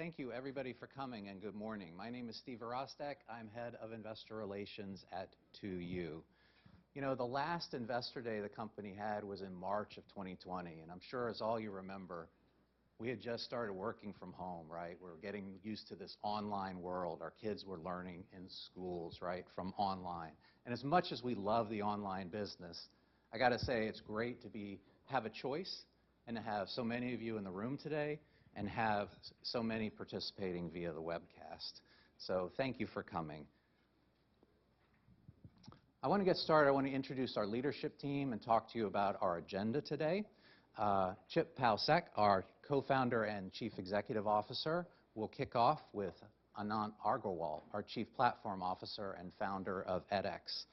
Okay. Thank you everybody for coming. Good morning. My name is Steve Virostek. I'm Head of Investor Relations at 2U. You know, the last Investor Day the company had was in March of 2020. I'm sure as all you remember, we had just started working from home, right? We're getting used to this online world. Our kids were learning in schools, right? From online. As much as we love the online business, I gotta say, it's great to have a choice and to have so many of you in the room today and have so many participating via the webcast. Thank you for coming. I wanna get started. I wanna introduce our leadership team and talk to you about our agenda today. Chip Paucek, our Co-founder and Chief Executive Officer, will kick off with Anant Agarwal, our Chief Platform Officer and founder of edX.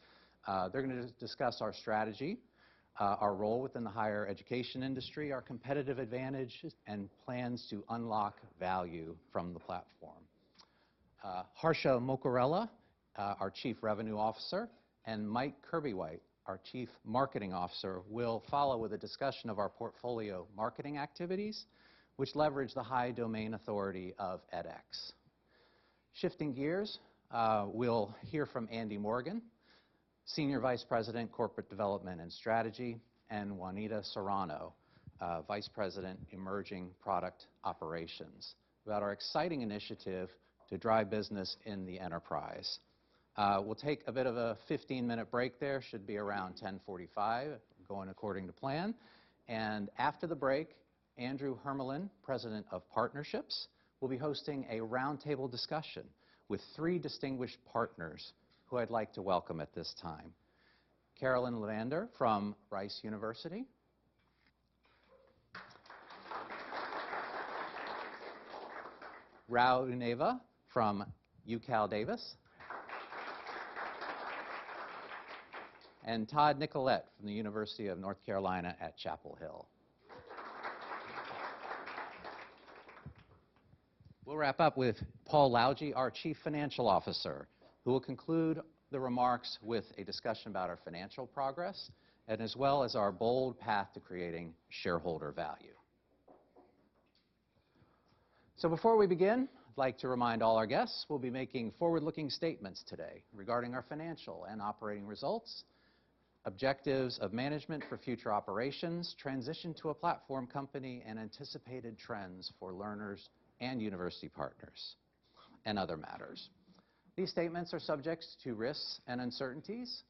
They're gonna discuss our strategy, our role within the higher education industry, our competitive advantage, and plans to unlock value from the platform. Harsha Mokkarala, our Chief Revenue Officer, and Mike Kirbywhite, our Chief Marketing Officer, will follow with a discussion of our portfolio marketing activities which leverage the high domain authority of edX. Shifting gears, we'll hear from Andy Morgan, Senior Vice President, Corporate Development and Strategy, and Juanita Serrano, Vice President, Emerging Product Operations, about our exciting initiative to drive business in the enterprise. We'll take a bit of a 15-minute break there, should be around 10:45, going according to plan. After the break, Andrew Hermalyn, President of Partnerships, will be hosting a roundtable discussion with three distinguished partners who I'd like to welcome at this time. Caroline Levander from Rice University. H. Rao Unnava from UC Davis. Todd Nicolet from the University of North Carolina at Chapel Hill. We'll wrap up with Paul Lalljie, our Chief Financial Officer, who will conclude the remarks with a discussion about our financial progress and as well as our bold path to creating shareholder value. Before we begin, I'd like to remind all our guests we'll be making forward-looking statements today regarding our financial and operating results, objectives of management for future operations, transition to a platform company, and anticipated trends for learners and university partners and other matters. These statements are subject to risks and uncertainties,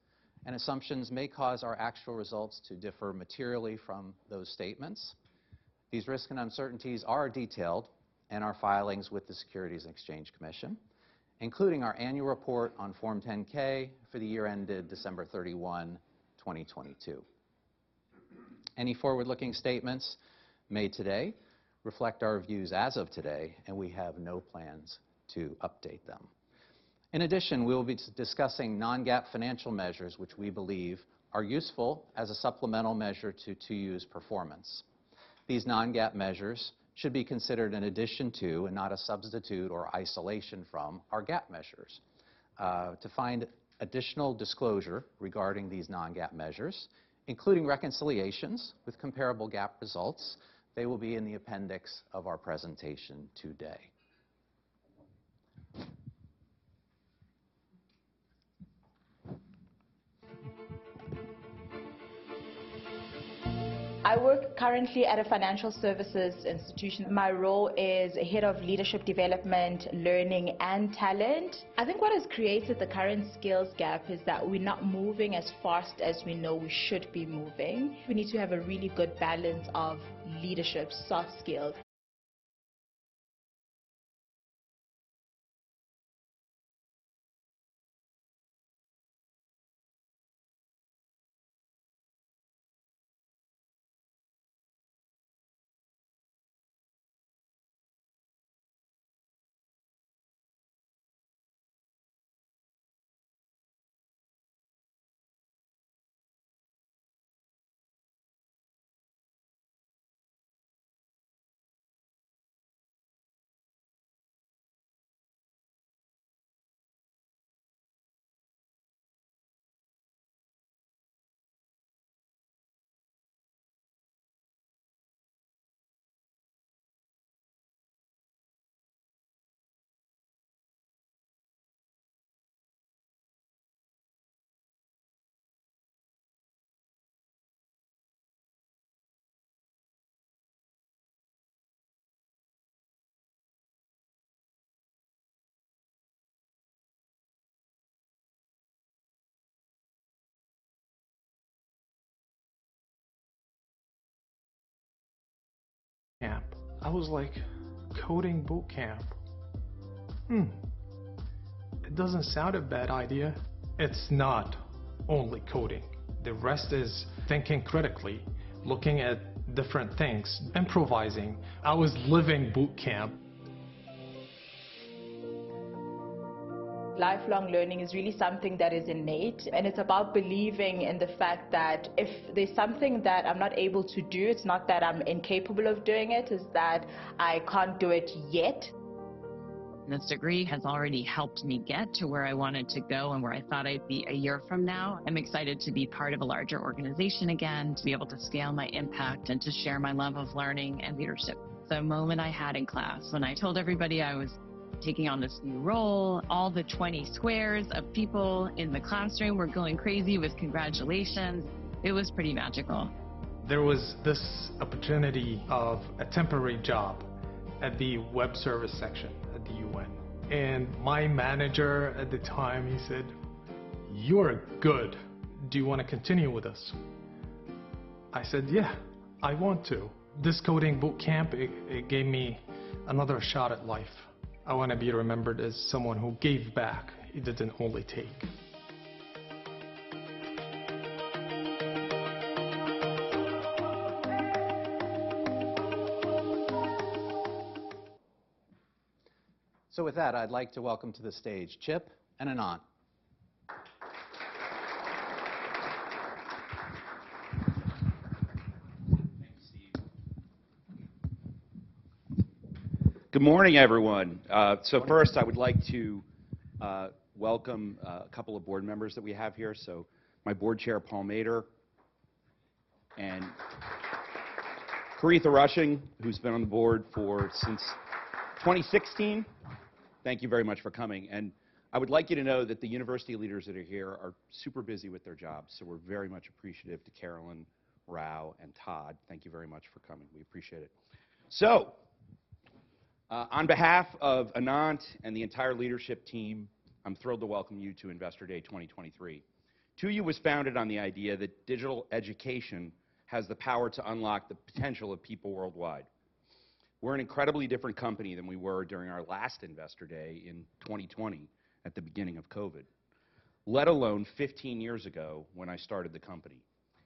and assumptions may cause our actual results to differ materially from those statements. These risks and uncertainties are detailed in our filings with the Securities and Exchange Commission, including our annual report on Form 10-K for the year ended December 31, 2022. Any forward-looking statements made today reflect our views as of today, and we have no plans to update them. In addition, we will be discussing non-GAAP financial measures which we believe are useful as a supplemental measure to 2U's performance. These non-GAAP measures should be considered in addition to and not a substitute or isolation from our GAAP measures. To find additional disclosure regarding these non-GAAP measures, including reconciliations with comparable GAAP results, they will be in the appendix of our presentation today. I work currently at a financial services institution. My role is Head of Leadership Development, Learning, and Talent. I think what has created the current skills gap is that we're not moving as fast as we know we should be moving. We need to have a really good balance of leadership soft skills. Camp. I was like, "Coding boot camp? Hmm, it doesn't sound a bad idea." It's not only coding. The rest is thinking critically, looking at different things, improvising. I was living boot camp. Lifelong learning is really something that is innate, and it's about believing in the fact that if there's something that I'm not able to do, it's not that I'm incapable of doing it's that I can't do it yet. This degree has already helped me get to where I wanted to go and where I thought I'd be a year from now. I'm excited to be part of a larger organization again, to be able to scale my impact and to share my love of learning and leadership. The moment I had in class when I told everybody I was taking on this new role, all the 20 squares of people in the classroom were going crazy with congratulations. It was pretty magical. There was this opportunity of a temporary job at the web service section at the UN. My manager at the time, he said, "You're good. Do you want to continue with us?" I said, "Yeah, I want to." This coding boot camp, it gave me another shot at life. I want to be remembered as someone who gave back, who didn't only take. With that, I'd like to welcome to the stage Chip and Anant. Thanks, Steve. Good morning, everyone. First I would like to welcome a couple of board members that we have here. My board chair, Paul Maeder, and Coretha Rushing, who's been on the board for since 2016. Thank you very much for coming. I would like you to know that the university leaders that are here are super busy with their jobs, so we're very much appreciative to Caroline, Rao, and Todd. Thank you very much for coming. We appreciate it. On behalf of Anant and the entire leadership team, I'm thrilled to welcome you to Investor Day 2023. 2U was founded on the idea that digital education has the power to unlock the potential of people worldwide. We're an incredibly different company than we were during our last Investor Day in 2020 at the beginning of COVID, let alone 15 years ago when I started the company.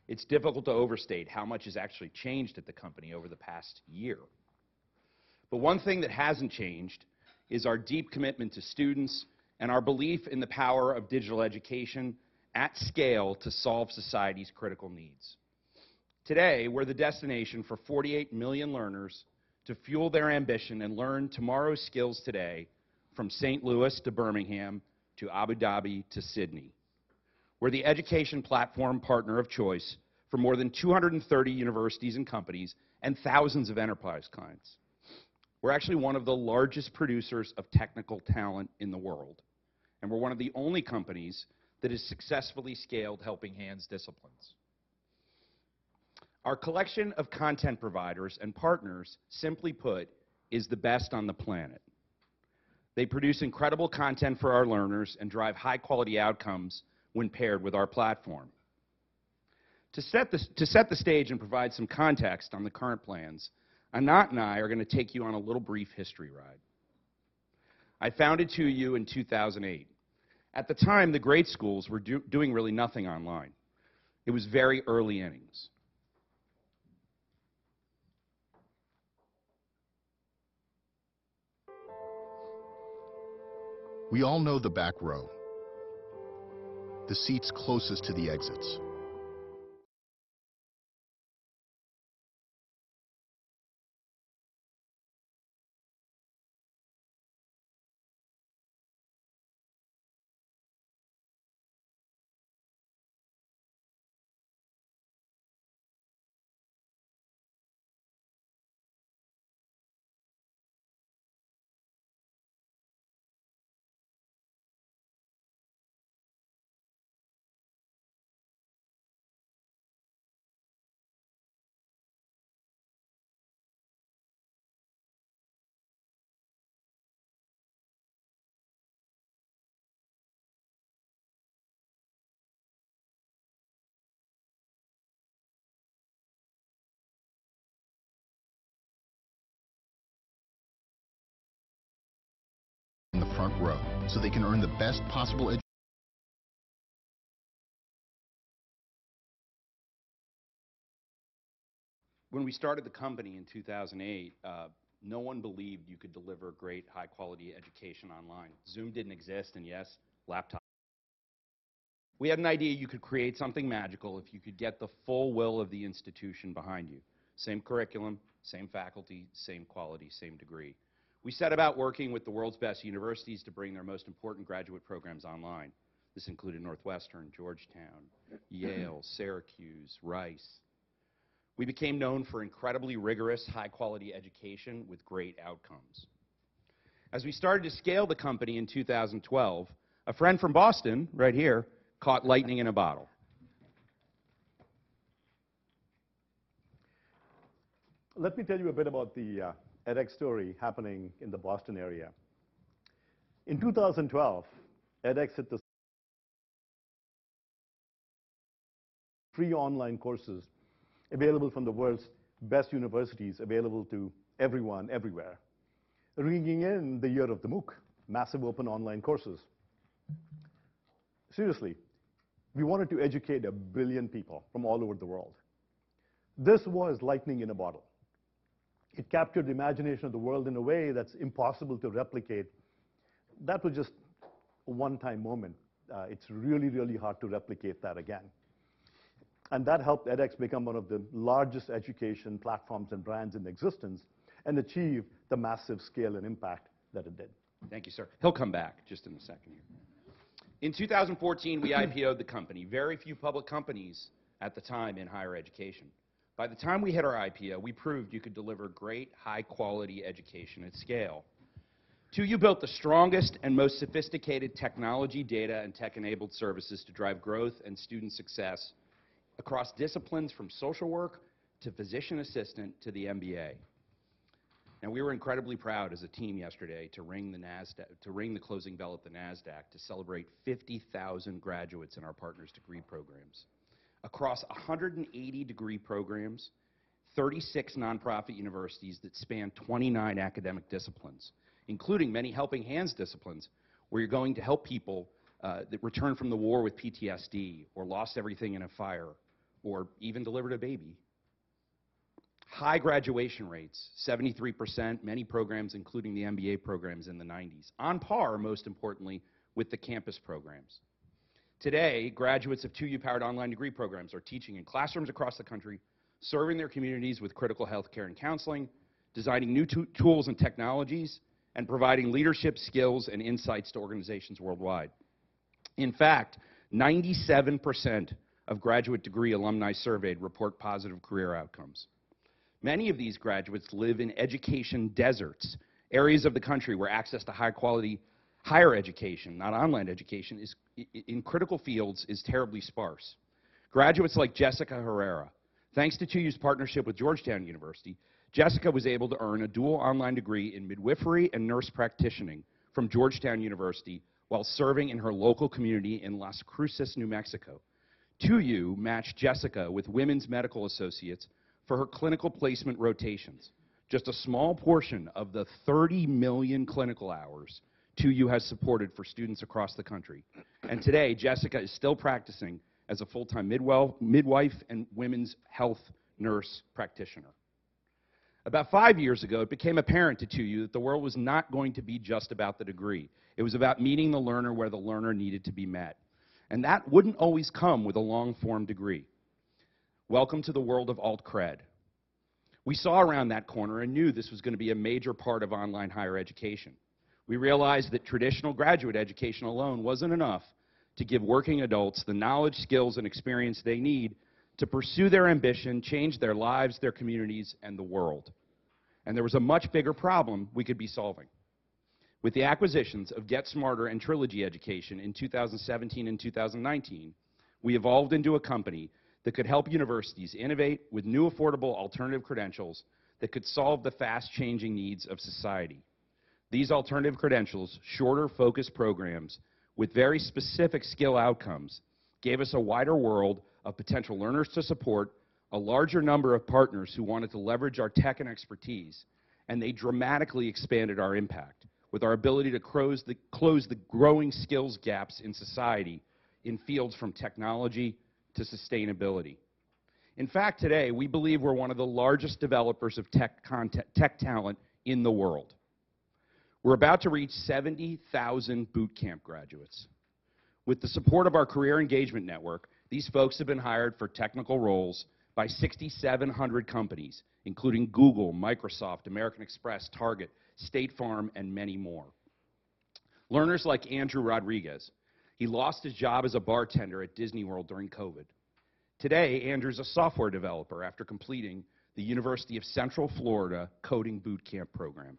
It's difficult to overstate how much has actually changed at the company over the past year. One thing that hasn't changed is our deep commitment to students and our belief in the power of digital education at scale to solve society's critical needs. Today, we're the destination for 48 million learners to fuel their ambition and learn tomorrow's skills today, from St. Louis to Birmingham to Abu Dhabi to Sydney. We're the education platform partner of choice for more than 230 universities and companies and thousands of enterprise clients. We're actually one of the largest producers of technical talent in the world, and we're one of the only companies that has successfully scaled helping hands disciplines. Our collection of content providers and partners, simply put, is the best on the planet. They produce incredible content for our learners and drive high quality outcomes when paired with our platform. To set the stage and provide some context on the current plans, Anant and I are going to take you on a little brief history ride. I founded 2U in 2008. At the time, the great schools were doing really nothing online. It was very early innings. We all know the back row, the seats closest to the exits. In the front row so they can earn the best possible edu... When we started the company in 2008, no one believed you could deliver great high quality education online. Zoom didn't exist and yes, laptop... We had an idea you could create something magical if you could get the full will of the institution behind you. Same curriculum, same faculty, same quality, same degree. We set about working with the world's best universities to bring their most important graduate programs online. This included Northwestern, Georgetown, Yale, Syracuse, Rice. We became known for incredibly rigorous high quality education with great outcomes. As we started to scale the company in 2012, a friend from Boston right here caught lightning in a bottle. Let me tell you a bit about the edX story happening in the Boston area. In 2012, Free online courses available from the world's best universities, available to everyone everywhere, ringing in the year of the MOOC, Massive Open Online Courses. Seriously, we wanted to educate 1 billion people from all over the world. This was lightning in a bottle. It captured the imagination of the world in a way that's impossible to replicate. That was just a one-time moment. It's really, really hard to replicate that again. That helped edX become one of the largest education platforms and brands in existence and achieve the massive scale and impact that it did. Thank you, sir. He'll come back just in a second here. In 2014, we IPO'd the company. Very few public companies at the time in higher education. By the time we hit our IPO, we proved you could deliver great high-quality education at scale. 2U built the strongest and most sophisticated technology, data, and tech-enabled services to drive growth and student success across disciplines from social work to physician assistant to the MBA. We were incredibly proud as a team yesterday to ring the closing bell at the Nasdaq to celebrate 50,000 graduates in our partners' degree programs. Across 180 degree programs, 36 nonprofit universities that span 29 academic disciplines, including many helping hands disciplines, where you're going to help people that return from the war with PTSD or lost everything in a fire or even delivered a baby. High graduation rates, 73%, many programs, including the MBA programs in the 90s, on par, most importantly, with the campus programs. Today, graduates of 2U-powered online degree programs are teaching in classrooms across the country, serving their communities with critical healthcare and counseling, designing new tools and technologies, and providing leadership skills and insights to organizations worldwide. In fact, 97% of graduate degree alumni surveyed report positive career outcomes. Many of these graduates live in education deserts, areas of the country where access to high-quality higher education, not online education, is in critical fields, is terribly sparse. Graduates like Jessica Herrera. Thanks to 2U's partnership with Georgetown University, Jessica was able to earn a dual online degree in midwifery and nurse practitioning from Georgetown University while serving in her local community in Las Cruces, New Mexico. 2U matched Jessica with Women's Medical Associates for her clinical placement rotations, just a small portion of the 30 million clinical hours 2U has supported for students across the country. Today, Jessica is still practicing as a full-time midwife and women's health nurse practitioner. About 5 years ago, it became apparent to 2U that the world was not going to be just about the degree. It was about meeting the learner where the learner needed to be met. That wouldn't always come with a long-form degree. Welcome to the world of alt-cred. We saw around that corner and knew this was gonna be a major part of online higher education. We realized that traditional graduate education alone wasn't enough to give working adults the knowledge, skills, and experience they need to pursue their ambition, change their lives, their communities, and the world. There was a much bigger problem we could be solving. With the acquisitions of GetSmarter and Trilogy Education in 2017 and 2019, we evolved into a company that could help universities innovate with new affordable alternative credentials that could solve the fast-changing needs of society. These alternative credentials, shorter focus programs with very specific skill outcomes, gave us a wider world of potential learners to support, a larger number of partners who wanted to leverage our tech and expertise, and they dramatically expanded our impact with our ability to close the growing skills gaps in society in fields from technology to sustainability. In fact, today, we believe we're one of the largest developers of tech talent in the world. We're about to reach 70,000 boot camp graduates. With the support of our career engagement network, these folks have been hired for technical roles by 6,700 companies, including Google, Microsoft, American Express, Target, State Farm, and many more. Learners like Andrew Rodriguez, he lost his job as a bartender at Disney World during COVID. Andrew's a software developer after completing the University of Central Florida Coding Boot Camp program.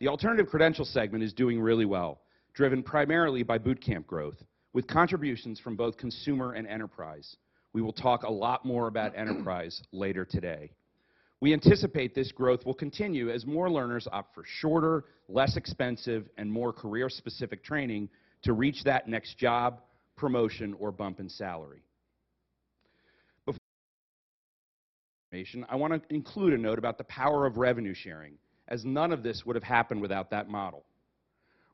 The alternative credential segment is doing really well, driven primarily by boot camp growth, with contributions from both consumer and enterprise. We will talk a lot more about enterprise later today. We anticipate this growth will continue as more learners opt for shorter, less expensive, and more career-specific training to reach that next job, promotion, or bump in salary. Before I turn it over to Jason for more information, I wanna include a note about the power of revenue sharing, as none of this would have happened without that model.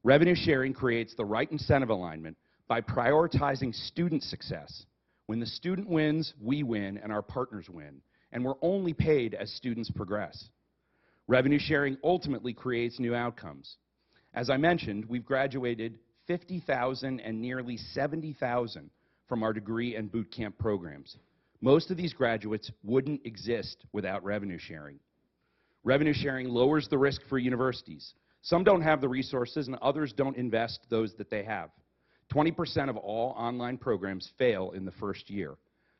Revenue sharing creates the right incentive alignment by prioritizing student success. When the student wins, we win, and our partners win, and we're only paid as students progress. Revenue sharing ultimately creates new outcomes. As I mentioned, we've graduated 50,000 and nearly 70,000 from our degree and boot camp programs. Most of these graduates wouldn't exist without revenue sharing. Revenue sharing lowers the risk for universities. Some don't have the resources, and others don't invest those that they have. 20% of all online programs fail in the first year.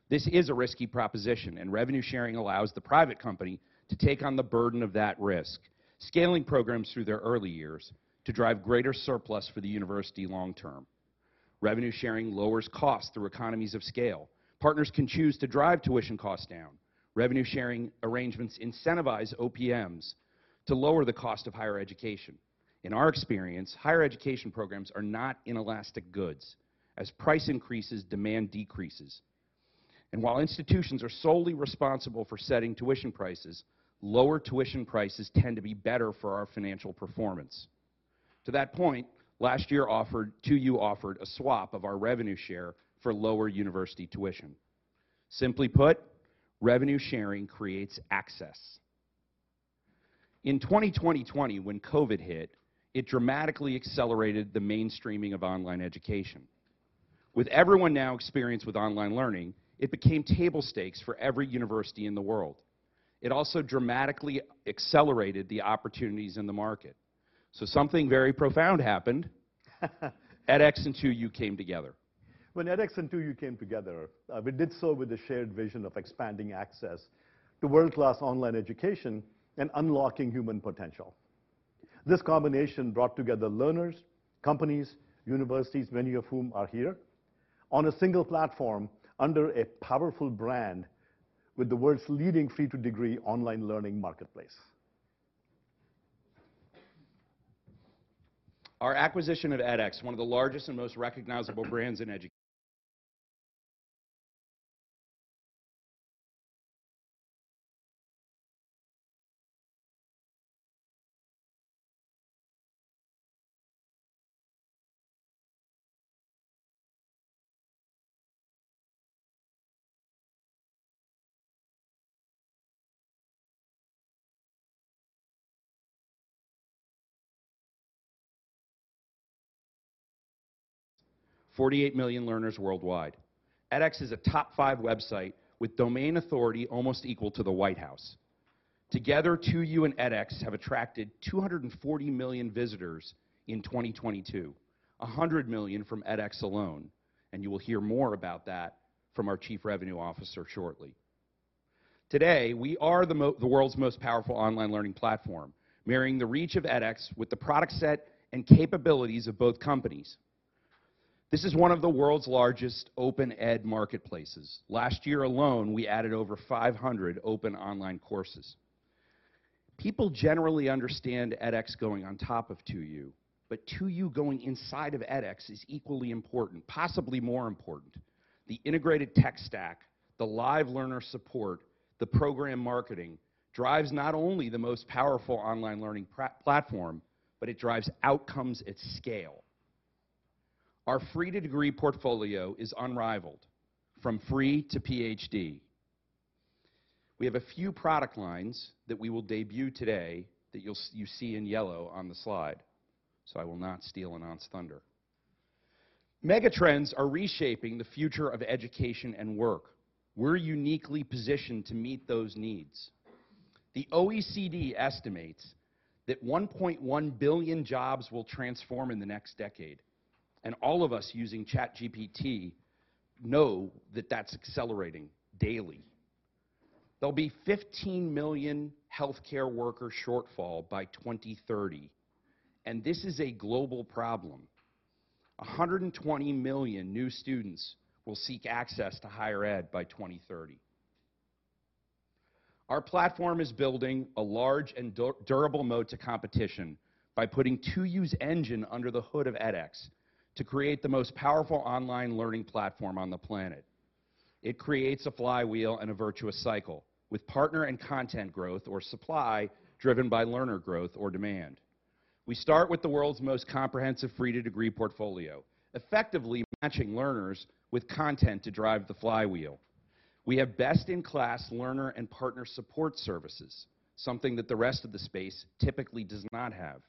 This is a risky proposition, and revenue sharing allows the private company to take on the burden of that risk, scaling programs through their early years to drive greater surplus for the university long term. Revenue sharing lowers costs through economies of scale. Partners can choose to drive tuition costs down. Revenue sharing arrangements incentivize OPMs to lower the cost of higher education. In our experience, higher education programs are not inelastic goods. As price increases, demand decreases. While institutions are solely responsible for setting tuition prices, lower tuition prices tend to be better for our financial performance. To that point, last year 2U offered a swap of our revenue share for lower university tuition. Simply put, revenue sharing creates access. In 2020, when COVID hit, it dramatically accelerated the mainstreaming of online education. With everyone now experienced with online learning, it became table stakes for every university in the world. It also dramatically accelerated the opportunities in the market. Something very profound happened. edX and 2U came together. When edX and 2U came together, we did so with a shared vision of expanding access to world-class online education and unlocking human potential. This combination brought together learners, companies, universities, many of whom are here, on a single platform under a powerful brand with the world's leading free to degree online learning marketplace. Our acquisition at edX, one of the largest and most recognizable brands in education, 48 million learners worldwide. edX is a top 5 website with Domain Authority almost equal to the White House. Together, 2U and edX have attracted 240 million visitors in 2022. 100 million from edX alone. You will hear more about that from our Chief Revenue Officer shortly. Today, we are the world's most powerful online learning platform, marrying the reach of edX with the product set and capabilities of both companies. This is one of the world's largest open ed marketplaces. Last year alone, we added over 500 open online courses. People generally understand edX going on top of 2U, but 2U going inside of edX is equally important, possibly more important. The integrated tech stack, the live learner support, the program marketing, drives not only the most powerful online learning platform, but it drives outcomes at scale. Our free to degree portfolio is unrivaled from free to PhD. We have a few product lines that we will debut today that you'll you see in yellow on the slide. I will not steal Anant's thunder. Megatrends are reshaping the future of education and work. We're uniquely positioned to meet those needs. The OECD estimates that 1.1 billion jobs will transform in the next decade. All of us using ChatGPT know that that's accelerating daily. There'll be 15 million healthcare worker shortfall by 2030. This is a global problem. 120 million new students will seek access to higher ed by 2030. Our platform is building a large and durable moat to competition by putting 2U's engine under the hood of edX to create the most powerful online learning platform on the planet. It creates a flywheel and a virtuous cycle with partner and content growth or supply driven by learner growth or demand. We start with the world's most comprehensive free to degree portfolio, effectively matching learners with content to drive the flywheel. We have best in class learner and partner support services, something that the rest of the space typically does not have.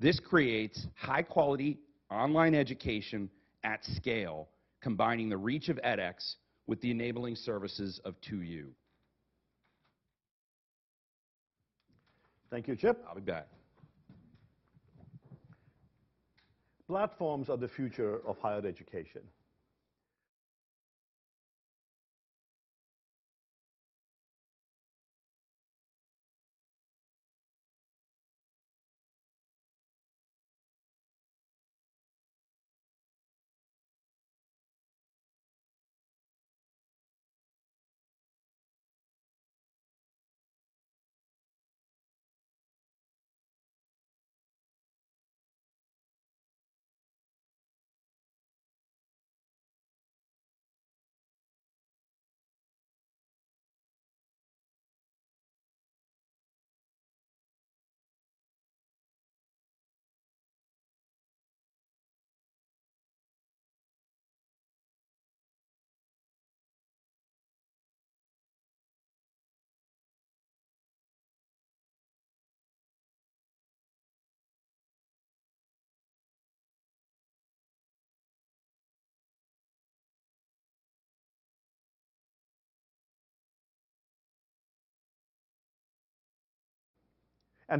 This creates high quality online education at scale, combining the reach of edX with the enabling services of 2U. Thank you, Chip. I'll be back. Platforms are the future of higher education.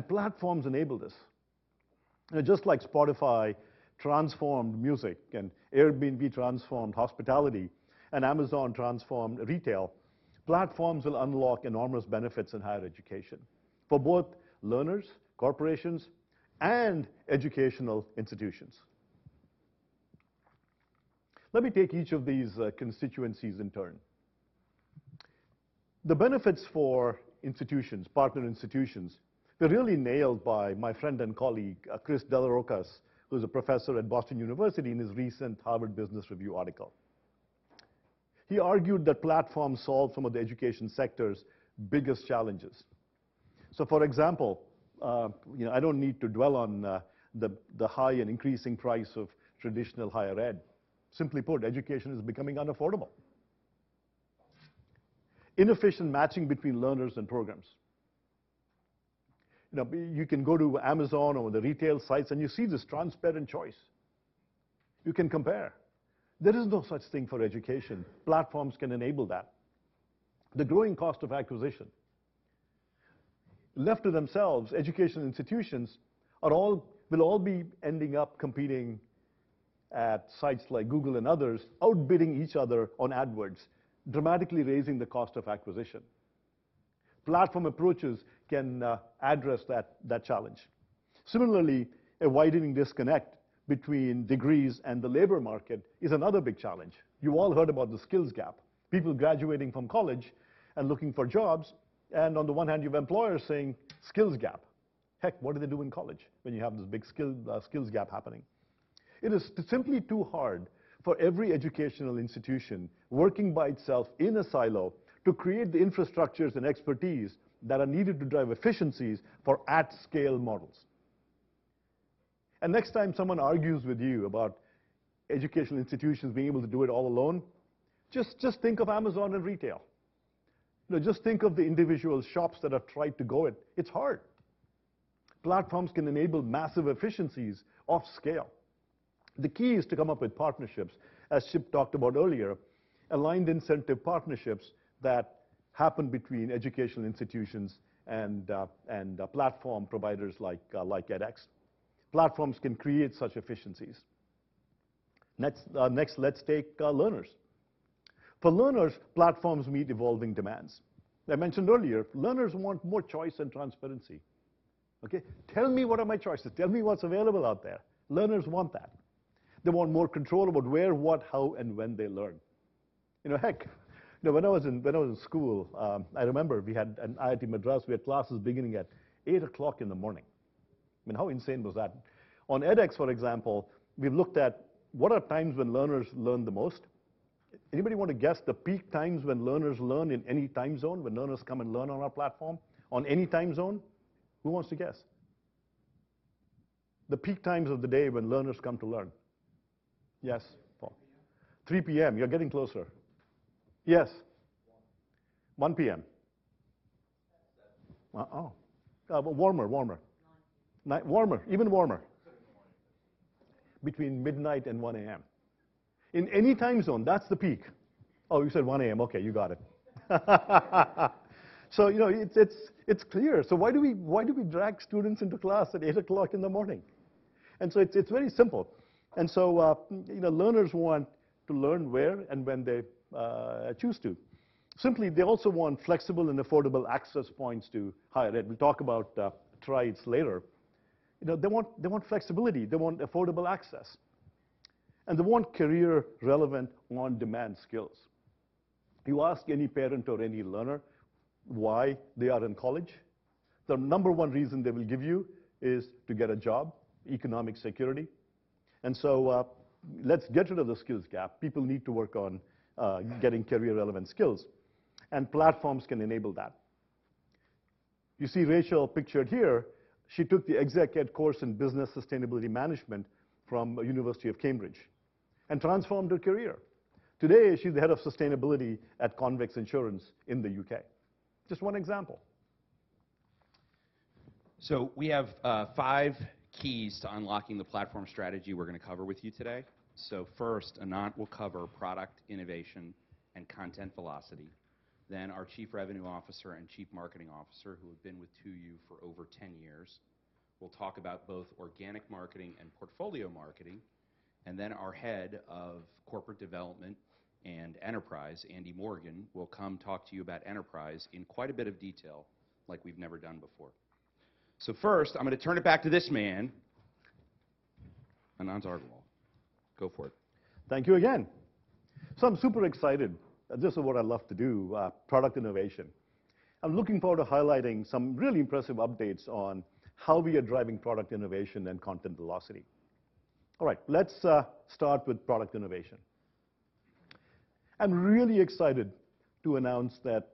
Platforms enable this. Just like Spotify transformed music, Airbnb transformed hospitality, and Amazon transformed retail, platforms will unlock enormous benefits in higher education for both learners, corporations, and educational institutions. Let me take each of these constituencies in turn. The benefits for institutions, partner institutions, were really nailed by my friend and colleague, Chris Dellarocas, who's a professor at Boston University, in his recent Harvard Business Review article. He argued that platforms solve some of the education sector's biggest challenges. For example, you know, I don't need to dwell on the high and increasing price of traditional higher ed. Simply put, education is becoming unaffordable. Inefficient matching between learners and programs. You can go to Amazon or the retail sites, and you see this transparent choice. You can compare. There is no such thing for education. Platforms can enable that. The growing cost of acquisition. Left to themselves, educational institutions will all be ending up competing at sites like Google and others, outbidding each other on AdWords, dramatically raising the cost of acquisition. Platform approaches can address that challenge. A widening disconnect between degrees and the labor market is another big challenge. You all heard about the skills gap, people graduating from college and looking for jobs. On the one hand, you have employers saying, "Skills gap. Heck, what did they do in college?" When you have this big skills gap happening. It is simply too hard for every educational institution working by itself in a silo to create the infrastructures and expertise that are needed to drive efficiencies for at-scale models. Next time someone argues with you about educational institutions being able to do it all alone, just think of Amazon and retail. You know, just think of the individual shops that have tried to go it. It's hard. Platforms can enable massive efficiencies of scale. The key is to come up with partnerships, as Chip talked about earlier, aligned incentive partnerships that happen between educational institutions and platform providers like edX. Platforms can create such efficiencies. Next let's take learners. For learners, platforms meet evolving demands. I mentioned earlier, learners want more choice and transparency, okay? Tell me what are my choices. Tell me what's available out there. Learners want that. They want more control about where, what, how, and when they learn. You know, heck, when I was in school, I remember we had, at IIT Madras, we had classes beginning at 8:00 in the morning. I mean, how insane was that? On edX, for example, we've looked at what are times when learners learn the most. Anybody want to guess the peak times when learners learn in any time zone, when learners come and learn on our platform, on any time zone? Who wants to guess? The peak times of the day when learners come to learn. Yes. Paul. 3:00 P.M. 3:00 P.M. You're getting closer. Yes. One. 1:00 P.M. 10:30. warmer. Nine. Warmer. Even warmer. Early in the morning. Between midnight and 1 A.M. In any time zone, that's the peak. Oh, you said 1 A.M. Okay, you got it. you know, it's clear. Why do we drag students into class at 8:00 in the morning? It's very simple. you know, learners want to learn where and when they choose to. Simply, they also want flexible and affordable access points to higher ed. We'll talk about triads later. You know, they want flexibility, they want affordable access, and they want career-relevant, on-demand skills. If you ask any parent or any learner why they are in college, the number one reason they will give you is to get a job, economic security. Let's get rid of the skills gap. People need to work on getting career-relevant skills. Platforms can enable that. You see Rachel pictured here. She took the exec ed course in business sustainability management from University of Cambridge and transformed her career. Today, she's the head of sustainability at Convex Insurance in the U.K. Just one example. We have 5 keys to unlocking the platform strategy we're gonna cover with you today. First, Anant will cover product innovation and content velocity. Our Chief Revenue Officer and Chief Marketing Officer, who have been with 2U for over 10 years, will talk about both organic marketing and portfolio marketing. Our Head of Corporate Development and Enterprise, Andy Morgan, will come talk to you about enterprise in quite a bit of detail like we've never done before. First, I'm gonna turn it back to this man, Anant Agarwal. Go for it. Thank you again. I'm super excited. This is what I love to do, product innovation. I'm looking forward to highlighting some really impressive updates on how we are driving product innovation and content velocity. All right, let's start with product innovation. I'm really excited to announce that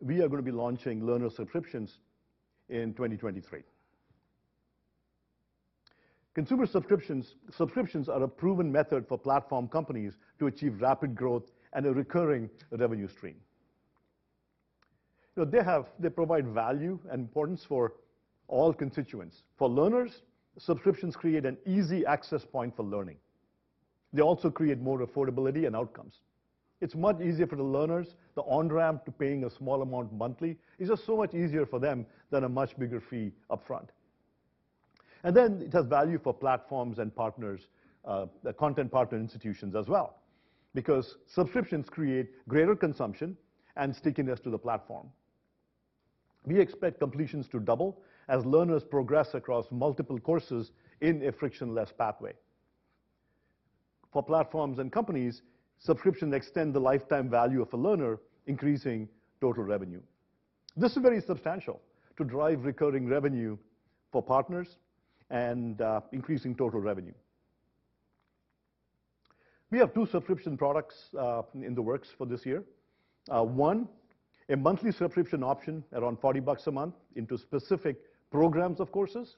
we are gonna be launching learner subscriptions in 2023. Consumer subscriptions are a proven method for platform companies to achieve rapid growth and a recurring revenue stream. You know, they provide value and importance for all constituents. For learners, subscriptions create an easy access point for learning. They also create more affordability and outcomes. It's much easier for the learners, the on-ramp to paying a small amount monthly. It's just so much easier for them than a much bigger fee up front. It has value for platforms and partners, the content partner institutions as well, because subscriptions create greater consumption and stickiness to the platform. We expect completions to double as learners progress across multiple courses in a frictionless pathway. For platforms and companies, subscriptions extend the lifetime value of a learner, increasing total revenue. This is very substantial to drive recurring revenue for partners and increasing total revenue. We have 2 subscription products in the works for this year. 1, a monthly subscription option around $40 a month into specific programs of courses.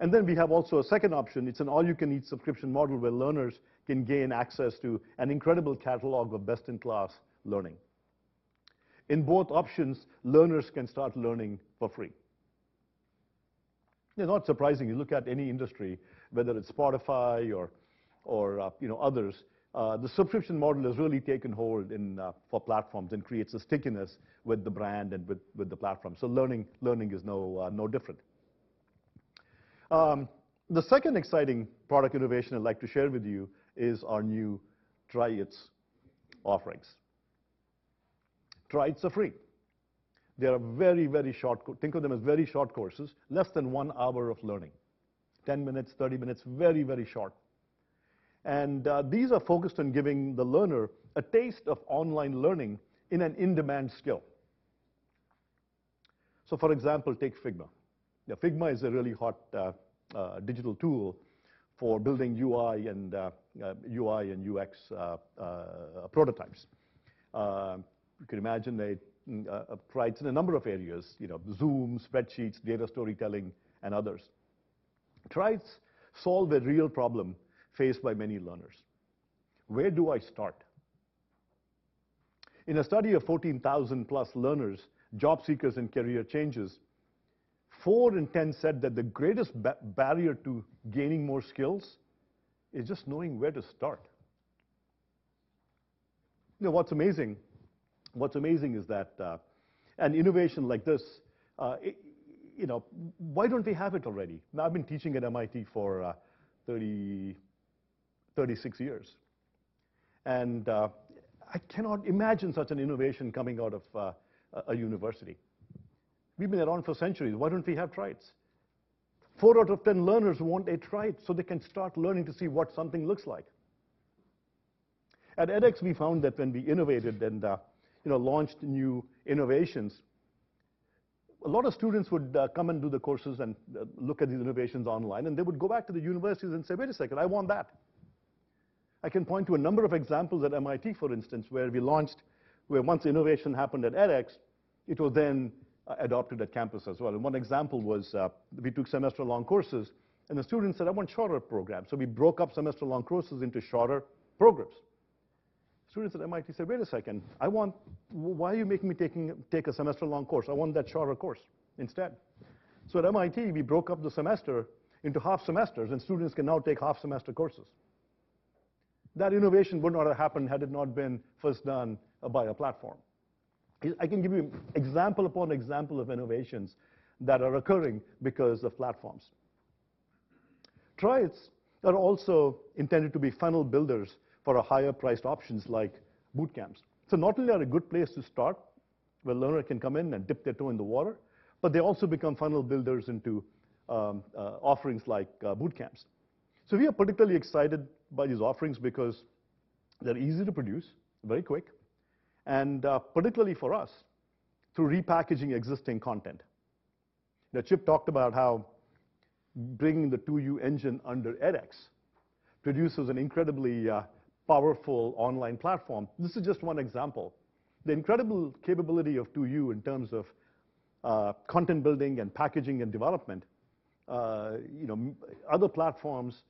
We have also a 2nd option. It's an all you can eat subscription model, where learners can gain access to an incredible catalog of best in class learning. In both options, learners can start learning for free. It's not surprising. You look at any industry, whether it's Spotify or, you know, others, the subscription model has really taken hold in for platforms and creates a stickiness with the brand and with the platform. Learning is no different. The second exciting product innovation I'd like to share with you is our new Try It offerings. Try Its are free. They are very short. Think of them as very short courses, less than one hour of learning. 10 minutes, 30 minutes. Very short. These are focused on giving the learner a taste of online learning in an in-demand skill. For example, take Figma. Now, Figma is a really hot digital tool for building UI and UX prototypes. You can imagine a Try Its in a number of areas, you know, Zoom, spreadsheets, data storytelling and others. Try Its solve a real problem faced by many learners. Where do I start? In a study of 14,000+ learners, job seekers and career changers, 4 in 10 said that the greatest barrier to gaining more skills is just knowing where to start. You know what's amazing? What's amazing is that an innovation like this, you know, why don't they have it already? I've been teaching at MIT for 36 years, and I cannot imagine such an innovation coming out of a university. We've been around for centuries, why don't we have Try Its? 4 out of 10 learners want a Try It so they can start learning to see what something looks like. At edX, we found that when we innovated and, you know, launched new innovations, a lot of students would come and do the courses and look at these innovations online, and they would go back to the universities and say, "Wait a second, I want that." I can point to a number of examples at MIT, for instance, where once innovation happened at edX, it was then adopted at campus as well. One example was, we took semester long courses and the students said, "I want shorter programs." We broke up semester long courses into shorter programs. Students at MIT said, "Wait a second, I want... Why are you making me take a semester long course? I want that shorter course instead." At MIT, we broke up the semester into half semesters and students can now take half semester courses. That innovation would not have happened had it not been first done by a platform. I can give you example upon example of innovations that are occurring because of platforms. Try Its are also intended to be funnel builders for higher priced options like boot camps. Not only are a good place to start, where learner can come in and dip their toe in the water, but they also become funnel builders into offerings like boot camps. We are particularly excited by these offerings because they're easy to produce, very quick, and particularly for us, through repackaging existing content. Chip talked about how bringing the 2U engine under edX produces an incredibly powerful online platform. This is just one example. The incredible capability of 2U in terms of content building and packaging and development. You know, other platforms,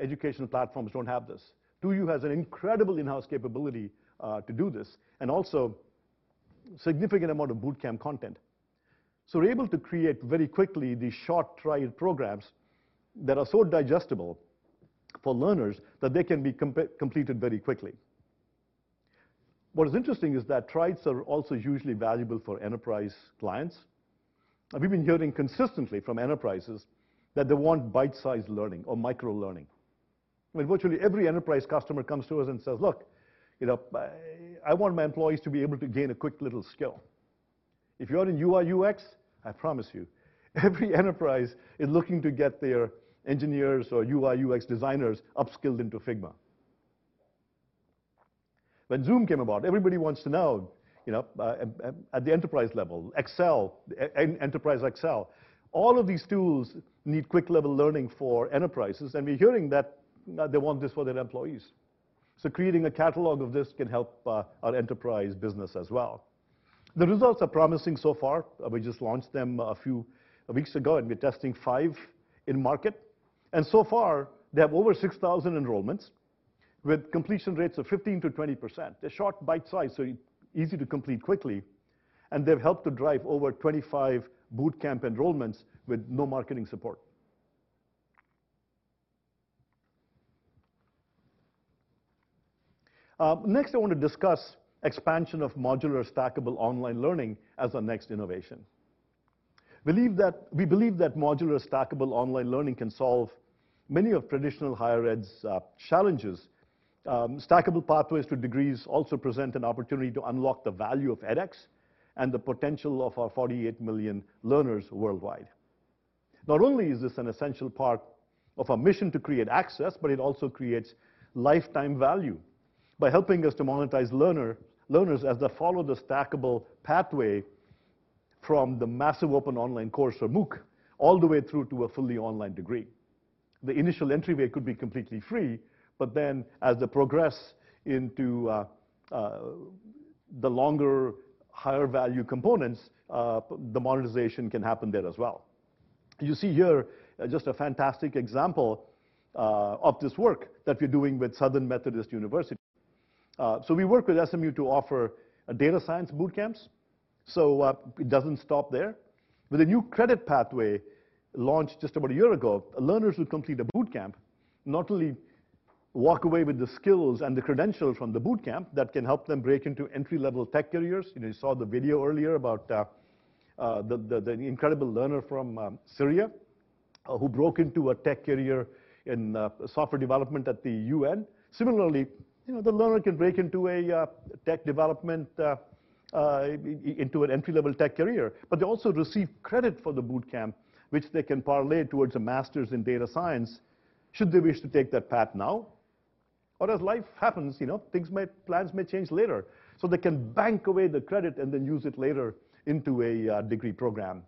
educational platforms don't have this. 2U has an incredible in-house capability to do this, and also significant amount of boot camp content. We're able to create very quickly these short Try It programs that are so digestible for learners that they can be completed very quickly. What is interesting is that Try Its are also hugely valuable for enterprise clients. We've been hearing consistently from enterprises that they want bite-sized learning or micro learning. I mean, virtually every enterprise customer comes to us and says, "Look, you know, I want my employees to be able to gain a quick little skill." If you're in UI, UX, I promise you, every enterprise is looking to get their engineers or UI, UX designers upskilled into Figma. When Zoom came about, everybody wants to know, you know, at the enterprise level. Excel, enterprise Excel. All of these tools need quick level learning for enterprises. We're hearing that they want this for their employees. Creating a catalog of this can help our enterprise business as well. The results are promising so far. We just launched them a few weeks ago. We're testing five in market. So far, they have over 6,000 enrollments with completion rates of 15%-20%. They're short bite size, easy to complete quickly. They've helped to drive over 25 boot camp enrollments with no marketing support. Next, I want to discuss expansion of modular, stackable online learning as our next innovation. We believe that modular, stackable online learning can solve many of traditional higher ed's challenges. Stackable pathways to degrees also present an opportunity to unlock the value of edX and the potential of our 48 million learners worldwide. Not only is this an essential part of our mission to create access, but it also creates lifetime value by helping us to monetize learners as they follow the stackable pathway from the massive open online course, or MOOC, all the way through to a fully online degree. The initial entryway could be completely free, as they progress into the longer, higher value components, the monetization can happen there as well. You see here just a fantastic example of this work that we're doing with Southern Methodist University. We work with SMU to offer data science boot camps, so it doesn't stop there. With a new credit pathway launched just about a year ago, learners who complete a boot camp not only walk away with the skills and the credentials from the boot camp that can help them break into entry-level tech careers. You know, you saw the video earlier about the incredible learner from Syria who broke into a tech career in software development at the UN. Similarly, you know, the learner can break into a tech development into an entry-level tech career. They also receive credit for the boot camp, which they can parlay towards a master's in data science should they wish to take that path now. As life happens, you know, plans may change later, so they can bank away the credit and then use it later into a degree program.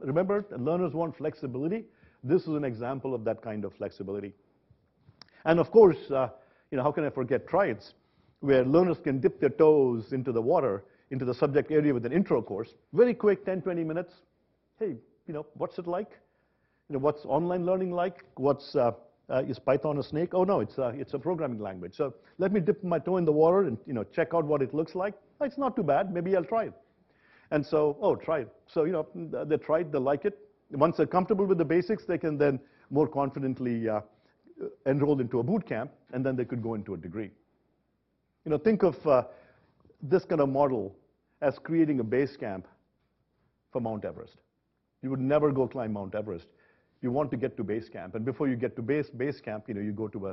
Remember, learners want flexibility. This is an example of that kind of flexibility. Of course, you know, how can I forget Try It's, where learners can dip their toes into the water, into the subject area with an intro course. Very quick, 10, 20 minutes. Hey, you know, what's it like? You know, what's online learning like? What's, is Python a snake? Oh, no, it's a programming language. Let me dip my toe in the water and, you know, check out what it looks like. It's not too bad. Maybe I'll try it. Oh, try it. You know, they try it, they like it. Once they're comfortable with the basics, they can then more confidently enroll into a boot camp, and then they could go into a degree. You know, think of this kind of model as creating a base camp for Mount Everest. You would never go climb Mount Everest. You want to get to base camp. Before you get to base camp, you know, you go to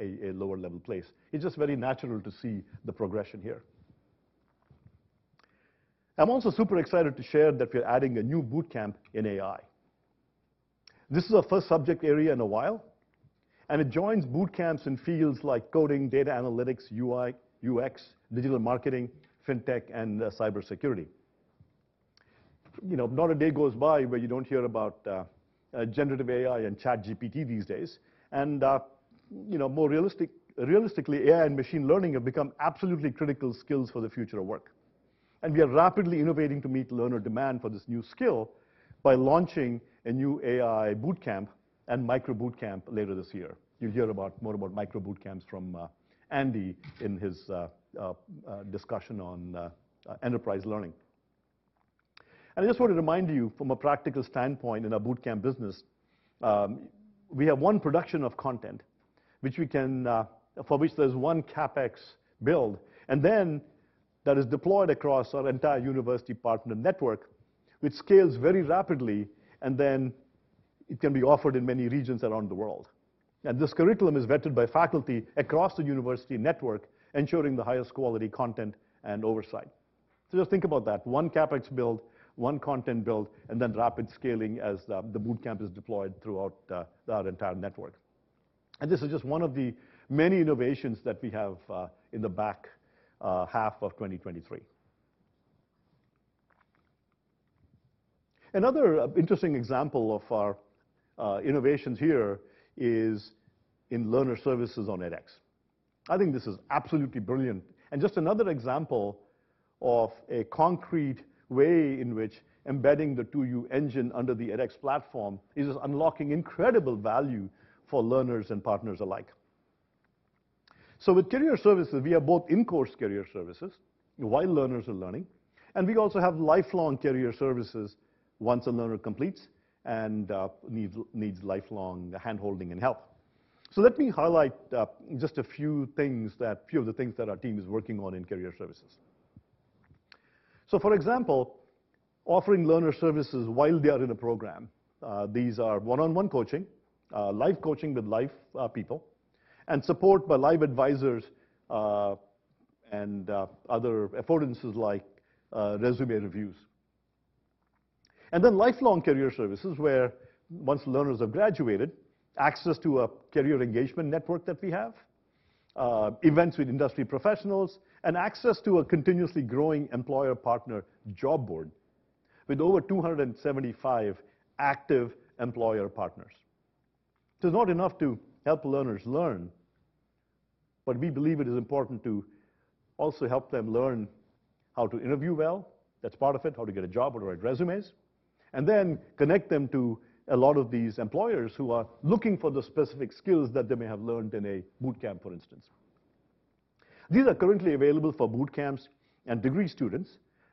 a lower level place. It's just very natural to see the progression here. I'm also super excited to share that we're adding a new boot camp in AI. This is our first subject area in a while, and it joins boot camps in fields like coding, data analytics, UI, UX, digital marketing, fintech and cybersecurity. You know, not a day goes by where you don't hear about generative AI and ChatGPT these days. You know, more realistically, AI and machine learning have become absolutely critical skills for the future of work. We are rapidly innovating to meet learner demand for this new skill by launching a new AI boot camp and micro boot camp later this year. You'll hear about, more about micro boot camps from Andy in his discussion on enterprise learning. I just want to remind you from a practical standpoint in our boot camp business, we have one production of content which we can, for which there's one CapEx build, and then that is deployed across our entire university partner network, which scales very rapidly. Then it can be offered in many regions around the world. This curriculum is vetted by faculty across the university network, ensuring the highest quality content and oversight. Just think about that. One CapEx build, one content build, rapid scaling as the boot camp is deployed throughout our entire network. This is just one of the many innovations that we have in the back half of 2023. Another interesting example of our innovations here is in learner services on edX. I think this is absolutely brilliant and just another example of a concrete way in which embedding the 2U engine under the edX platform is unlocking incredible value for learners and partners alike. With career services, we have both in-course career services while learners are learning, and we also have lifelong career services once a learner completes and needs lifelong hand-holding and help. Let me highlight just a few things that, few of the things that our team is working on in career services. For example, offering learner services while they are in a program, these are one-on-one coaching, life coaching with life people, and support by live advisors, and other affordances like resume reviews. Lifelong career services, where once learners have graduated, access to a career engagement network that we have, events with industry professionals, and access to a continuously growing employer partner job board with over 275 active employer partners. It's not enough to help learners learn, but we believe it is important to also help them learn how to interview well. That's part of it. How to get a job, how to write resumes. Connect them to a lot of these employers who are looking for the specific skills that they may have learned in a boot camp, for instance. These are currently available for boot camps and degree students.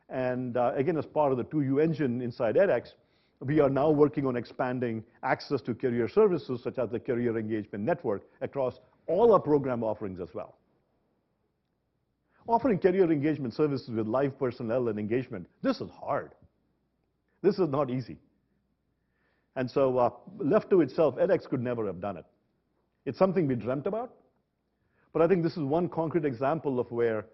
Again, as part of the 2U engine inside edX, we are now working on expanding access to career services, such as the career engagement network, across all our program offerings as well. Offering career engagement services with live personnel and engagement, this is hard. This is not easy. Left to itself, edX could never have done it. It's something we dreamt about, but I think this is one concrete example of where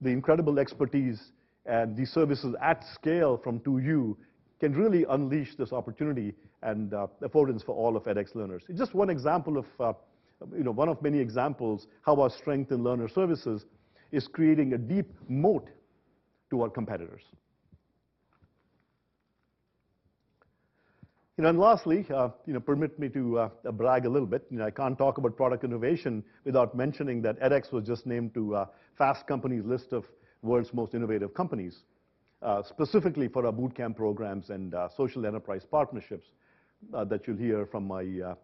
the incredible expertise and these services at scale from 2U can really unleash this opportunity and affordance for all of edX learners. It's just one example of, you know, one of many examples how our strength in learner services is creating a deep moat to our competitors. Lastly, you know, permit me to brag a little bit. You know, I can't talk about product innovation without mentioning that edX was just named to Fast Company's list of world's most innovative companies, specifically for our boot camp programs and social enterprise partnerships, that you'll hear from my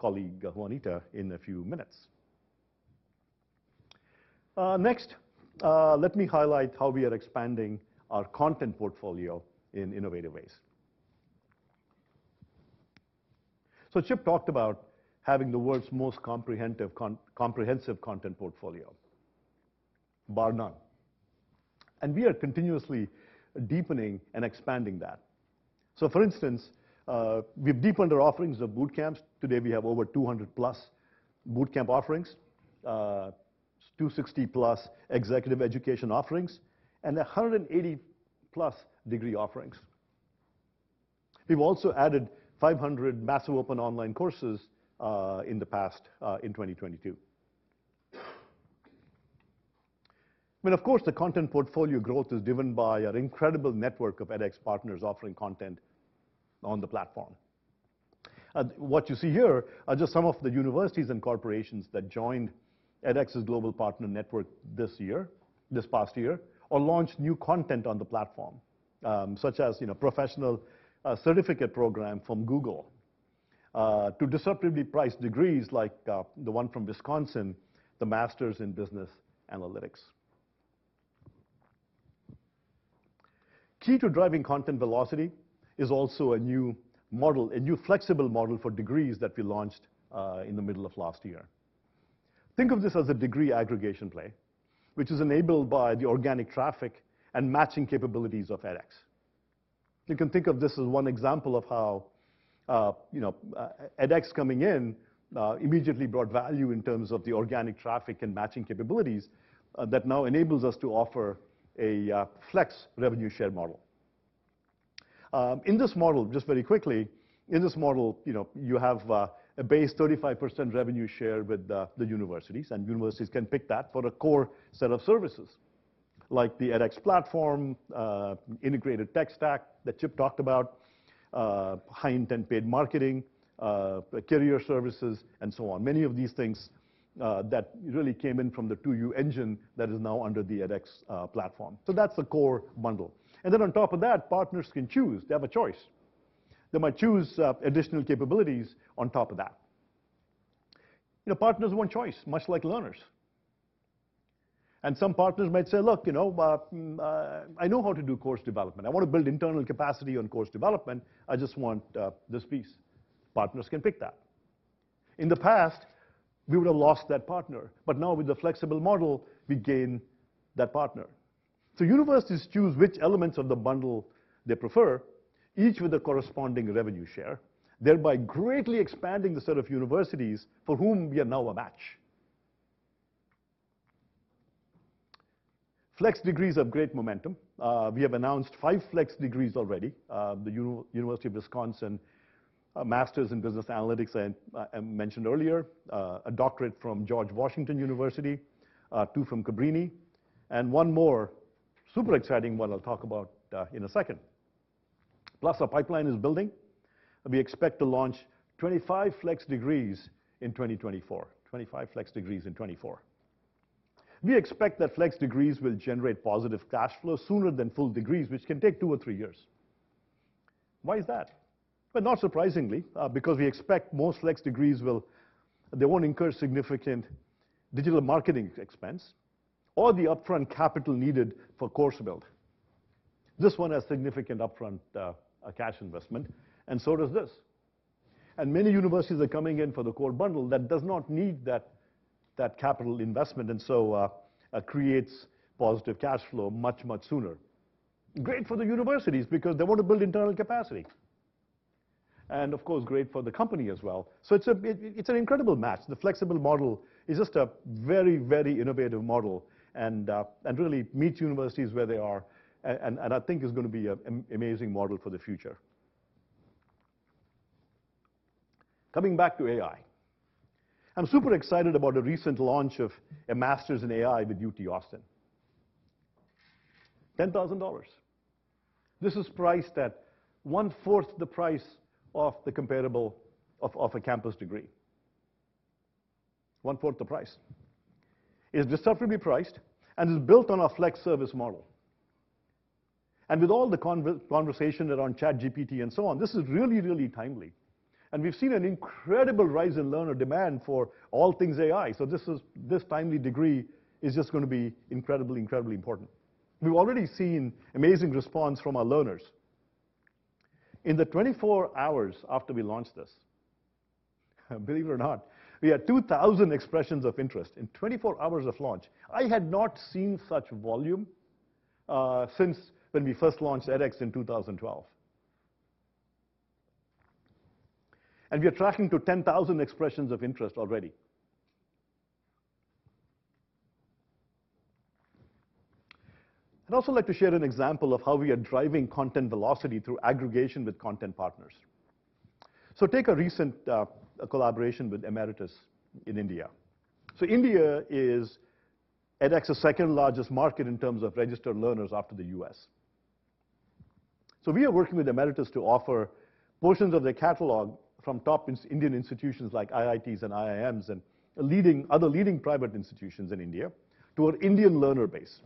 colleague, Juanita, in a few minutes. Next, let me highlight how we are expanding our content portfolio in innovative ways. Chip talked about having the world's most comprehensive content portfolio, bar none, and we are continuously deepening and expanding that. For instance, we've deepened our offerings of boot camps. Today, we have over 200+ boot camp offerings, 260+ executive education offerings, and 180+ degree offerings. We've also added 500 massive open online courses in the past in 2022. I mean, of course, the content portfolio growth is driven by our incredible network of edX partners offering content on the platform. What you see here are just some of the universities and corporations that joined edX's global partner network this year, this past year or launched new content on the platform, such as, you know, professional certificate program from Google, to disruptively priced degrees like the one from University of Wisconsin–Madison, the Masters in Business Analytics. Key to driving content velocity is also a new model, a new flexible model for degrees that we launched in the middle of last year. Think of this as a degree aggregation play, which is enabled by the organic traffic and matching capabilities of edX. You can think of this as one example of how, you know, edX coming in, immediately brought value in terms of the organic traffic and matching capabilities, that now enables us to offer a flex revenue share model. In this model, just very quickly, in this model, you know, you have a base 35% revenue share with the universities, and universities can pick that for a core set of services like the edX platform, integrated tech stack that Chip talked about, high-intent paid marketing, career services, and so on. Many of these things, that really came in from the 2U engine that is now under the edX platform. That's the core bundle. Then on top of that, partners can choose. They have a choice. They might choose additional capabilities on top of that. You know, partners want choice, much like learners. Some partners might say, "Look, you know, I know how to do course development. I want to build internal capacity on course development. I just want this piece." Partners can pick that. In the past, we would have lost that partner, but now with the flexible model, we gain that partner. Universities choose which elements of the bundle they prefer, each with a corresponding revenue share, thereby greatly expanding the set of universities for whom we are now a match. Flex degrees have great momentum. We have announced five flex degrees already. The University of Wisconsin, a Master's in Business Analytics I mentioned earlier, a doctorate from George Washington University, two from Cabrini, and one more super exciting one I'll talk about in a second. Our pipeline is building. We expect to launch 25 flex degrees in 2024. 25 flex degrees in 2024. We expect that flex degrees will generate positive cash flow sooner than full degrees, which can take 2 or 3 years. Why is that? Well, not surprisingly, because we expect most flex degrees won't incur significant digital marketing expense or the upfront capital needed for course build. This one has significant upfront cash investment, and so does this. Many universities are coming in for the core bundle that does not need that capital investment, creates positive cash flow much, much sooner. Great for the universities because they want to build internal capacity, and of course, great for the company as well. It's an incredible match. The flexible model is just a very innovative model and really meets universities where they are and I think is gonna be an amazing model for the future. Coming back to AI. I'm super excited about the recent launch of a Master's in AI with UT Austin. $10,000. This is priced at one-fourth the price of the comparable off-campus degree. One-fourth the price. It's disruptively priced and is built on our flex service model. With all the conversation around ChatGPT and so on, this is really timely. We've seen an incredible rise in learner demand for all things AI. This timely degree is just gonna be incredibly important. We've already seen amazing response from our learners. In the 24 hours after we launched this, believe it or not, we had 2,000 expressions of interest. In 24 hours of launch. I had not seen such volume, since when we first launched edX in 2012. We are tracking to 10,000 expressions of interest already. I'd also like to share an example of how we are driving content velocity through aggregation with content partners. Take a recent collaboration with Emeritus in India. India is edX's second-largest market in terms of registered learners after the U.S. We are working with Emeritus to offer portions of their catalog from top Indian institutions like IITs and IIMs and other leading private institutions in India to our Indian learner base.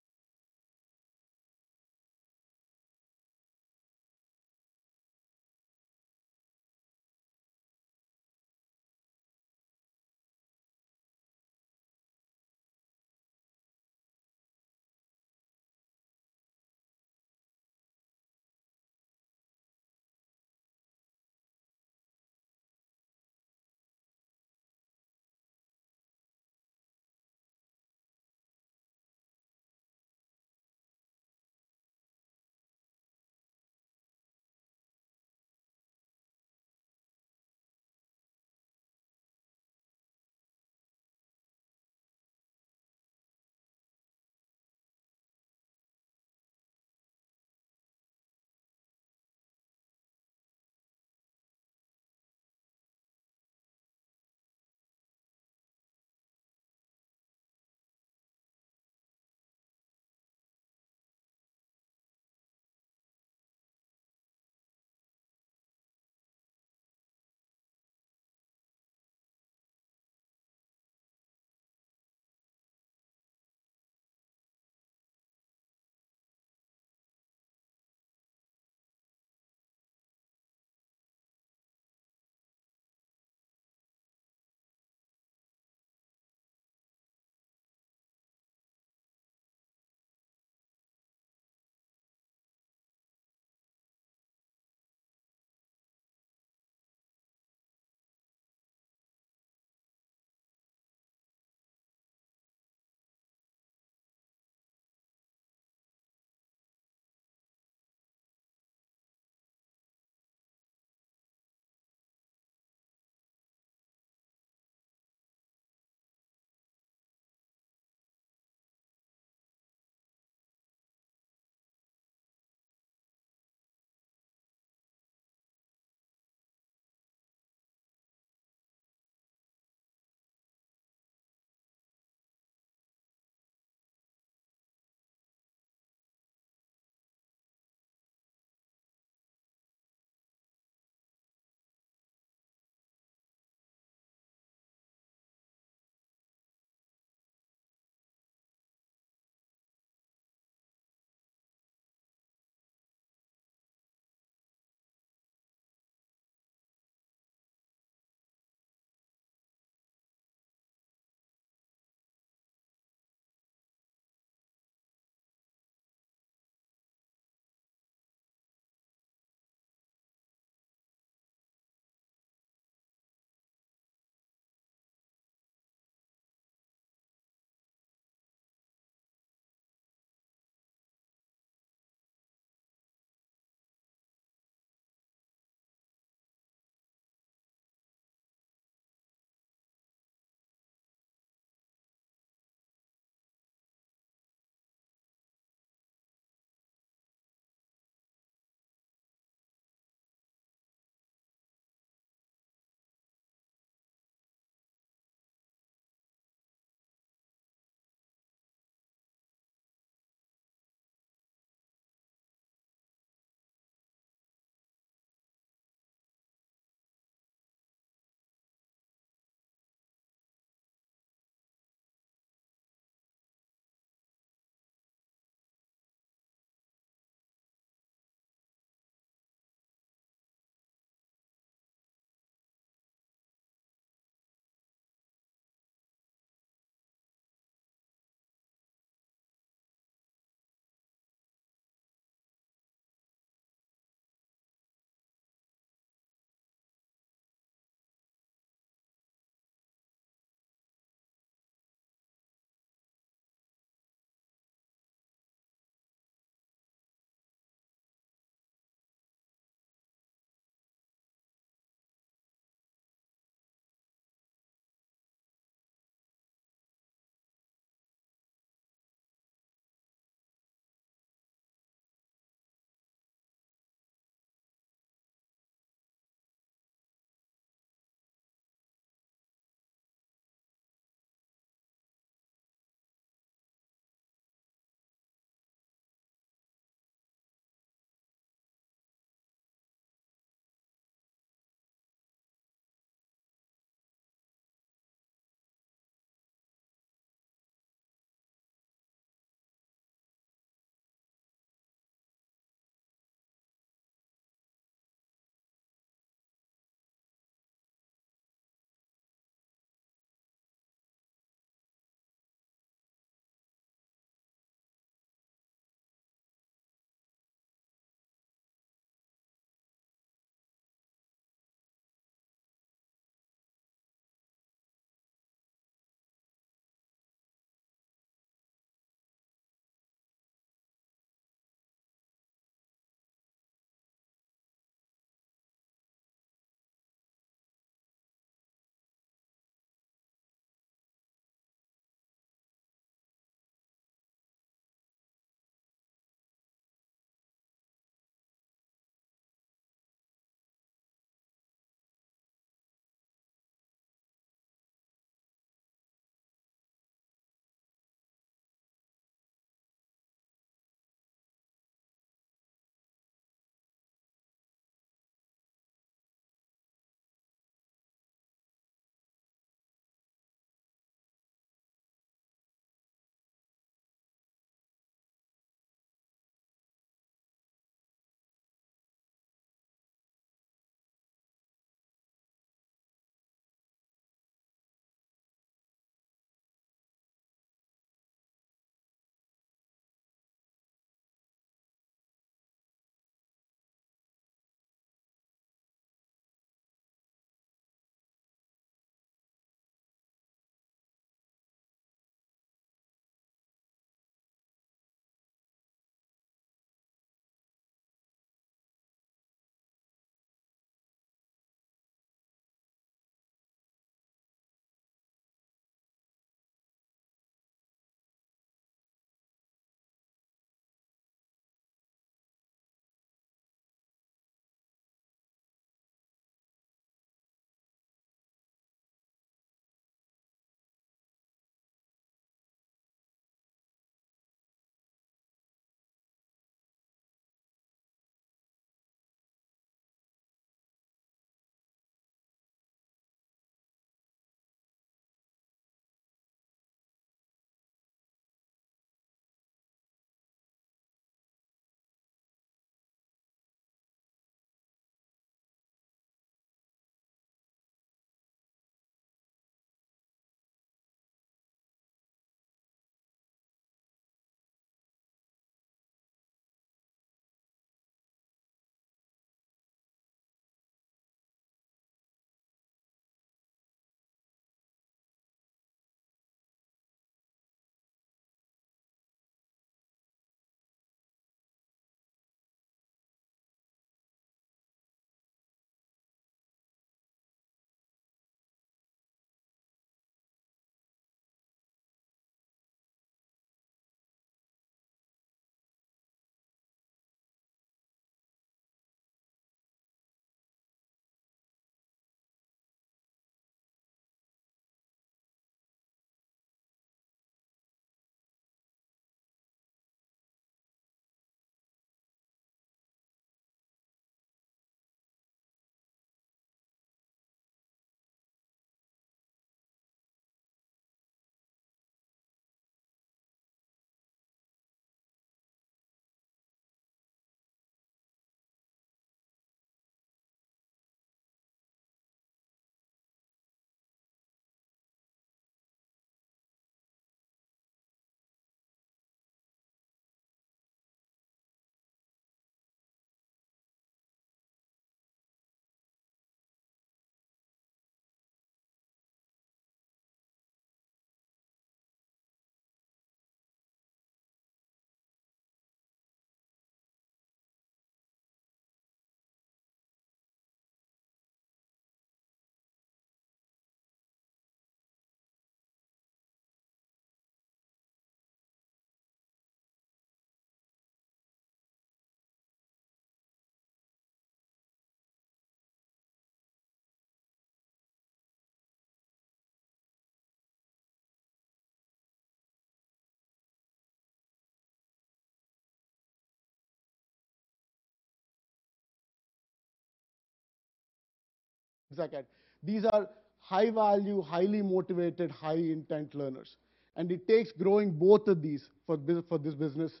These are high value, highly motivated, high intent learners. It takes growing both of these for this business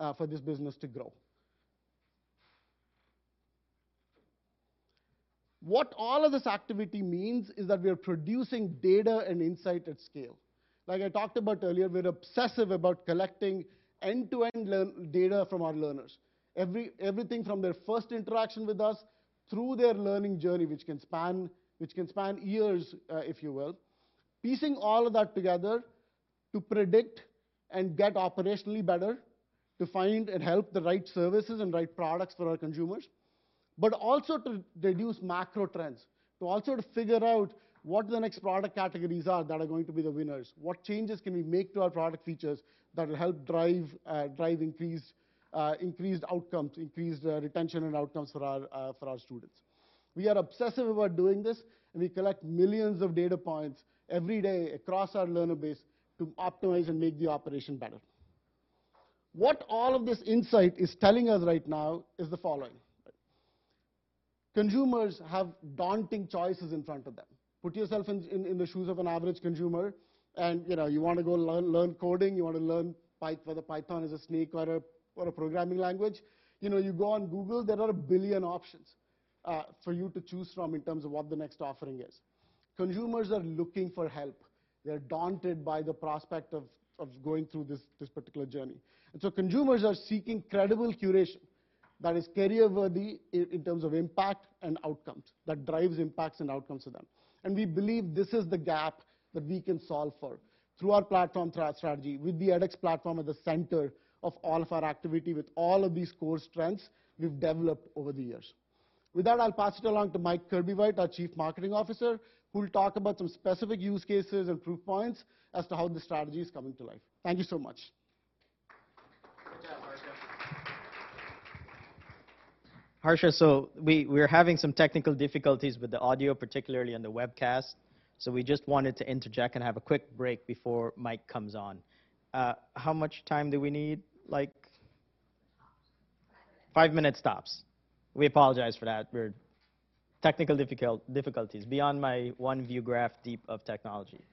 to grow. What all of this activity means is that we are producing data and insight at scale. Like I talked about earlier, we're obsessive about collecting end-to-end data from our learners. everything from their first interaction with us through their learning journey, which can span years, if you will. Piecing all of that together to predict and get operationally better, to find and help the right services and right products for our consumers, but also to deduce macro trends, to also to figure out what the next product categories are that are going to be the winners. What changes can we make to our product features that will help drive increased outcomes, increased retention and outcomes for our students. We are obsessive about doing this, and we collect millions of data points every day across our learner base to optimize and make the operation better. What all of this insight is telling us right now is the following: Consumers have daunting choices in front of them. Put yourself in the shoes of an average consumer and, you know, you wanna go learn coding, you wanna learn whether Python is a snake or a programming language. You know, you go on Google, there are 1 billion options for you to choose from in terms of what the next offering is. Consumers are looking for help. They're daunted by the prospect of going through this particular journey. Consumers are seeking credible curation that is career-worthy in terms of impact and outcomes, that drives impacts and outcomes to them. We believe this is the gap that we can solve for through our platform strategy, with the edX platform at the center of all of our activity with all of these core strengths we've developed over the years. With that, I'll pass it along to Mike Kirbywhite, our chief marketing officer, who will talk about some specific use cases and proof points as to how the strategy is coming to life. Thank you so much. Good job, Harsha. Harsha, we're having some technical difficulties with the audio, particularly on the webcast, we just wanted to interject and have a quick break before Mike comes on. How much time do we need, like? 5 minutes tops. Five minutes tops. We apologize for that. Technical difficulties beyond my one view graph deep of technology.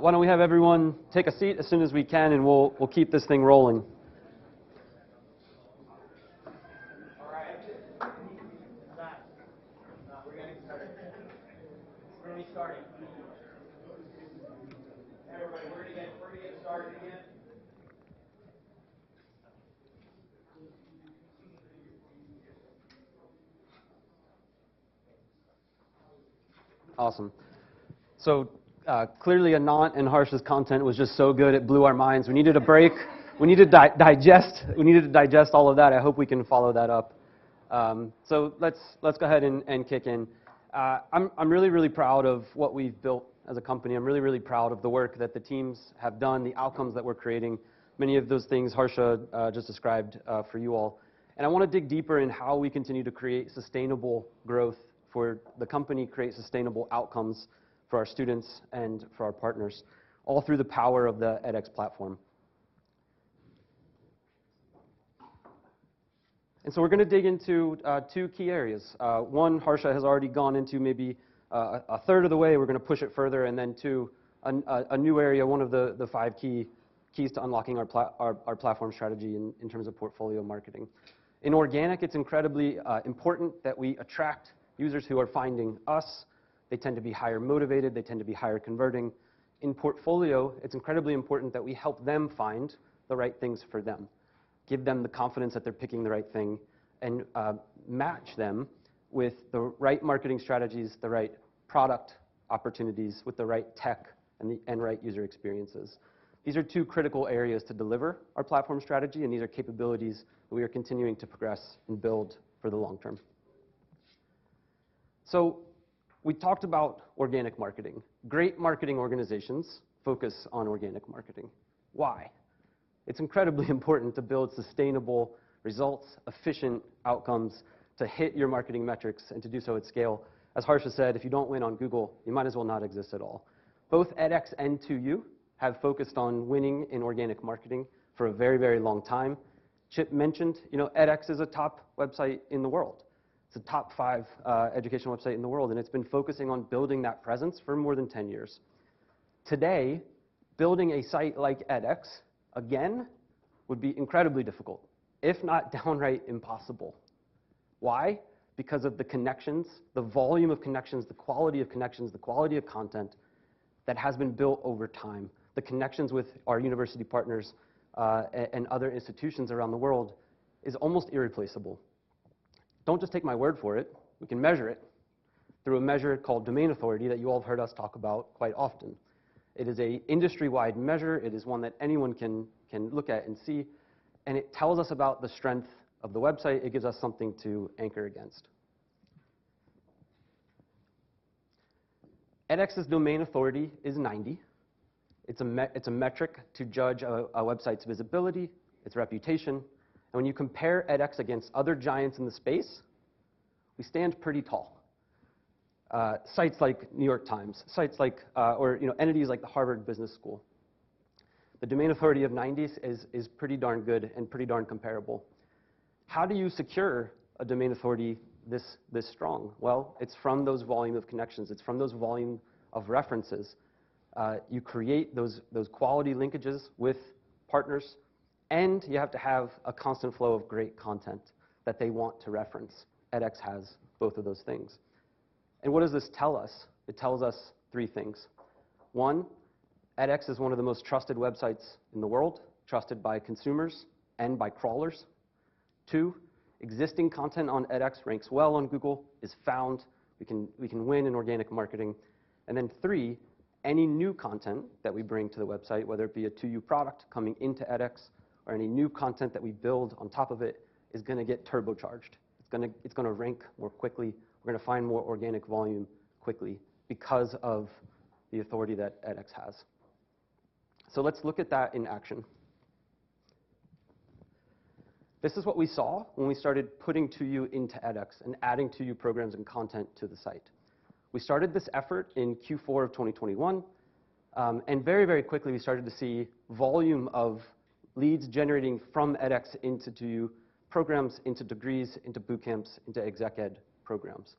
All right, Mike. Yeah? Okay. All right. Why don't we have everyone take a seat as soon as we can, and we'll keep this thing rolling. All right. We're gonna get started. We're gonna get started. Hey, everybody, we're gonna get started again. Awesome. Clearly Anant and Harsha's content was just so good, it blew our minds. We needed a break. We needed to digest all of that. I hope we can follow that up. Let's go ahead and kick in. I'm really, really proud of what we've built as a company. I'm really, really proud of the work that the teams have done, the outcomes that we're creating, many of those things Harsha just described for you all. I wanna dig deeper in how we continue to create sustainable growth for the company, create sustainable outcomes for our students and for our partners, all through the power of the edX platform. We're gonna dig into two key areas. One, Harsha has already gone into maybe a third of the way. We're gonna push it further and then to a new area, one of the five key keys to unlocking our platform strategy in terms of portfolio marketing. In organic, it's incredibly important that we attract users who are finding us. They tend to be higher motivated. They tend to be higher converting. In portfolio, it's incredibly important that we help them find the right things for them, give them the confidence that they're picking the right thing, and match them with the right marketing strategies, the right product opportunities, with the right tech and the right user experiences. These are two critical areas to deliver our platform strategy, and these are capabilities that we are continuing to progress and build for the long term. We talked about organic marketing. Great marketing organizations focus on organic marketing. Why? It's incredibly important to build sustainable results, efficient outcomes, to hit your marketing metrics and to do so at scale. As Harsha said, "If you don't win on Google, you might as well not exist at all." Both edX and 2U have focused on winning in organic marketing for a very, very long time. Chip mentioned, you know, edX is a top website in the world. It's a top 5 education website in the world, and it's been focusing on building that presence for more than 10 years. Today, building a site like edX, again, would be incredibly difficult, if not downright impossible. Why? Because of the connections, the volume of connections, the quality of connections, the quality of content that has been built over time. The connections with our university partners, and other institutions around the world is almost irreplaceable. Don't just take my word for it. We can measure it through a measure called domain authority that you all have heard us talk about quite often. It is a industry-wide measure. It is one that anyone can look at and see, and it tells us about the strength of the website. It gives us something to anchor against. edX's Domain Authority is 90. It's a metric to judge a website's visibility, its reputation. When you compare edX against other giants in the space, we stand pretty tall. Sites like New York Times, sites like, or, you know, entities like the Harvard Business School. The Domain Authority of 90 is pretty darn good and pretty darn comparable. How do you secure a Domain Authority this strong? Well, it's from those volume of connections. It's from those volume of references. You create those quality linkages with partners. You have to have a constant flow of great content that they want to reference. edX has both of those things. What does this tell us? It tells us 3 things. One, edX is one of the most trusted websites in the world, trusted by consumers and by crawlers. Two. Existing content on edX ranks well on Google, is found. We can win in organic marketing. Three, any new content that we bring to the website, whether it be a 2U product coming into edX or any new content that we build on top of it, is going to get turbocharged. It's going to rank more quickly. We're going to find more organic volume quickly because of the authority that edX has. Let's look at that in action. This is what we saw when we started putting 2U into edX and adding 2U programs and content to the site. We started this effort in Q4 of 2021, and very, very quickly we started to see volume of leads generating from edX into 2U programs, into degrees, into boot camps, into exec ed programs.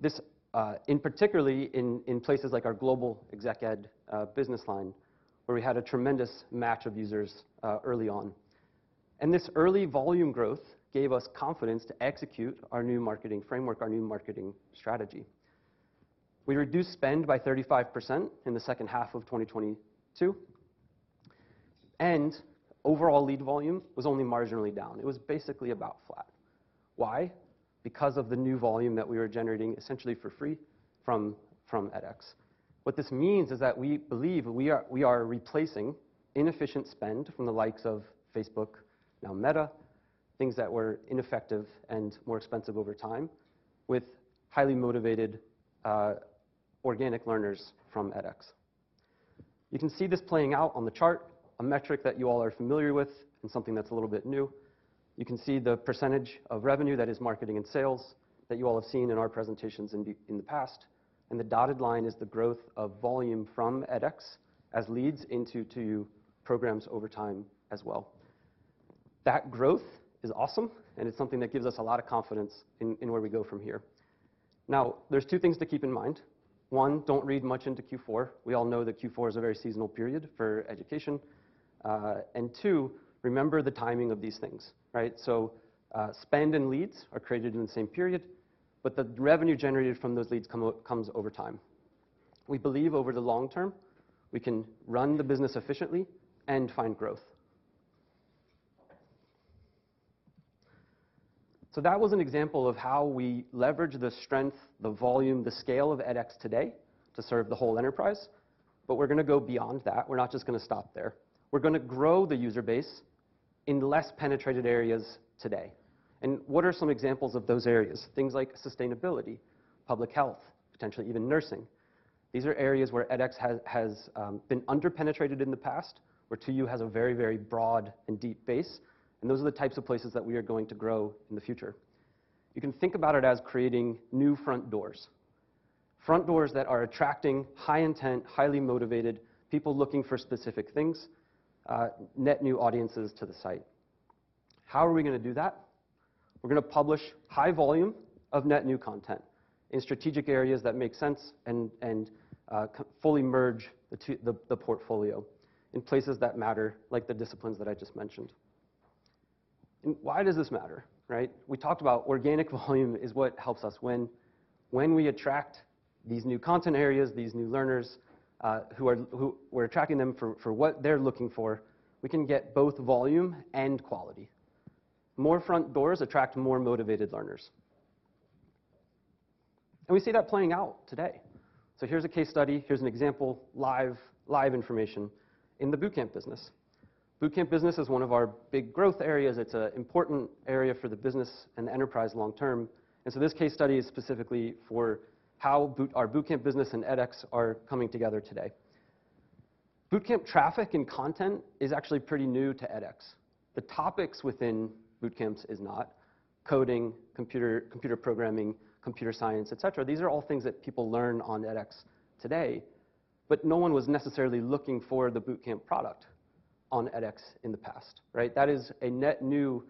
This in particularly in places like our global exec ed business line, where we had a tremendous match of users early on. This early volume growth gave us confidence to execute our new marketing framework, our new marketing strategy. We reduced spend by 35% in the second half of 2022, and overall lead volume was only marginally down. It was basically about flat. Why? Because of the new volume that we were generating essentially for free from edX. What this means is that we believe we are replacing inefficient spend from the likes of Facebook, now Meta, things that were ineffective and more expensive over time, with highly motivated organic learners from edX. You can see this playing out on the chart, a metric that you all are familiar with and something that's a little bit new. You can see the percentage of revenue that is marketing and sales that you all have seen in our presentations in the past, and the dotted line is the growth of volume from edX as leads into 2U programs over time as well. That growth is awesome, and it's something that gives us a lot of confidence in where we go from here. There's two things to keep in mind. One, don't read much into Q4. We all know that Q4 is a very seasonal period for education. Two, remember the timing of these things, right? Spend and leads are created in the same period, but the revenue generated from those leads comes over time. We believe over the long term, we can run the business efficiently and find growth. That was an example of how we leverage the strength, the volume, the scale of edX today to serve the whole enterprise, but we're gonna go beyond that. We're not just gonna stop there. We're gonna grow the user base in less penetrated areas today. What are some examples of those areas? Things like sustainability, public health, potentially even nursing. These are areas where edX has been under-penetrated in the past, where 2U has a very, very broad and deep base, and those are the types of places that we are going to grow in the future. You can think about it as creating new front doors, front doors that are attracting high-intent, highly motivated people looking for specific things, net new audiences to the site. How are we gonna do that? We're gonna publish high volume of net new content in strategic areas that make sense and fully merge the portfolio in places that matter, like the disciplines that I just mentioned. Why does this matter, right? We talked about organic volume is what helps us when we attract these new content areas, these new learners, who we're attracting them for what they're looking for, we can get both volume and quality. More front doors attract more motivated learners. We see that playing out today. Here's a case study. Here's an example, live information in the boot camp business. Boot camp business is one of our big growth areas. It's a important area for the business and enterprise long term. This case study is specifically for how our bootcamp business and edX are coming together today. Bootcamp traffic and content is actually pretty new to edX. The topics within bootcamps is not. Coding, computer programming, computer science, et cetera, these are all things that people learn on edX today, but no one was necessarily looking for the bootcamp product on edX in the past, right? That is a net new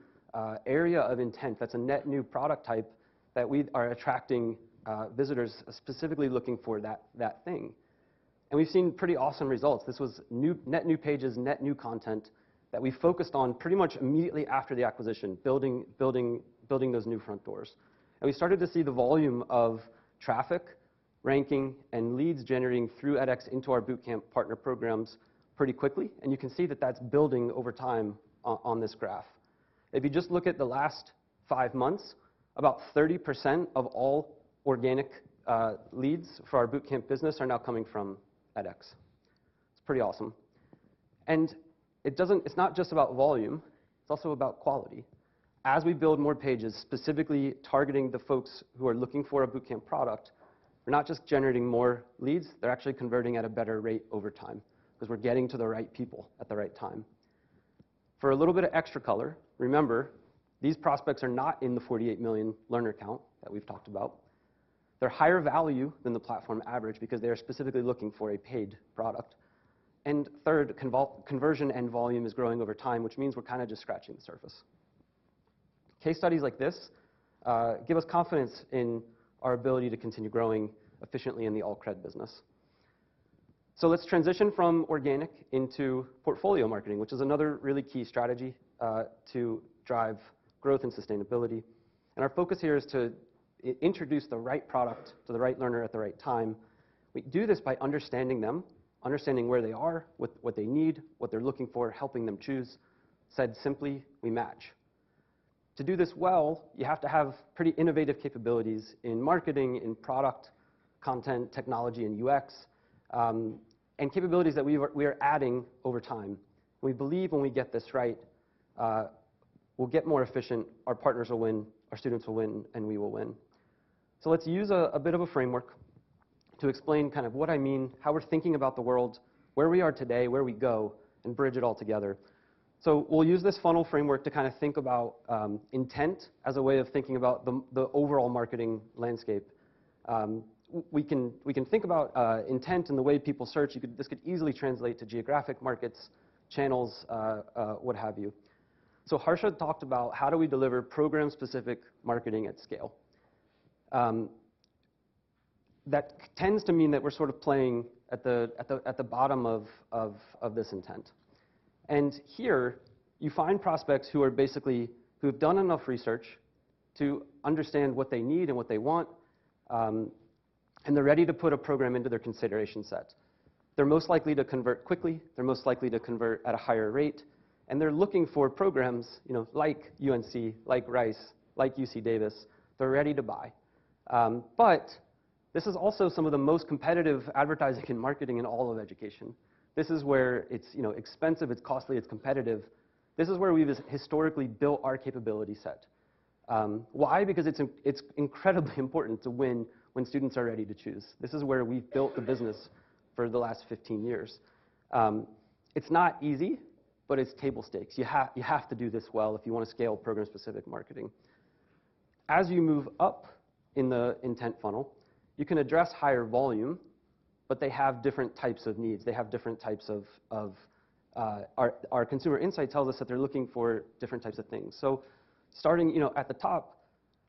area of intent. That's a net new product type that we are attracting visitors specifically looking for that thing. We've seen pretty awesome results. This was net new pages, net new content that we focused on pretty much immediately after the acquisition, building those new front doors. We started to see the volume of traffic, ranking, and leads generating through edX into our boot camp partner programs pretty quickly, and you can see that that's building over time on this graph. If you just look at the last 5 months, about 30% of all organic leads for our boot camp business are now coming from edX. It's pretty awesome. It's not just about volume. It's also about quality. As we build more pages specifically targeting the folks who are looking for a boot camp product, we're not just generating more leads, they're actually converting at a better rate over time because we're getting to the right people at the right time. For a little bit of extra color, remember, these prospects are not in the 48 million learner count that we've talked about. They're higher value than the platform average because they are specifically looking for a paid product. Third, conversion and volume is growing over time, which means we're kind of just scratching the surface. Case studies like this give us confidence in our ability to continue growing efficiently in the alt-cred business. Let's transition from organic into portfolio marketing, which is another really key strategy to drive growth and sustainability. Our focus here is to introduce the right product to the right learner at the right time. We do this by understanding them, understanding where they are, what they need, what they're looking for, helping them choose. Said simply, we match. To do this well, you have to have pretty innovative capabilities in marketing, in product, content, technology, and UX, and capabilities that we are adding over time. We believe when we get this right, we'll get more efficient, our partners will win, our students will win, and we will win. Let's use a bit of a framework to explain kind of what I mean, how we're thinking about the world, where we are today, where we go, and bridge it all together. We'll use this funnel framework to kind of think about intent as a way of thinking about the overall marketing landscape. We can think about intent and the way people search. This could easily translate to geographic markets, channels, what have you. Harsha talked about how do we deliver program-specific marketing at scale. That tends to mean that we're sort of playing at the bottom of this intent. Here, you find prospects who have done enough research to understand what they need and what they want, and they're ready to put a program into their consideration set. They're most likely to convert quickly, they're most likely to convert at a higher rate, and they're looking for programs, like UNC, like Rice, like UC Davis. They're ready to buy. This is also some of the most competitive advertising and marketing in all of education. This is where it's expensive, it's costly, it's competitive. This is where we've historically built our capability set. Why? Because it's incredibly important to win when students are ready to choose. This is where we've built the business for the last 15 years. It's not easy, but it's table stakes. You have to do this well if you wanna scale program-specific marketing. As you move up in the intent funnel, you can address higher volume. They have different types of needs. They have different types of our consumer insight tells us that they're looking for different types of things. Starting, you know, at the top,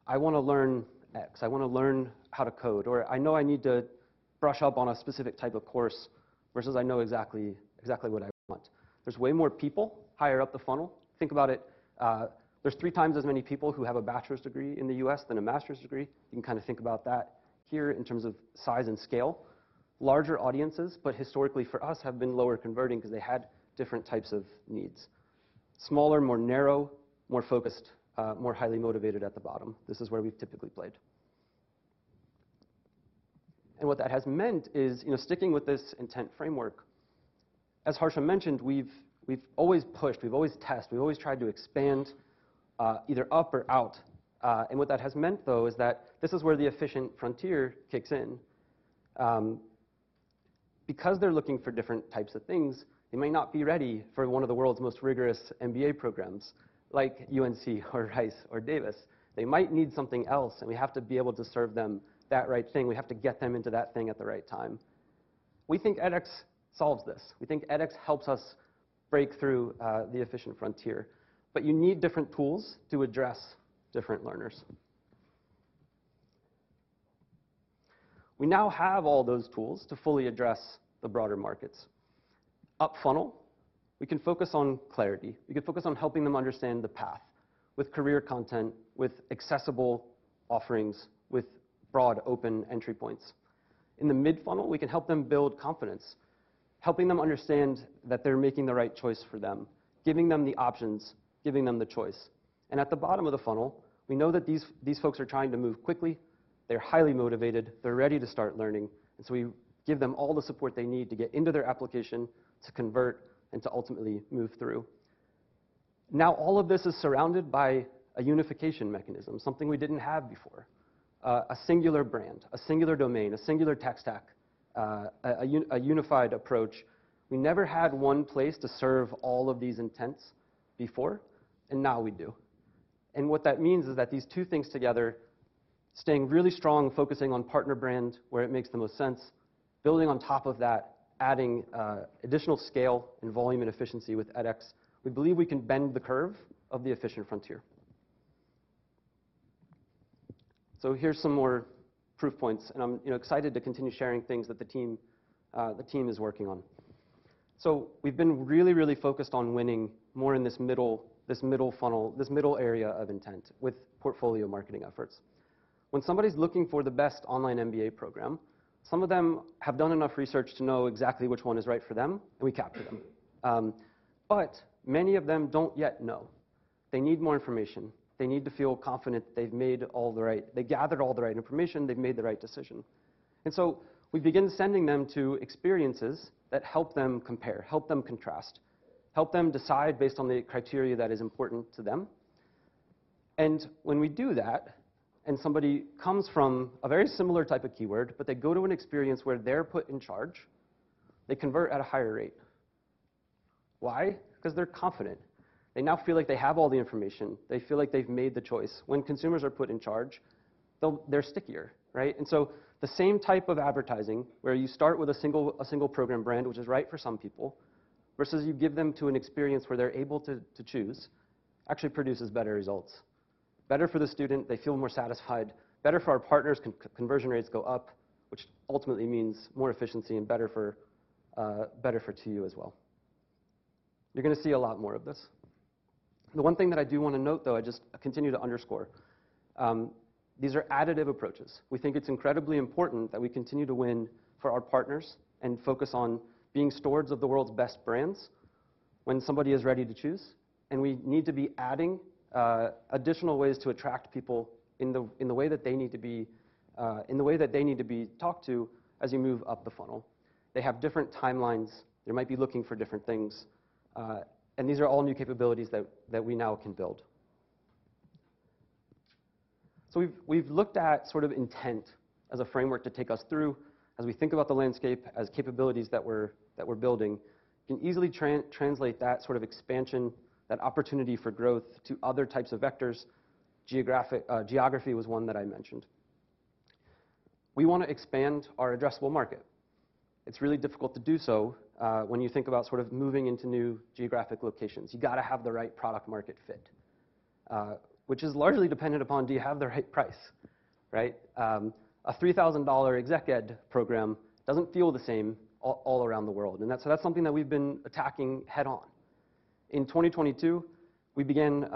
"I wanna learn X. I wanna learn how to code," or, "I know I need to brush up on a specific type of course," versus, "I know exactly what I want." There's way more people higher up the funnel. Think about it, there's three times as many people who have a bachelor's degree in the U.S. than a master's degree. You can kinda think about that here in terms of size and scale. Larger audiences, but historically for us, have been lower converting because they had different types of needs. Smaller, more narrow, more focused, more highly motivated at the bottom. This is where we've typically played. What that has meant is, you know, sticking with this intent framework, as Harsha mentioned, we've always pushed, we've always test, we've always tried to expand, either up or out, and what that has meant though is that this is where the efficient frontier kicks in. Because they're looking for different types of things, they may not be ready for one of the world's most rigorous MBA programs, like UNC or Rice or Davis. They might need something else, and we have to be able to serve them that right thing. We have to get them into that thing at the right time. We think edX solves this. We think edX helps us break through the efficient frontier. You need different tools to address different learners. We now have all those tools to fully address the broader markets. Up funnel, we can focus on clarity. We can focus on helping them understand the path with career content, with accessible offerings, with broad open entry points. In the mid-funnel, we can help them build confidence, helping them understand that they're making the right choice for them, giving them the options, giving them the choice. At the bottom of the funnel, we know that these folks are trying to move quickly. They're highly motivated. They're ready to start learning. So we give them all the support they need to get into their application, to convert, and to ultimately move through. Now, all of this is surrounded by a unification mechanism, something we didn't have before. A singular brand, a singular domain, a singular tech stack, a unified approach. We never had one place to serve all of these intents before, and now we do. What that means is that these two things together, staying really strong, focusing on partner brand where it makes the most sense, building on top of that, adding additional scale and volume and efficiency with edX. We believe we can bend the curve of the efficient frontier. Here's some more proof points, and I'm, you know, excited to continue sharing things that the team is working on. We've been really, really focused on winning more in this middle, this middle funnel, this middle area of intent with portfolio marketing efforts. When somebody's looking for the best online MBA program, some of them have done enough research to know exactly which one is right for them, and we capture them. But many of them don't yet know. They need more information. They need to feel confident they've gathered all the right information, they've made the right decision. We begin sending them to experiences that help them compare, help them contrast, help them decide based on the criteria that is important to them. When we do that, somebody comes from a very similar type of keyword, but they go to an experience where they're put in charge, they convert at a higher rate. Why? Because they're confident. They now feel like they have all the information. They feel like they've made the choice. When consumers are put in charge, they're stickier, right? The same type of advertising where you start with a single program brand, which is right for some people, versus you give them to an experience where they're able to choose, actually produces better results. Better for the student, they feel more satisfied. Better for our partners, conversion rates go up, which ultimately means more efficiency and better for 2U as well. You're gonna see a lot more of this. The one thing that I do wanna note, though, I just continue to underscore, these are additive approaches. We think it's incredibly important that we continue to win for our partners and focus on being stewards of the world's best brands when somebody is ready to choose. We need to be adding additional ways to attract people in the way that they need to be talked to as you move up the funnel. They have different timelines. They might be looking for different things, and these are all new capabilities that we now can build. We've looked at sort of intent as a framework to take us through as we think about the landscape as capabilities that we're building. Can easily translate that sort of expansion, that opportunity for growth to other types of vectors. Geographic, geography was one that I mentioned. We wanna expand our addressable market. It's really difficult to do so when you think about sort of moving into new geographic locations. You gotta have the right product market fit, which is largely dependent upon, do you have the right price, right? A $3,000 exec ed program doesn't feel the same all around the world, and that's something that we've been attacking head-on. In 2022, we began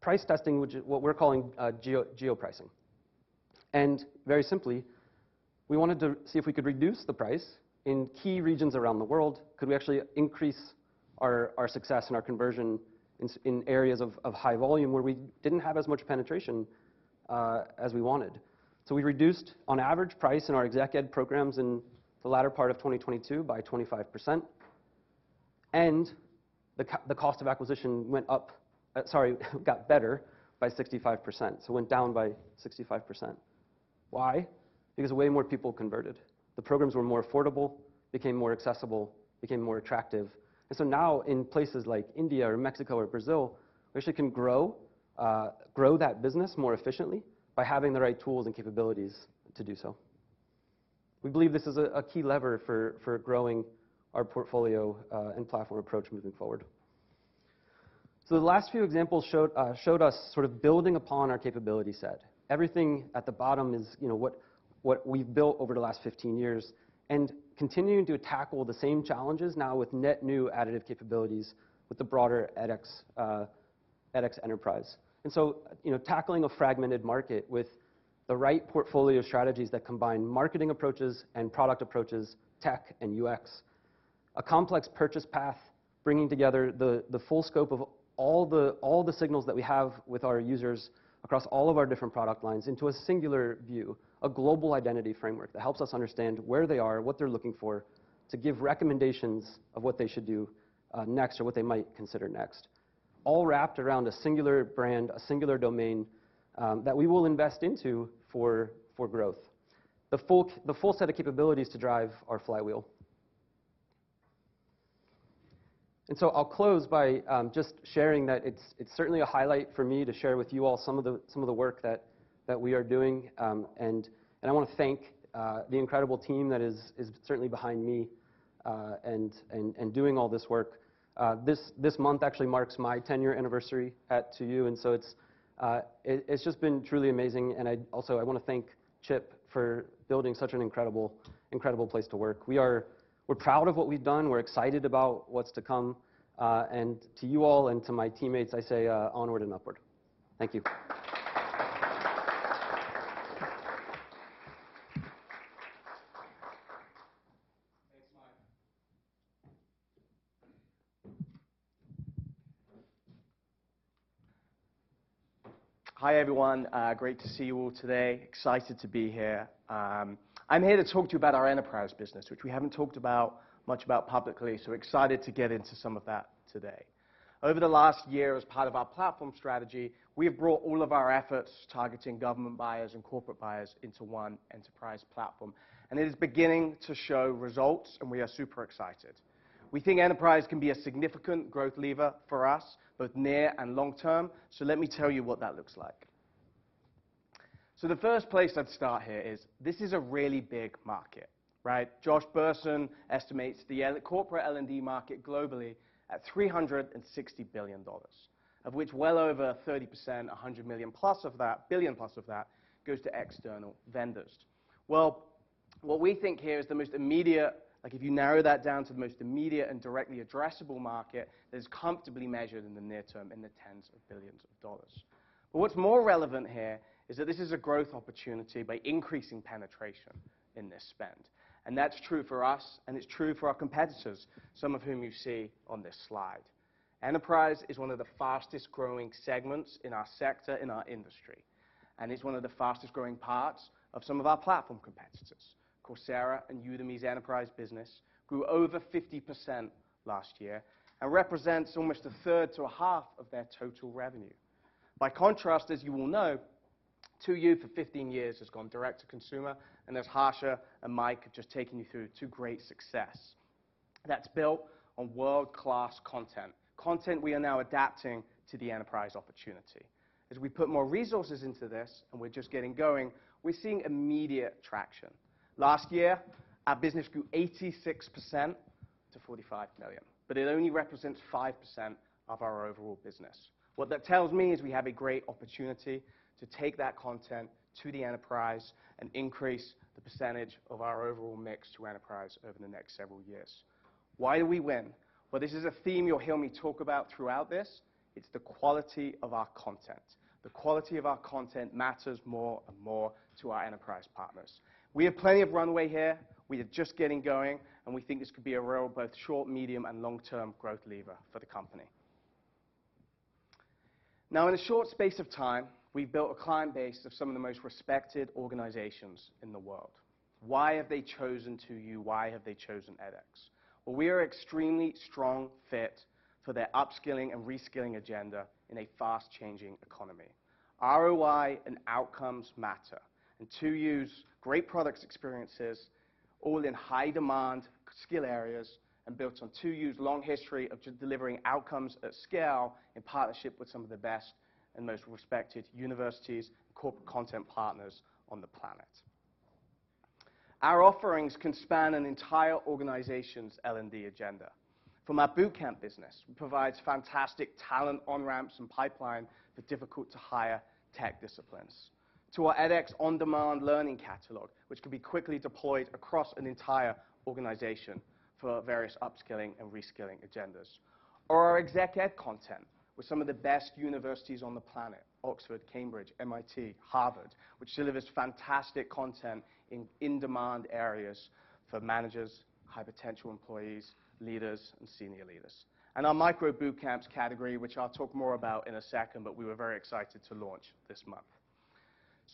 price testing, which is what we're calling geo-pricing. Very simply, we wanted to see if we could reduce the price in key regions around the world. Could we actually increase our success and our conversion in areas of high volume where we didn't have as much penetration as we wanted? We reduced, on average, price in our exec ed programs in the latter part of 2022 by 25%, and the cost of acquisition went up, sorry, got better by 65%. It went down by 65%. Why? Because way more people converted. The programs were more affordable, became more accessible, became more attractive. Now, in places like India or Mexico or Brazil, we actually can grow that business more efficiently by having the right tools and capabilities to do so. We believe this is a key lever for growing our portfolio and platform approach moving forward. The last few examples showed us sort of building upon our capability set. Everything at the bottom is, you know, what we've built over the last 15 years, continuing to tackle the same challenges now with net new additive capabilities with the broader edX enterprise. You know, tackling a fragmented market with the right portfolio strategies that combine marketing approaches and product approaches, tech and UX. A complex purchase path, bringing together the full scope of all the signals that we have with our users across all of our different product lines into a singular view, a global identity framework that helps us understand where they are, what they're looking for, to give recommendations of what they should do next or what they might consider next, all wrapped around a singular brand, a singular domain that we will invest into for growth. The full set of capabilities to drive our flywheel. I'll close by just sharing that it's certainly a highlight for me to share with you all some of the work that we are doing. I wanna thank the incredible team that is certainly behind me and doing all this work. This month actually marks my 10-year anniversary at 2U, and it's just been truly amazing. Also, I wanna thank Chip for building such an incredible place to work. We're proud of what we've done. We're excited about what's to come. To you all and to my teammates, I say onward and upward. Thank you. Thanks, Mike. Hi, everyone. Great to see you all today. Excited to be here. I'm here to talk to you about our enterprise business, which we haven't talked about, much about publicly, so excited to get into some of that today. Over the last year, as part of our platform strategy, we have brought all of our efforts targeting government buyers and corporate buyers into one enterprise platform, it is beginning to show results, and we are super excited. We think enterprise can be a significant growth lever for us, both near and long term, let me tell you what that looks like. The first place I'd start here is, this is a really big market, right? Josh Bersin estimates the e- corporate L&D market globally at $360 billion, of which well over 30%, billion-plus of that goes to external vendors. Well, what we think here is the most immediate, like if you narrow that down to the most immediate and directly addressable market, that is comfortably measured in the near term in the tens of billions of dollars. What's more relevant here is that this is a growth opportunity by increasing penetration in this spend, and that's true for us, and it's true for our competitors, some of whom you see on this slide. Enterprise is one of the fastest-growing segments in our sector, in our industry, and it's one of the fastest-growing parts of some of our platform competitors. Coursera and Udemy's enterprise business grew over 50% last year and represents almost a third to a half of their total revenue. By contrast, as you all know, 2U for 15 years has gone direct to consumer, and as Harsha and Mike have just taken you through, to great success. That's built on world-class content we are now adapting to the enterprise opportunity. As we put more resources into this, and we're just getting going, we're seeing immediate traction. Last year, our business grew 86%, to $45 million, but it only represents 5% of our overall business. What that tells me is we have a great opportunity to take that content to the enterprise and increase the percentage of our overall mix to enterprise over the next several years. Why do we win? Well, this is a theme you'll hear me talk about throughout this. It's the quality of our content. The quality of our content matters more and more to our enterprise partners. We have plenty of runway here. We are just getting going, and we think this could be a real both short, medium, and long-term growth lever for the company. In a short space of time, we've built a client base of some of the most respected organizations in the world. Why have they chosen 2U? Why have they chosen edX? We are extremely strong fit for their upskilling and reskilling agenda in a fast-changing economy. ROI and outcomes matter. 2U's great products experiences all in high-demand skill areas and built on 2U's long history of delivering outcomes at scale in partnership with some of the best and most respected universities, corporate content partners on the planet. Our offerings can span an entire organization's L&D agenda. From our boot camp business, which provides fantastic talent on-ramps and pipeline for difficult to hire tech disciplines, to our edX on-demand learning catalog, which can be quickly deployed across an entire organization for various upskilling and reskilling agendas. Our exec ed content with some of the best universities on the planet, Oxford, Cambridge, MIT, Harvard, which delivers fantastic content in in-demand areas for managers, high-potential employees, leaders, and senior leaders. Our micro boot camps category, which I'll talk more about in a second, but we were very excited to launch this month.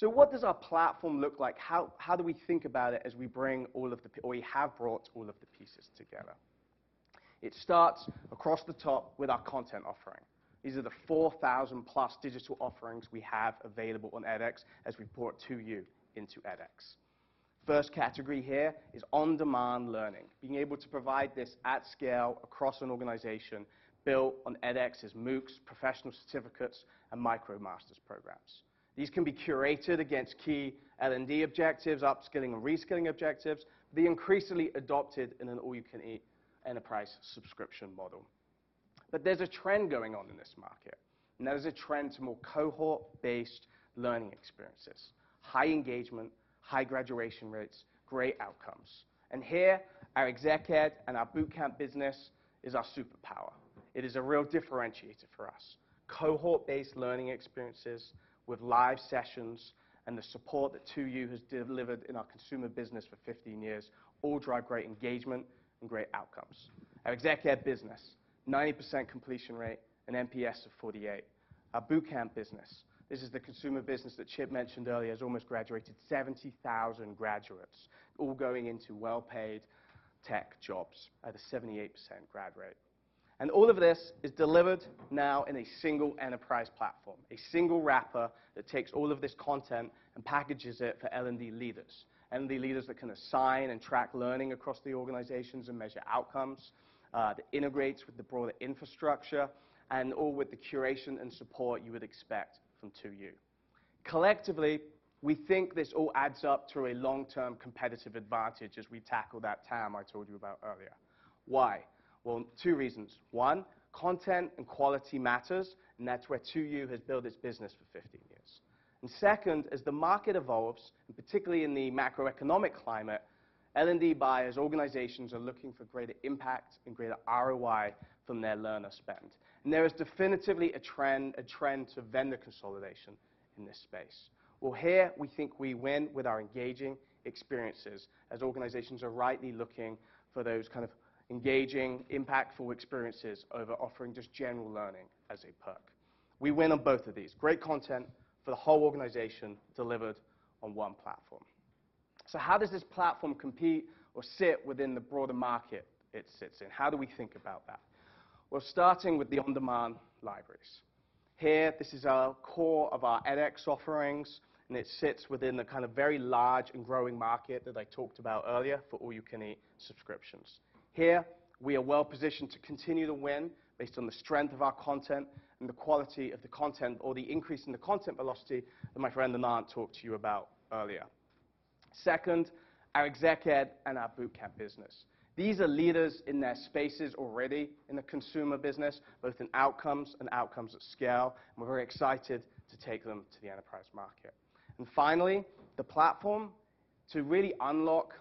What does our platform look like? How do we think about it as we bring all of the pieces together? It starts across the top with our content offering. These are the 4,000+ digital offerings we have available on edX as we brought 2U into edX. First category here is on-demand learning. Being able to provide this at scale across an organization built on edX's MOOCs, professional certificates, and MicroMasters programs. These can be curated against key L&D objectives, upskilling and reskilling objectives, be increasingly adopted in an all-you-can-eat enterprise subscription model. There's a trend going on in this market, and that is a trend to more cohort-based learning experiences, high engagement, high graduation rates, great outcomes. Here, our exec ed and our boot camp business is our superpower. It is a real differentiator for us. Cohort-based learning experiences with live sessions and the support that 2U has delivered in our consumer business for 15 years all drive great engagement and great outcomes. Our exec ed business, 90% completion rate and NPS of 48. Our bootcamp business, this is the consumer business that Chip mentioned earlier, has almost graduated 70,000 graduates, all going into well-paid tech jobs at a 78% grad rate. All of this is delivered now in a single enterprise platform, a single wrapper that takes all of this content and packages it for L&D leaders. L&D leaders that can assign and track learning across the organizations and measure outcomes, that integrates with the broader infrastructure and all with the curation and support you would expect from 2U. Collectively, we think this all adds up to a long-term competitive advantage as we tackle that TAM I told you about earlier. Why? Well, two reasons. One, content and quality matters, and that's where 2U has built its business for 15 years. Second, as the market evolves, and particularly in the macroeconomic climate, L&D buyers, organizations are looking for greater impact and greater ROI from their learner spend. There is definitively a trend to vendor consolidation in this space. Well, here we think we win with our engaging experiences as organizations are rightly looking for those kind of engaging, impactful experiences over offering just general learning as a perk. We win on both of these. Great content for the whole organization delivered on one platform. How does this platform compete or sit within the broader market it sits in? How do we think about that? Well, starting with the on-demand libraries. Here, this is our core of our edX offerings, and it sits within the kind of very large and growing market that I talked about earlier for all you can eat subscriptions. Here, we are well positioned to continue to win based on the strength of our content and the quality of the content or the increase in the content velocity that my friend Namat talked to you about earlier. Second, our exec ed and our boot camp business. These are leaders in their spaces already in the consumer business, both in outcomes and outcomes at scale, and we're very excited to take them to the enterprise market. Finally, the platform. To really unlock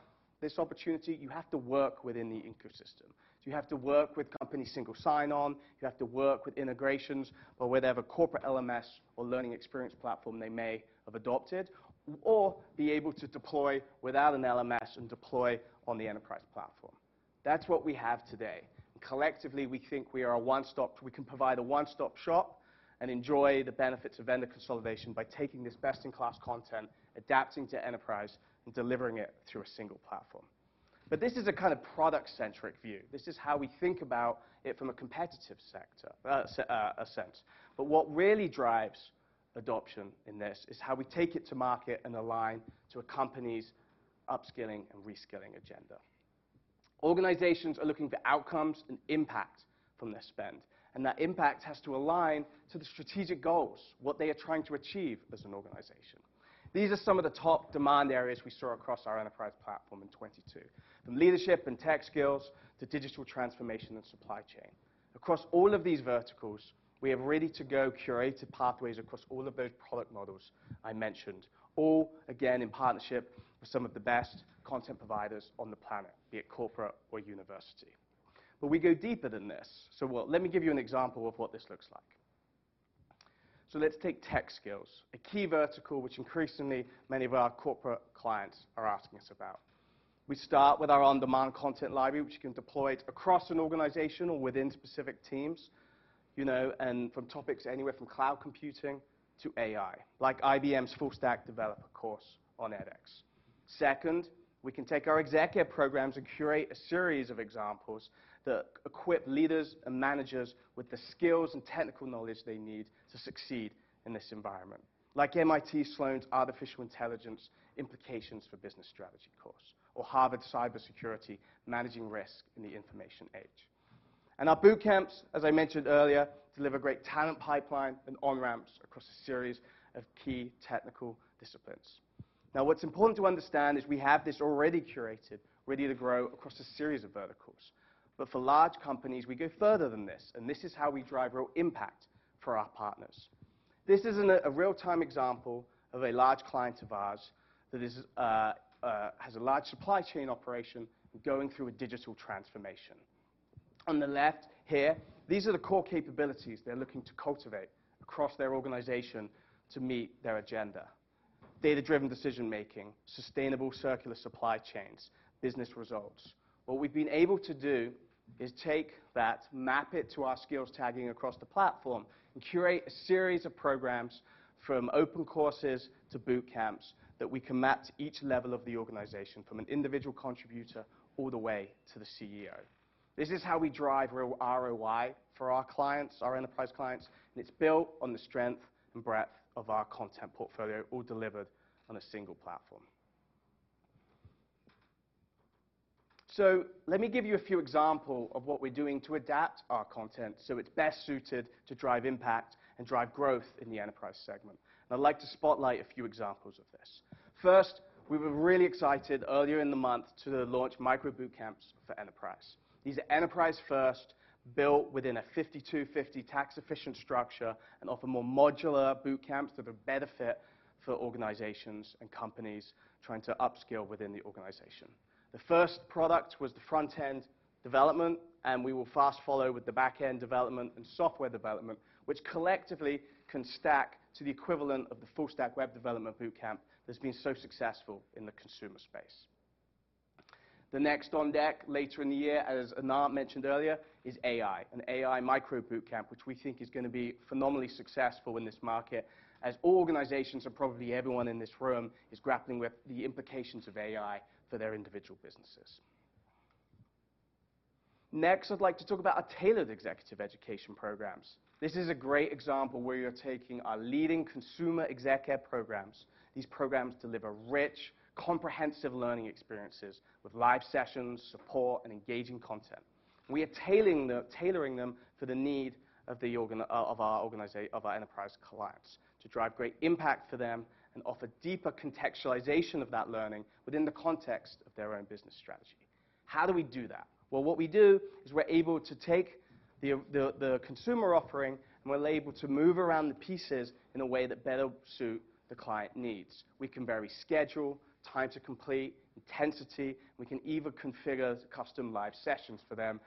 this opportunity, you have to work within the ecosystem. You have to work with company's single sign-on, you have to work with integrations or whatever corporate LMS or learning experience platform they may have adopted, or be able to deploy without an LMS and deploy on the enterprise platform. That's what we have today. Collectively, we think we can provide a one-stop shop and enjoy the benefits of vendor consolidation by taking this best-in-class content, adapting to enterprise, and delivering it through a single platform. This is a kind of product-centric view. This is how we think about it from a competitive sector, a sense. What really drives adoption in this is how we take it to market and align to a company's upskilling and reskilling agenda. Organizations are looking for outcomes and impact from their spend, and that impact has to align to the strategic goals, what they are trying to achieve as an organization. These are some of the top demand areas we saw across our enterprise platform in 2022, from leadership and tech skills to digital transformation and supply chain. Across all of these verticals, we have ready-to-go curated pathways across all of those product models I mentioned, all again, in partnership with some of the best content providers on the planet, be it corporate or university. We go deeper than this. Well, let me give you an example of what this looks like. Let's take tech skills, a key vertical which increasingly many of our corporate clients are asking us about. We start with our on-demand content library which can deploy it across an organization or within specific teams, you know, and from topics anywhere from cloud computing to AI, like IBM's Full Stack Developer course on edX. Second, we can take our exec ed programs and curate a series of examples that equip leaders and managers with the skills and technical knowledge they need to succeed in this environment, like MIT Sloan's Artificial Intelligence: Implications for Business Strategy course or Harvard's Cybersecurity: Managing Risk in the Information Age. Our boot camps, as I mentioned earlier, deliver great talent pipeline and on-ramps across a series of key technical disciplines. What's important to understand is we have this already curated, ready to grow across a series of verticals. For large companies, we go further than this, and this is how we drive real impact for our partners. This is a real-time example of a large client of ours that is, has a large supply chain operation going through a digital transformation. On the left here, these are the core capabilities they're looking to cultivate across their organization to meet their agenda: data-driven decision making, sustainable circular supply chains, business results. What we've been able to do is take that, map it to our skills tagging across the platform, and curate a series of programs from open courses to boot camps that we can map to each level of the organization, from an individual contributor all the way to the CEO. This is how we drive real ROI for our clients, our enterprise clients, and it's built on the strength and breadth of our content portfolio, all delivered on a single platform. let me give you a few example of what we're doing to adapt our content so it's best suited to drive impact and drive growth in the enterprise segment. I'd like to spotlight a few examples of this. We were really excited earlier in the month to launch micro boot camps for enterprise. These are enterprise first, built within a $5,250 tax efficient structure and offer more modular boot camps that are better fit for organizations and companies trying to upskill within the organization. The first product was the front-end development, and we will fast follow with the back-end development and software development, which collectively can stack to the equivalent of the full stack web development boot camp that's been so successful in the consumer space. The next on deck later in the year, as Anant Agarwal mentioned earlier, is AI, an AI micro boot camp, which we think is gonna be phenomenally successful in this market as all organizations and probably everyone in this room is grappling with the implications of AI for their individual businesses. Next, I'd like to talk about our tailored executive education programs. This is a great example where you're taking our leading consumer exec ed programs. These programs deliver rich, comprehensive learning experiences with live sessions, support, and engaging content. We are tailoring them for the need of our enterprise clients to drive great impact for them and offer deeper contextualization of that learning within the context of their own business strategy. How do we do that? Well, what we do is we're able to take the consumer offering, and we're able to move around the pieces in a way that better suit the client needs. We can vary schedule, time to complete, intensity, we can even configure custom live sessions for them,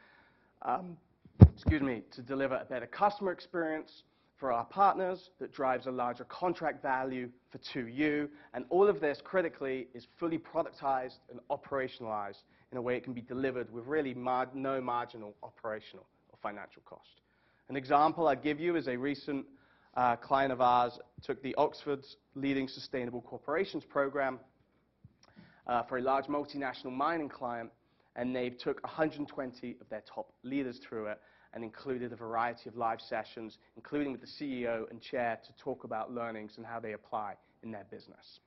excuse me, to deliver a better customer experience for our partners that drives a larger contract value for 2U. All of this critically is fully productized and operationalized in a way it can be delivered with really no marginal operational or financial cost. An example I'd give you is a recent client of ours took the Oxford Leading Sustainable Corporations Programme for a large multinational mining client. They took 120 of their top leaders through it and included a variety of live sessions, including with the CEO and chair to talk about learnings and how they apply in their business.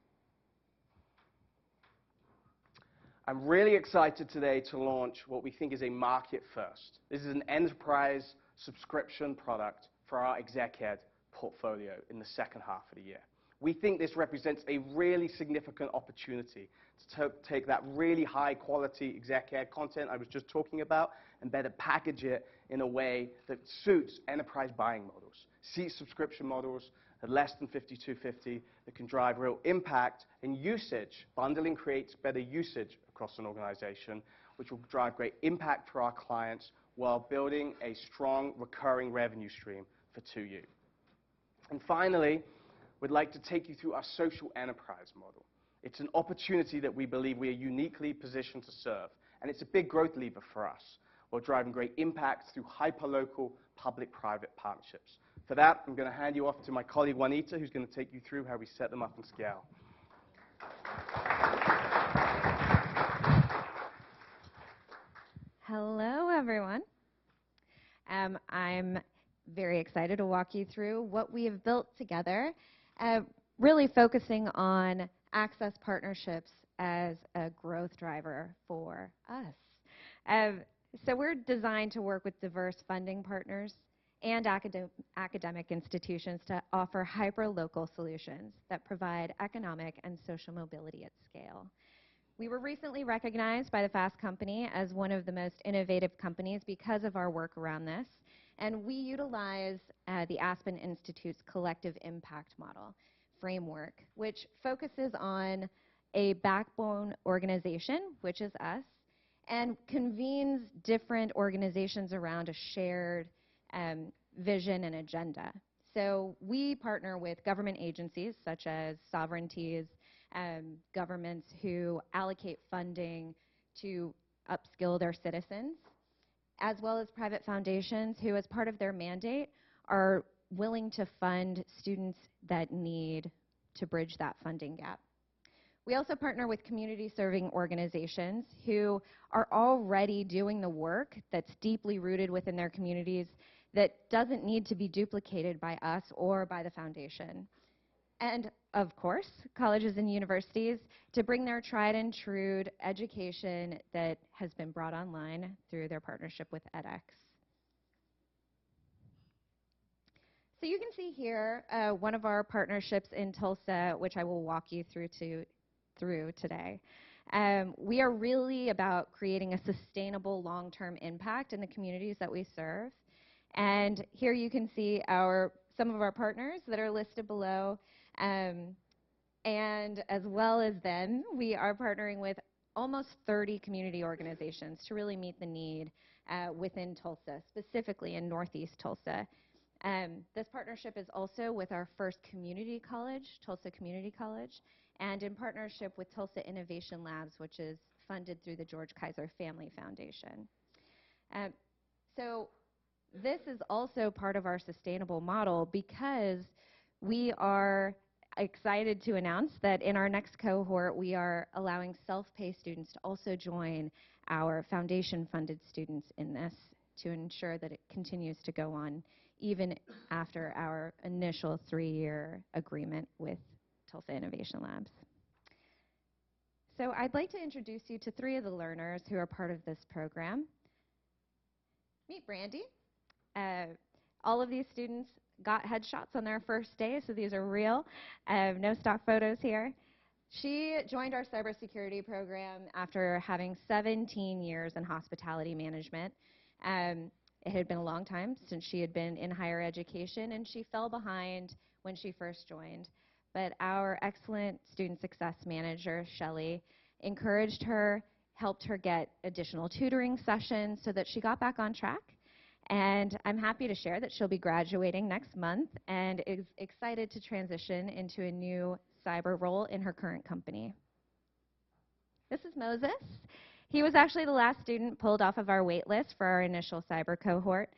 I'm really excited today to launch what we think is a market first. This is an enterprise subscription product for our exec ed portfolio in the second half of the year. We think this represents a really significant opportunity to take that really high quality exec ed content I was just talking about and better package it in a way that suits enterprise buying models. Seat subscription models are less than $5,250 that can drive real impact and usage. Bundling creates better usage across an organization, which will drive great impact for our clients while building a strong recurring revenue stream for 2U. Finally, we'd like to take you through our social enterprise model. It's an opportunity that we believe we are uniquely positioned to serve, and it's a big growth lever for us. We're driving great impact through hyperlocal public-private partnerships. For that, I'm gonna hand you off to my colleague, Juanita, who's gonna take you through how we set them up and scale. Hello, everyone. I'm very excited to walk you through what we have built together, really focusing on access partnerships as a growth driver for us. We're designed to work with diverse funding partners and academic institutions to offer hyper-local solutions that provide economic and social mobility at scale. We were recently recognized by the Fast Company as one of the most innovative companies because of our work around this, and we utilize the Aspen Institute's Collective Impact Model framework, which focuses on a backbone organization, which is us, and convenes different organizations around a shared vision and agenda. We partner with government agencies such as sovereignties, governments who allocate funding to upskill their citizens, as well as private foundations who, as part of their mandate, are willing to fund students that need to bridge that funding gap. We also partner with community-serving organizations who are already doing the work that's deeply rooted within their communities that doesn't need to be duplicated by us or by the foundation. Of course, colleges and universities to bring their tried and true education that has been brought online through their partnership with edX. You can see here, one of our partnerships in Tulsa, which I will walk you through to, through today. We are really about creating a sustainable long-term impact in the communities that we serve. Here you can see our, some of our partners that are listed below. As well as them, we are partnering with almost 30 community organizations to really meet the need within Tulsa, specifically in Northeast Tulsa. This partnership is also with our first community college, Tulsa Community College, and in partnership with Tulsa Innovation Labs, which is funded through the George Kaiser Family Foundation. This is also part of our sustainable model because we are excited to announce that in our next cohort, we are allowing self-pay students to also join our foundation-funded students in this to ensure that it continues to go on even after our initial 3-year agreement with Tulsa Innovation Labs. I'd like to introduce you to 3 of the learners who are part of this program. Meet Brandy. All of these students got headshots on their first day, so these are real. No stock photos here. She joined our cybersecurity program after having 17 years in hospitality management. It had been a long time since she had been in higher education, and she fell behind when she first joined. Our excellent student success manager, Shelley, encouraged her, helped her get additional tutoring sessions so that she got back on track. I'm happy to share that she'll be graduating next month and is excited to transition into a new cyber role in her current company. This is Moses. He was actually the last student pulled off of our wait list for our initial cyber cohort.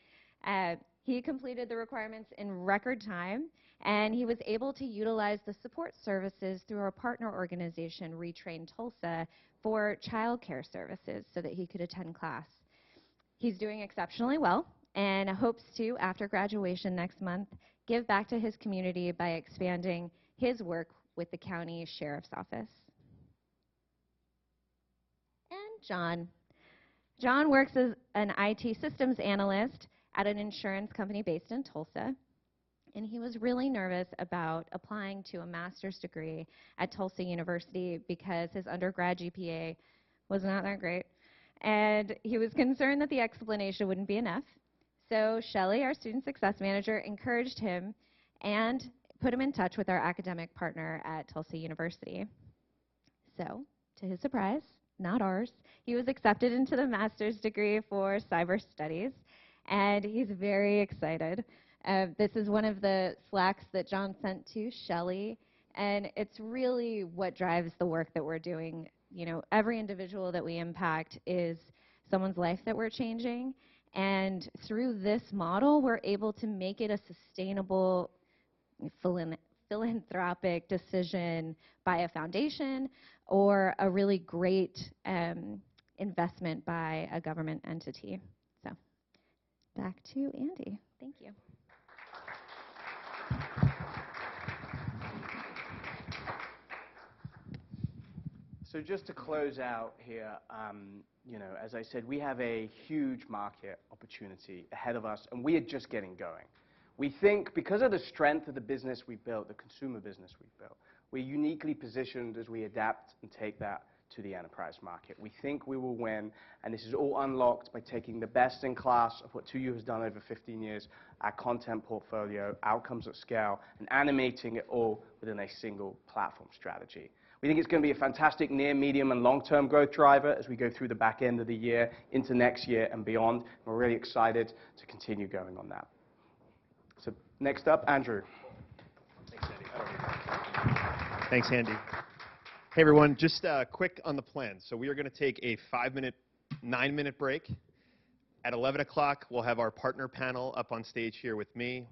He completed the requirements in record time, and he was able to utilize the support services through our partner organization, Retrain Tulsa, for childcare services so that he could attend class. He's doing exceptionally well and hopes to, after graduation next month, give back to his community by expanding his work with the county sheriff's office. John. John works as an IT systems analyst at an insurance company based in Tulsa, and he was really nervous about applying to a master's degree at Tulsa University because his undergrad GPA was not that great, and he was concerned that the explanation wouldn't be enough. Shelley, our student success manager, encouraged him and put him in touch with our academic partner at The University of Tulsa. To his surprise, not ours, he was accepted into the master's degree for cyber studies, and he's very excited. This is one of the Slacks that John sent to Shelley, and it's really what drives the work that we're doing. You know, every individual that we impact is someone's life that we're changing, and through this model, we're able to make it a sustainable philanthropic decision by a foundation or a really great investment by a government entity. Back to Andy. Thank you. Just to close out here, you know, as I said, we have a huge market opportunity ahead of us, and we are just getting going. We think because of the strength of the business we've built, the consumer business we've built, we're uniquely positioned as we adapt and take that to the enterprise market. We think we will win. This is all unlocked by taking the best in class of what 2U has done over 15 years, our content portfolio, outcomes at scale, and animating it all within a single platform strategy. We think it's gonna be a fantastic near, medium, and long-term growth driver as we go through the back end of the year into next year and beyond. We're really excited to continue going on that. Next up, Andrew. Thanks, Andy. Hey, everyone. Just quick on the plan. We are gonna take a 5-minute, 9-minute break. At 11:00, we'll have our partner panel up on stage here with me,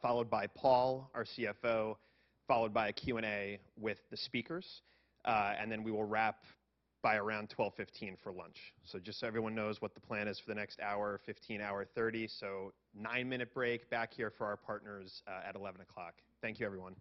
followed by Paul, our CFO, followed by a Q&A with the speakers. We will wrap by around 12:15 for lunch. Just so everyone knows what the plan is for the next hour 15, hour 30. 9-minute break, back here for our partners, at 11:00. Thank you, everyone.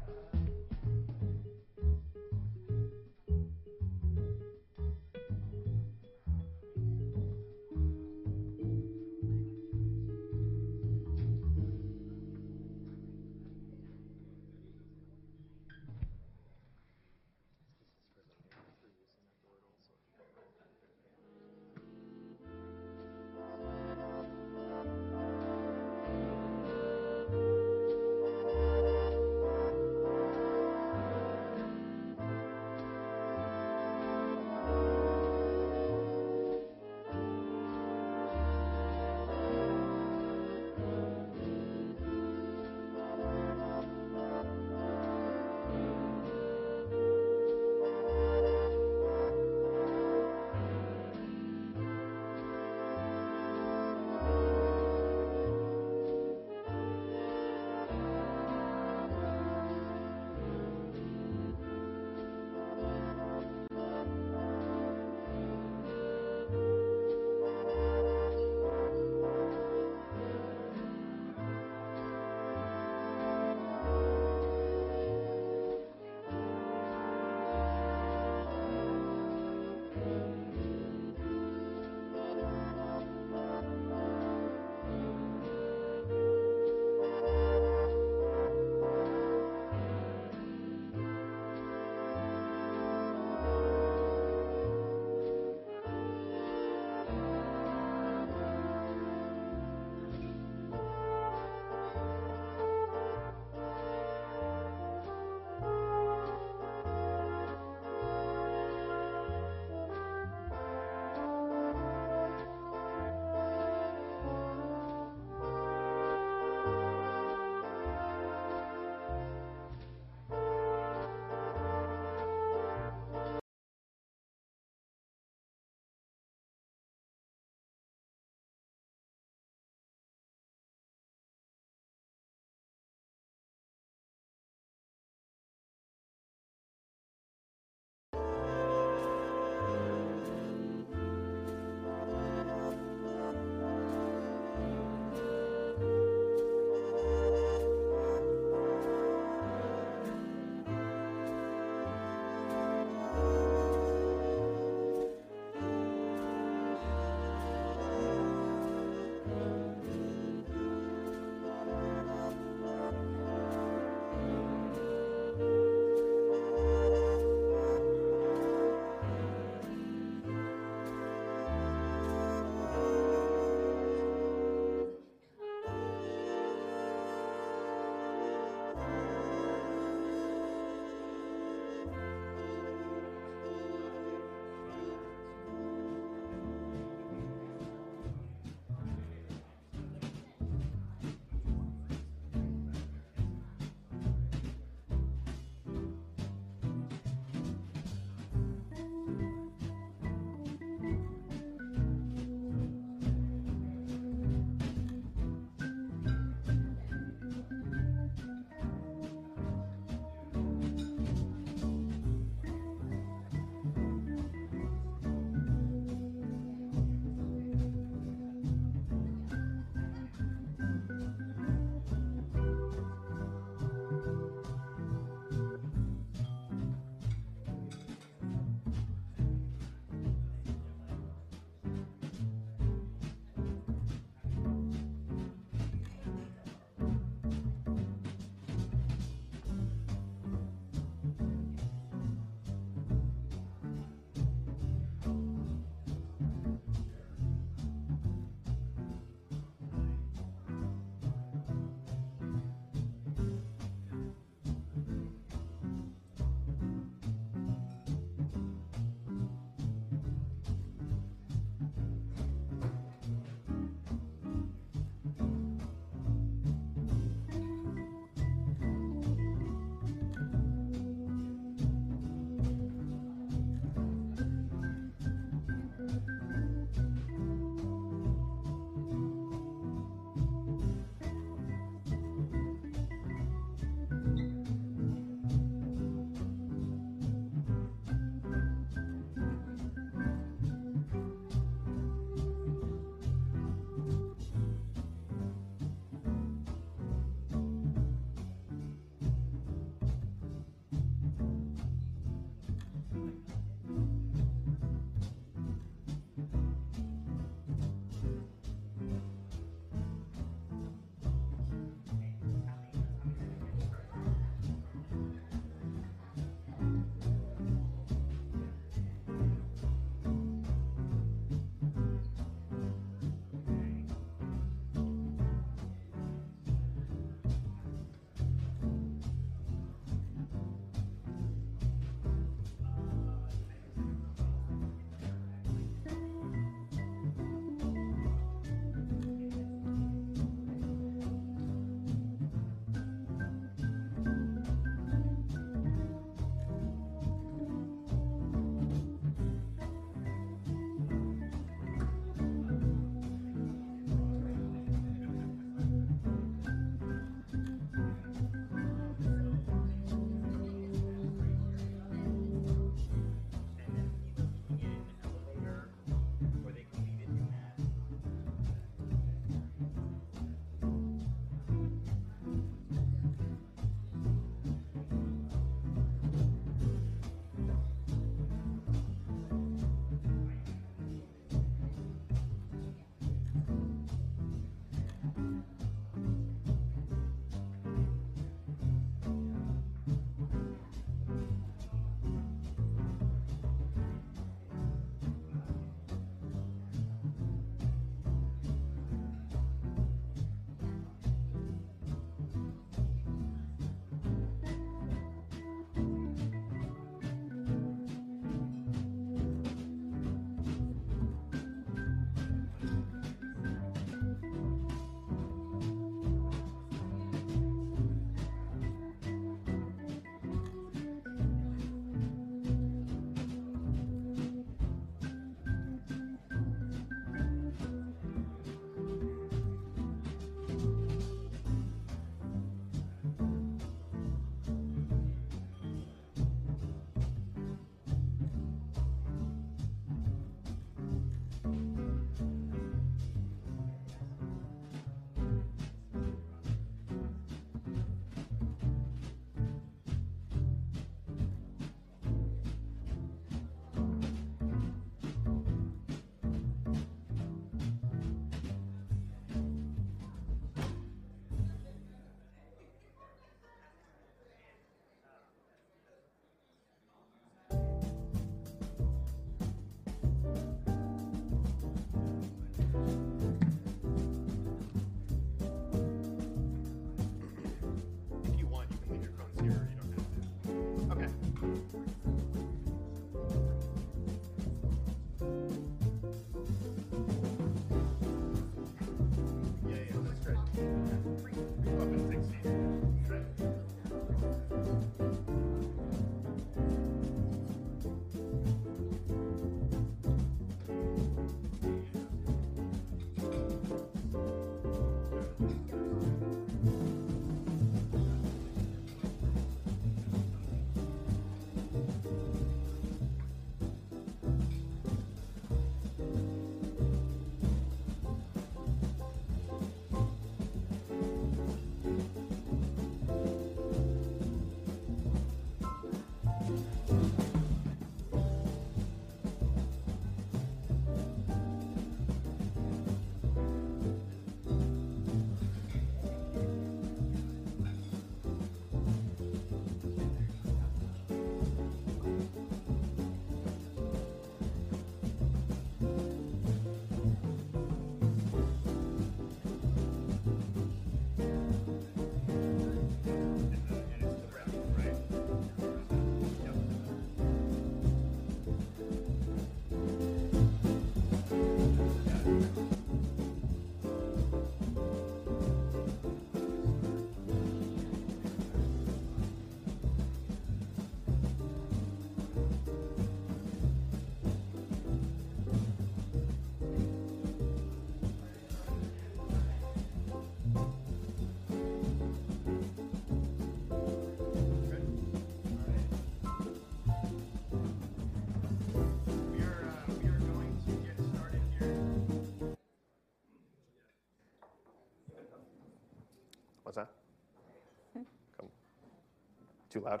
If you want,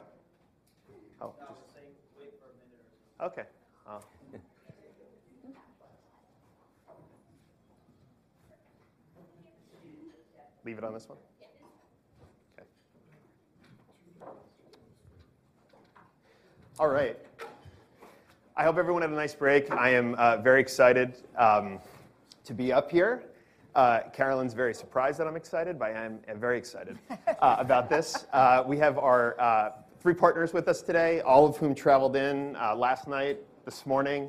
you can leave your phones here or you don't have to. Okay. Yeah, yeah. That's great. Welcome. Thanks. It's to the right? Yep. All right. We are going to get started here. What's that? Hmm? Too loud? Oh. No, I'm saying wait for a minute or so. Okay. I'll. Mm-hmm. Leave it on this one? Yes. Okay. All right. I hope everyone had a nice break. I am very excited to be up here. Caroline's very surprised that I'm excited, but I am very excited about this. We have our three partners with us today, all of whom traveled in last night, this morning.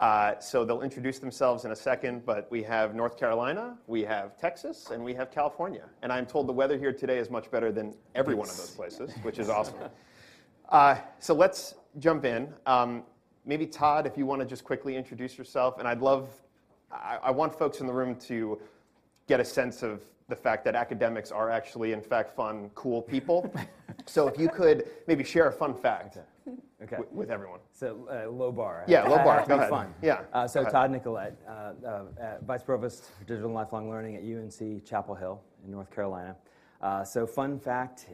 They'll introduce themselves in a second. We have North Carolina, we have Texas, and we have California. I'm told the weather here today is much better than every one of those places- Yes. -which is awesome. Let's jump in. Maybe Todd, if you wanna just quickly introduce yourself. I want folks in the room to get a sense of the fact that academics are actually, in fact, fun, cool people. If you could maybe share a fun fact- Okay. with everyone. A low bar. Yeah, low bar. Go ahead. Be fun. Yeah. Go ahead. Todd Nicolet, Vice Provost for Digital and Lifelong Learning at UNC-Chapel Hill in North Carolina. Fun fact,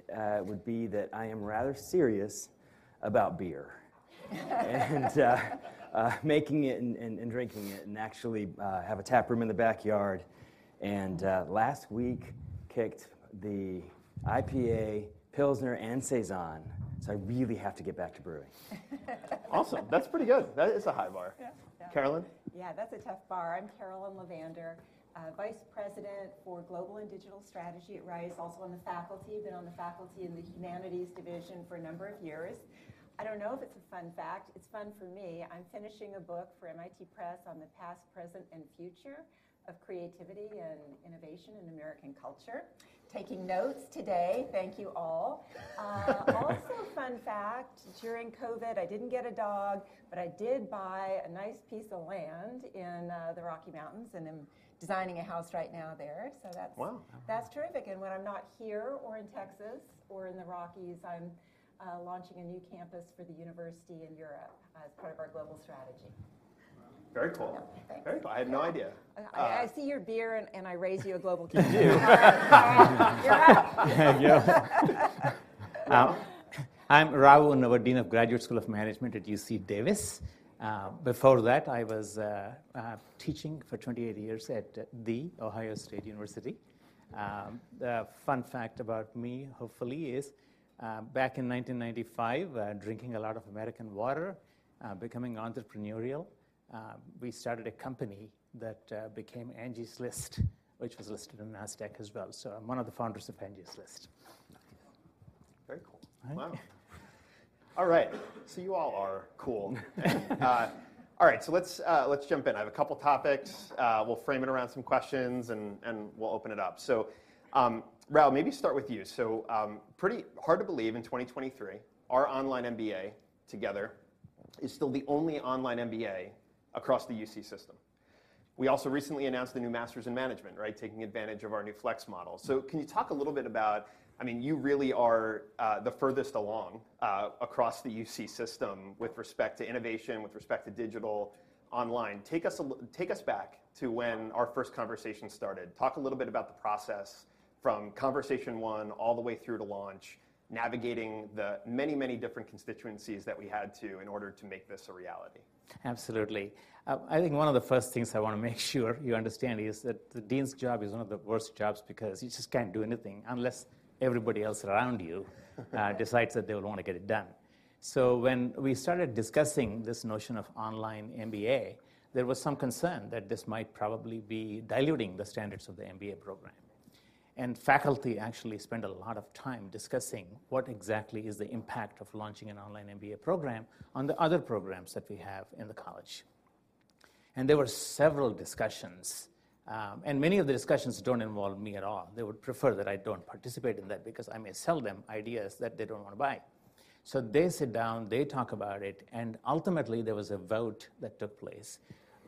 would be that I am rather serious about beer. Making it and drinking it, and actually have a tap room in the backyard. Last week- Kicked the IPA, Pilsner, and Saison. I really have to get back to brewing. Awesome. That's pretty good. That is a high bar. Yeah. Yeah. Caroline? Yeah, that's a tough bar. I'm Caroline Levander, Vice President for Global and Digital Strategy at Rice, also on the faculty. Been on the faculty in the Humanities division for a number of years. I don't know if it's a fun fact. It's fun for me. I'm finishing a book for MIT Press on the past, present, and future of creativity and innovation in American culture. Taking notes today. Thank you all. Also fun fact, during COVID, I didn't get a dog, but I did buy a nice piece of land in the Rocky Mountains, and I'm designing a house right now there. Wow. That's terrific. When I'm not here or in Texas or in the Rockies, I'm launching a new campus for the university in Europe as part of our global strategy. Very cool. Yeah. Thanks. Very cool. I had no idea. I see your beer and I raise you a global campus. You do. You're up. Yeah. Now, I'm Rao, now Dean of Graduate School of Management at UC Davis. Before that, I was teaching for 28 years at The Ohio State University. The fun fact about me, hopefully, is back in 1995, drinking a lot of American water, becoming entrepreneurial, we started a company that became Angie's List, which was listed in Nasdaq as well. I'm one of the founders of Angie's List. Very cool. All right. Wow. All right. You all are cool. All right, let's jump in. I have a couple topics. We'll frame it around some questions and we'll open it up. Ra, maybe start with you. Pretty hard to believe in 2023, our online MBA together is still the only online MBA across the UC system. We also recently announced the new Master's in Management, right? Taking advantage of our new flex model. Can you talk a little bit about. I mean, you really are the furthest along across the UC system with respect to innovation, with respect to digital online. Take us back to when our first conversation started. Talk a little bit about the process from conversation one all the way through to launch, navigating the many different constituencies that we had to in order to make this a reality. Absolutely. I think one of the first things I want to make sure you understand is that the dean's job is one of the worst jobs because you just can't do anything unless everybody else around you decides that they would want to get it done. When we started discussing this notion of online MBA, there was some concern that this might probably be diluting the standards of the MBA program. Faculty actually spent a lot of time discussing what exactly is the impact of launching an online MBA program on the other programs that we have in the college. There were several discussions, and many of the discussions don't involve me at all. They would prefer that I don't participate in that because I may sell them ideas that they don't want to buy. They sit down, they talk about it, and ultimately, there was a vote that took place,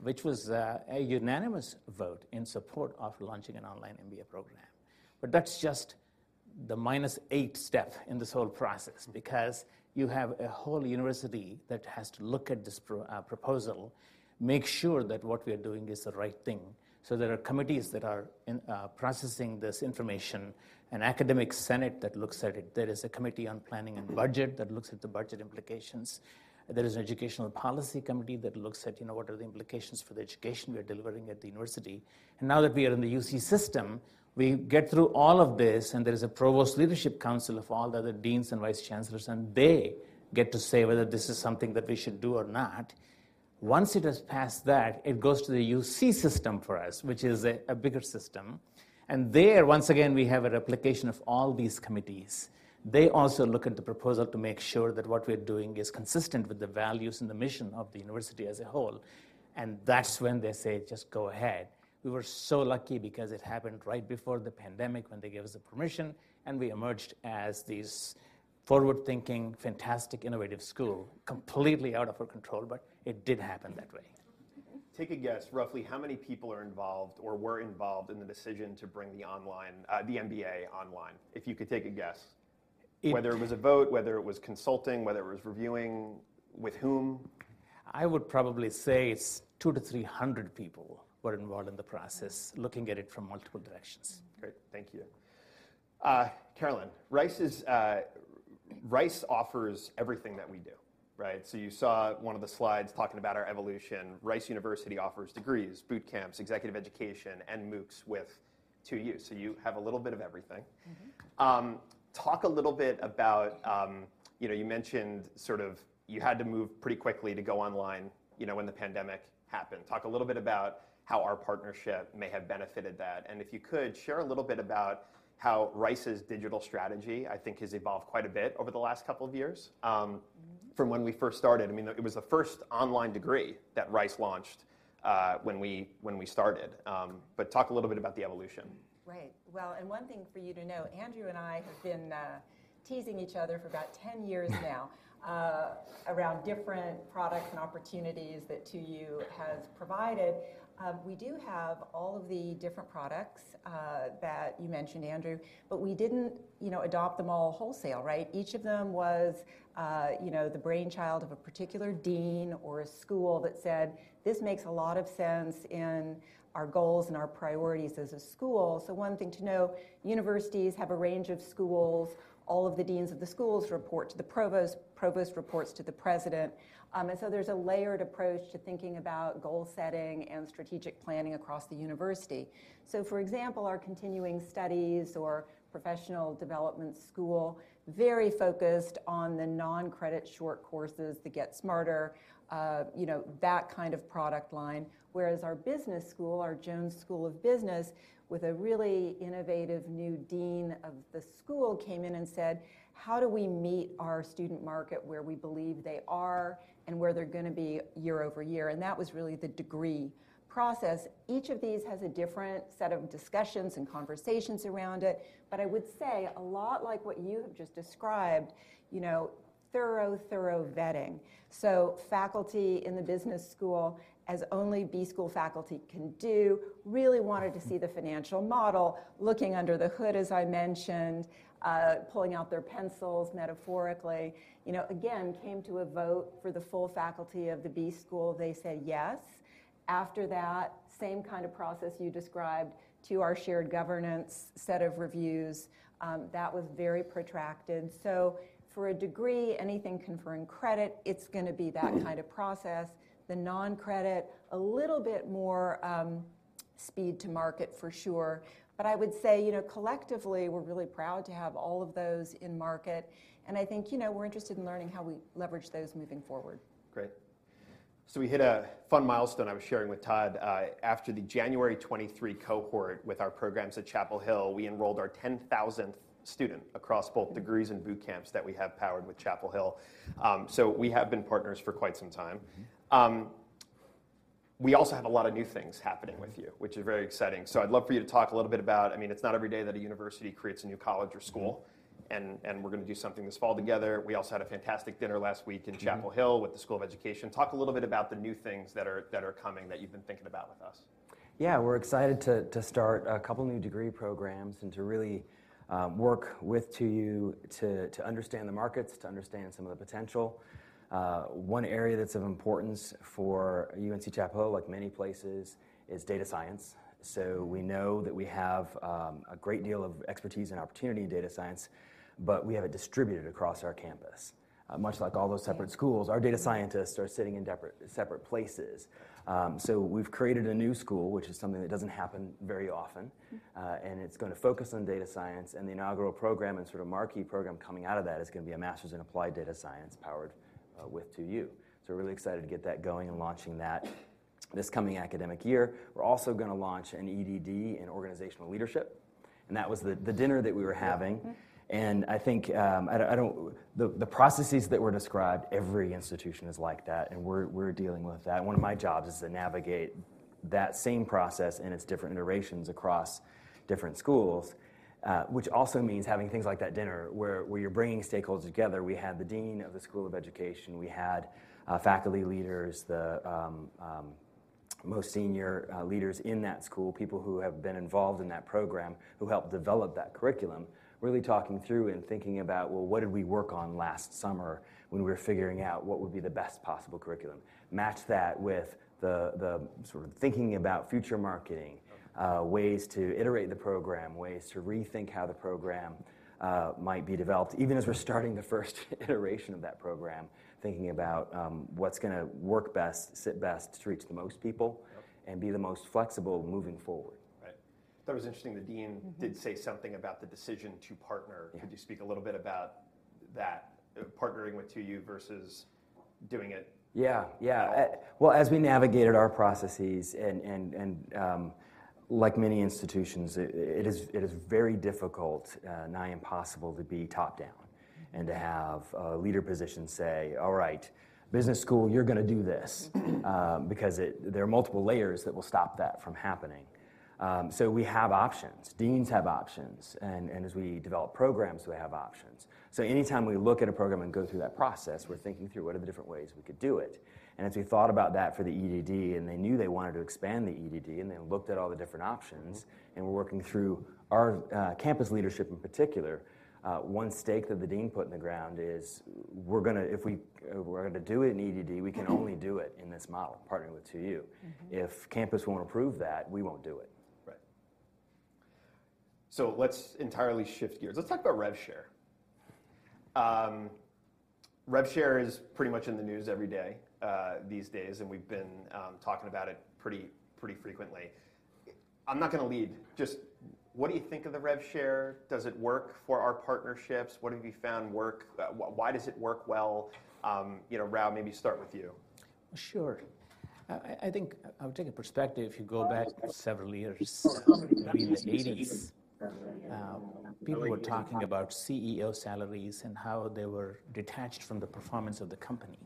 which was a unanimous vote in support of launching an online MBA program. That's just the -8 step in this whole process because you have a whole university that has to look at this proposal, make sure that what we're doing is the right thing. There are committees that are processing this information, an academic senate that looks at it. There is a committee on planning and budget that looks at the budget implications. There is an educational policy committee that looks at, you know, what are the implications for the education we're delivering at the university. Now that we are in the UC system, we get through all of this, there is a provost leadership council of all the other deans and vice chancellors, they get to say whether this is something that we should do or not. Once it has passed that, it goes to the UC system for us, which is a bigger system. There, once again, we have a replication of all these committees. They also look at the proposal to make sure that what we're doing is consistent with the values and the mission of the university as a whole. That's when they say, "Just go ahead." We were so lucky because it happened right before the pandemic when they gave us the permission, we emerged as this forward-thinking, fantastic, innovative school, completely out of our control, it did happen that way. Take a guess. Roughly how many people are involved or were involved in the decision to bring the online, the MBA online, if you could take a guess? It- Whether it was a vote, whether it was consulting, whether it was reviewing, with whom. I would probably say it's 2-300 people were involved in the process, looking at it from multiple directions. Great. Thank you. Caroline, Rice is, Rice offers everything that we do, right? You saw one of the slides talking about our evolution. Rice University offers degrees, boot camps, executive education, and MOOCs with 2U. You have a little bit of everything. Mm-hmm. Talk a little bit about, you know, you mentioned sort of, you had to move pretty quickly to go online, you know, when the pandemic happened. Talk a little bit about how our partnership may have benefited that, and if you could, share a little bit about how Rice's digital strategy, I think, has evolved quite a bit over the last couple of years, from when we first started. I mean, it was the first online degree that Rice launched, when we started. Talk a little bit about the evolution. Right. Well, one thing for you to know, Andrew and I have been teasing each other for about 10 years now, around different products and opportunities that 2U has provided. We do have all of the different products that you mentioned, Andrew, but we didn't, you know, adopt them all wholesale, right? Each of them was, you know, the brainchild of a particular dean or a school that said, "This makes a lot of sense in our goals and our priorities as a school." One thing to know, universities have a range of schools. All of the deans of the schools report to the provost. Provost reports to the president. There's a layered approach to thinking about goal setting and strategic planning across the university. For example, our continuing studies or professional development school, very focused on the non-credit short courses to GetSmarter, you know, that kind of product line. Whereas our business school, our Jones School of Business, with a really innovative new dean of the school, came in and said, "How do we meet our student market where we believe they are and where they're gonna be year-over-year?" That was really the degree- Process. Each of these has a different set of discussions and conversations around it, but I would say a lot like what you have just described, you know, thorough vetting. Faculty in the business school, as only B school faculty can do, really wanted to see the financial model, looking under the hood, as I mentioned, pulling out their pencils metaphorically. You know, again, came to a vote for the full faculty of the B school. They said yes. After that, same kind of process you described to our shared governance set of reviews. That was very protracted. For a degree, anything conferring credit, it's gonna be that kind of process. The non-credit, a little bit more, speed to market for sure. I would say, you know, collectively, we're really proud to have all of those in market, and I think, you know, we're interested in learning how we leverage those moving forward. Great. We hit a fun milestone I was sharing with Todd. After the January 23 cohort with our programs at Chapel Hill, we enrolled our 10,000th student across both degrees and boot camps that we have powered with Chapel Hill. We have been partners for quite some time. Mm-hmm. We also have a lot of new things happening with you, which is very exciting. I'd love for you to talk a little bit about, I mean, it's not every day that a university creates a new college or school. Mm-hmm. We're gonna do something this fall together. We also had a fantastic dinner last week in Chapel Hill with the School of Education. Talk a little bit about the new things that are coming that you've been thinking about with us. We're excited to start a couple new degree programs and to really work with 2U to understand the markets, to understand some of the potential. One area that's of importance for UNC-Chapel Hill, like many places, is data science. We know that we have a great deal of expertise and opportunity in data science, but we have it distributed across our campus. Much like all those separate schools, our data scientists are sitting in separate places. We've created a new school, which is something that doesn't happen very often. Mm-hmm. It's gonna focus on data science, and the inaugural program and sort of marquee program coming out of that is gonna be a master's in applied data science powered with 2U. We're really excited to get that going and launching that this coming academic year. We're also gonna launch an EdD in organizational leadership, and that was the dinner that we were having. Mm-hmm. I think, I don't The processes that were described, every institution is like that, and we're dealing with that. One of my jobs is to navigate that same process in its different iterations across different schools, which also means having things like that dinner where you're bringing stakeholders together. We had the dean of the School of Education, we had faculty leaders, the most senior leaders in that school, people who have been involved in that program who helped develop that curriculum, really talking through and thinking about, well, what did we work on last summer when we were figuring out what would be the best possible curriculum? Match that with the sort of thinking about future marketing- Yep... ways to iterate the program, ways to rethink how the program might be developed, even as we're starting the first iteration of that program, thinking about, what's gonna work best, sit best to reach the most people... Yep... and be the most flexible moving forward. Right. That was interesting. The dean- Mm-hmm did say something about the decision to partner. Yeah. Could you speak a little bit about that, partnering with 2U versus doing it… Yeah, yeah, well, as we navigated our processes and like many institutions, it is very difficult, nigh impossible to be top-down and to have a leader position say, "All right, business school, you're gonna do this." Because it, there are multiple layers that will stop that from happening. We have options. Deans have options. As we develop programs, we have options. Anytime we look at a program and go through that process, we're thinking through what are the different ways we could do it. As we thought about that for the Ed.D., and they knew they wanted to expand the Ed.D., and they looked at all the different options, and we're working through our campus leadership in particular, one stake that the dean put in the ground is if we're gonna do an Ed.D., we can only do it in this model, partnering with 2U. Mm-hmm. If campus won't approve that, we won't do it. Right. Let's entirely shift gears. Let's talk about rev share. Rev share is pretty much in the news every day these days, and we've been talking about it pretty frequently. I'm not gonna lead. Just what do you think of the rev share? Does it work for our partnerships? What have you found work? Why does it work well? You know, Rav, maybe start with you. Sure. I think I would take a perspective, if you go back several years to the eighties, people were talking about CEO salaries and how they were detached from the performance of the company,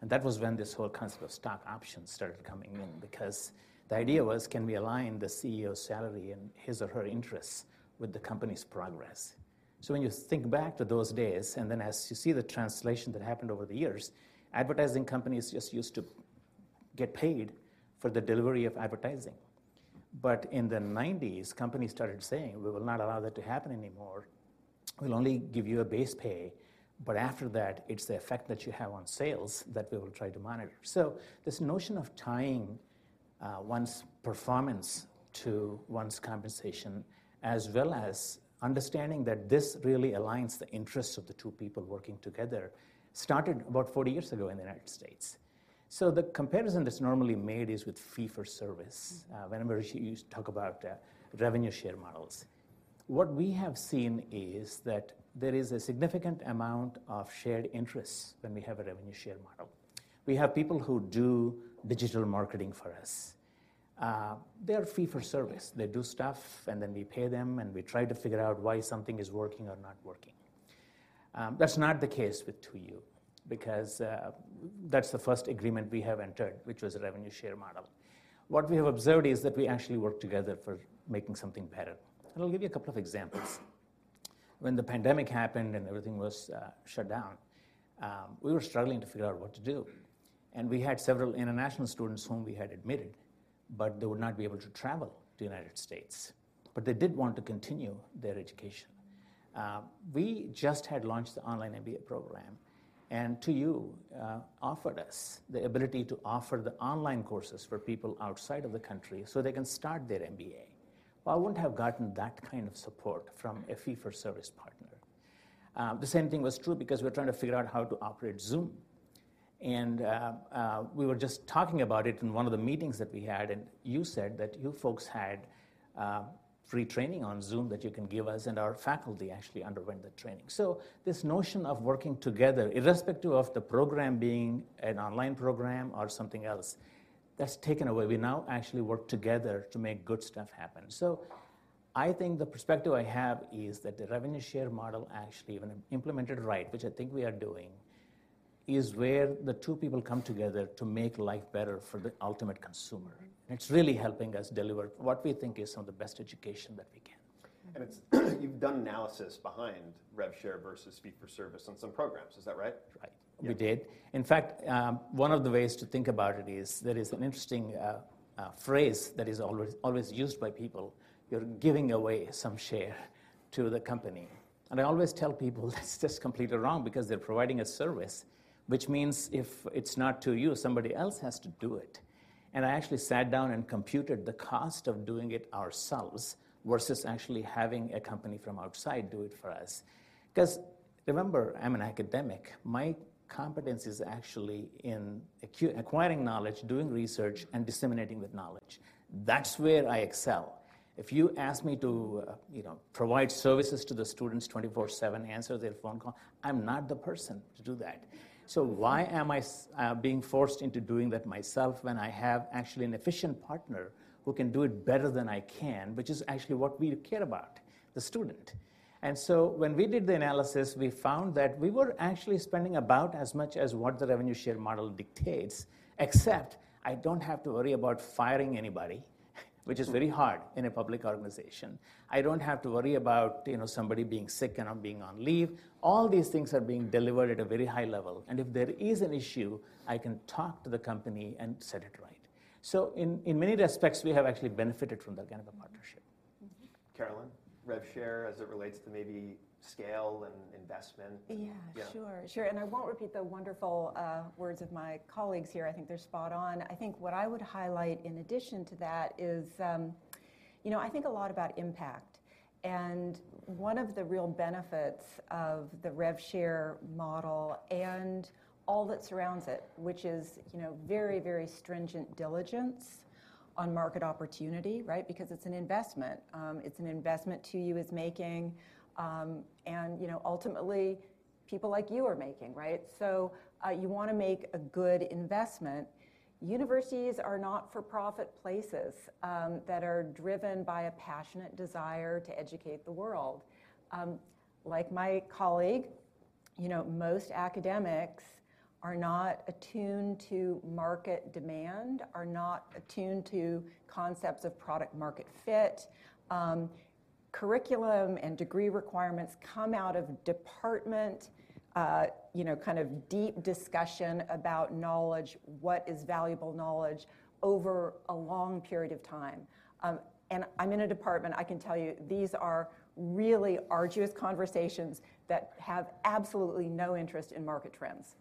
and that was when this whole concept of stock options started coming in because the idea was can we align the CEO's salary and his or her interests with the company's progress? When you think back to those days, and then as you see the translation that happened over the years, advertising companies just used to get paid for the delivery of advertising. In the nineties, companies started saying, "We will not allow that to happen anymore. We'll only give you a base pay, but after that, it's the effect that you have on sales that we will try to monitor. This notion of tying, one's performance to one's compensation, as well as understanding that this really aligns the interests of the two people working together, started about 40 years ago in the United States. The comparison that's normally made is with fee for service. Mm-hmm... whenever you talk about revenue share models. What we have seen is that there is a significant amount of shared interests when we have a revenue share model. We have people who do digital marketing for us. They are fee for service. They do stuff, and then we pay them, and we try to figure out why something is working or not working. That's not the case with 2U because that's the first agreement we have entered, which was a revenue share model. What we have observed is that we actually work together for making something better. I'll give you a couple of examples. When the pandemic happened and everything was shut down, we were struggling to figure out what to do. We had several international students whom we had admitted, but they would not be able to travel to United States, but they did want to continue their education. We just had launched the online MBA program, and 2U offered us the ability to offer the online courses for people outside of the country so they can start their MBA. Well, I wouldn't have gotten that kind of support from a fee-for-service partner. The same thing was true because we're trying to figure out how to operate Zoom. We were just talking about it in one of the meetings that we had, and you said that you folks had free training on Zoom that you can give us, and our faculty actually underwent the training. This notion of working together, irrespective of the program being an online program or something else, that's taken away. We now actually work together to make good stuff happen. I think the perspective I have is that the revenue share model actually, when implemented right, which I think we are doing, is where the two people come together to make life better for the ultimate consumer. It's really helping us deliver what we think is some of the best education that we can. You've done analysis behind rev share versus fee for service on some programs. Is that right? Right. Yeah. We did. In fact, one of the ways to think about it is there is an interesting phrase that is always used by people, you're giving away some share to the company. I always tell people that's just completely wrong because they're providing a service, which means if it's not 2U, somebody else has to do it. I actually sat down and computed the cost of doing it ourselves versus actually having a company from outside do it for us. 'Cause remember, I'm an academic. My competence is actually in acquiring knowledge, doing research, and disseminating that knowledge. That's where I excel. If you ask me to, you know, provide services to the students 24/7, answer their phone call, I'm not the person to do that. Why am I being forced into doing that myself when I have actually an efficient partner who can do it better than I can, which is actually what we care about, the student. When we did the analysis, we found that we were actually spending about as much as what the revenue share model dictates, except I don't have to worry about firing anybody, which is very hard in a public organization. I don't have to worry about, you know, somebody being sick and being on leave. All these things are being delivered at a very high level. If there is an issue, I can talk to the company and set it right. In many respects, we have actually benefited from that kind of a partnership. Mm-hmm. Caroline, rev share as it relates to maybe scale and investment. Yeah. Yeah. Sure. Sure. I won't repeat the wonderful words of my colleagues here. I think they're spot on. I think what I would highlight in addition to that is, you know, I think a lot about impact. One of the real benefits of the rev share model and all that surrounds it, which is, you know, very, very stringent diligence on market opportunity, right? Because it's an investment. It's an investment 2U is making, and, you know, ultimately people like you are making, right? You wanna make a good investment. Universities are not-for-profit places that are driven by a passionate desire to educate the world. Like my colleague, you know, most academics are not attuned to market demand, are not attuned to concepts of product market fit. Curriculum and degree requirements come out of department, you know, kind of deep discussion about knowledge, what is valuable knowledge over a long period of time. I'm in a department, I can tell you these are really arduous conversations that have absolutely no interest in market trends.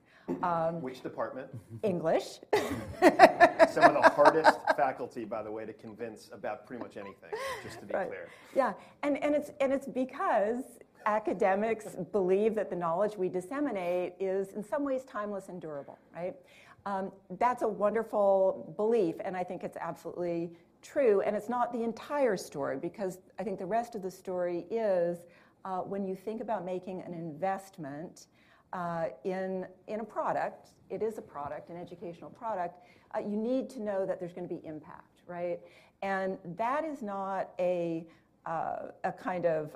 Which department? English. Some of the hardest faculty, by the way, to convince about pretty much anything, just to be clear. Right. Yeah. It's because academics believe that the knowledge we disseminate is in some ways timeless and durable, right? That's a wonderful belief, and I think it's absolutely true, and it's not the entire story because I think the rest of the story is, when you think about making an investment, in a product, it is a product, an educational product, you need to know that there's gonna be impact, right? That is not a kind of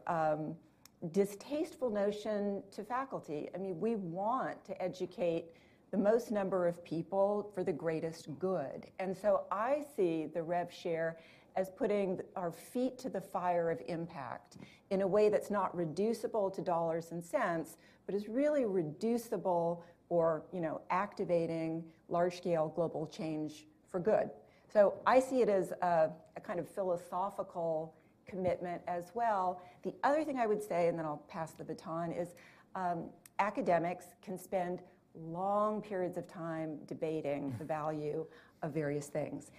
distasteful notion to faculty. I mean, we want to educate the most number of people for the greatest good. So I see the rev share as putting our feet to the fire of impact in a way that's not reducible to dollars and cents, but is really reducible or, you know, activating large-scale global change for good. I see it as a kind of philosophical commitment as well. The other thing I would say, and then I'll pass the baton, is, academics can spend long periods of time debating the value of various things.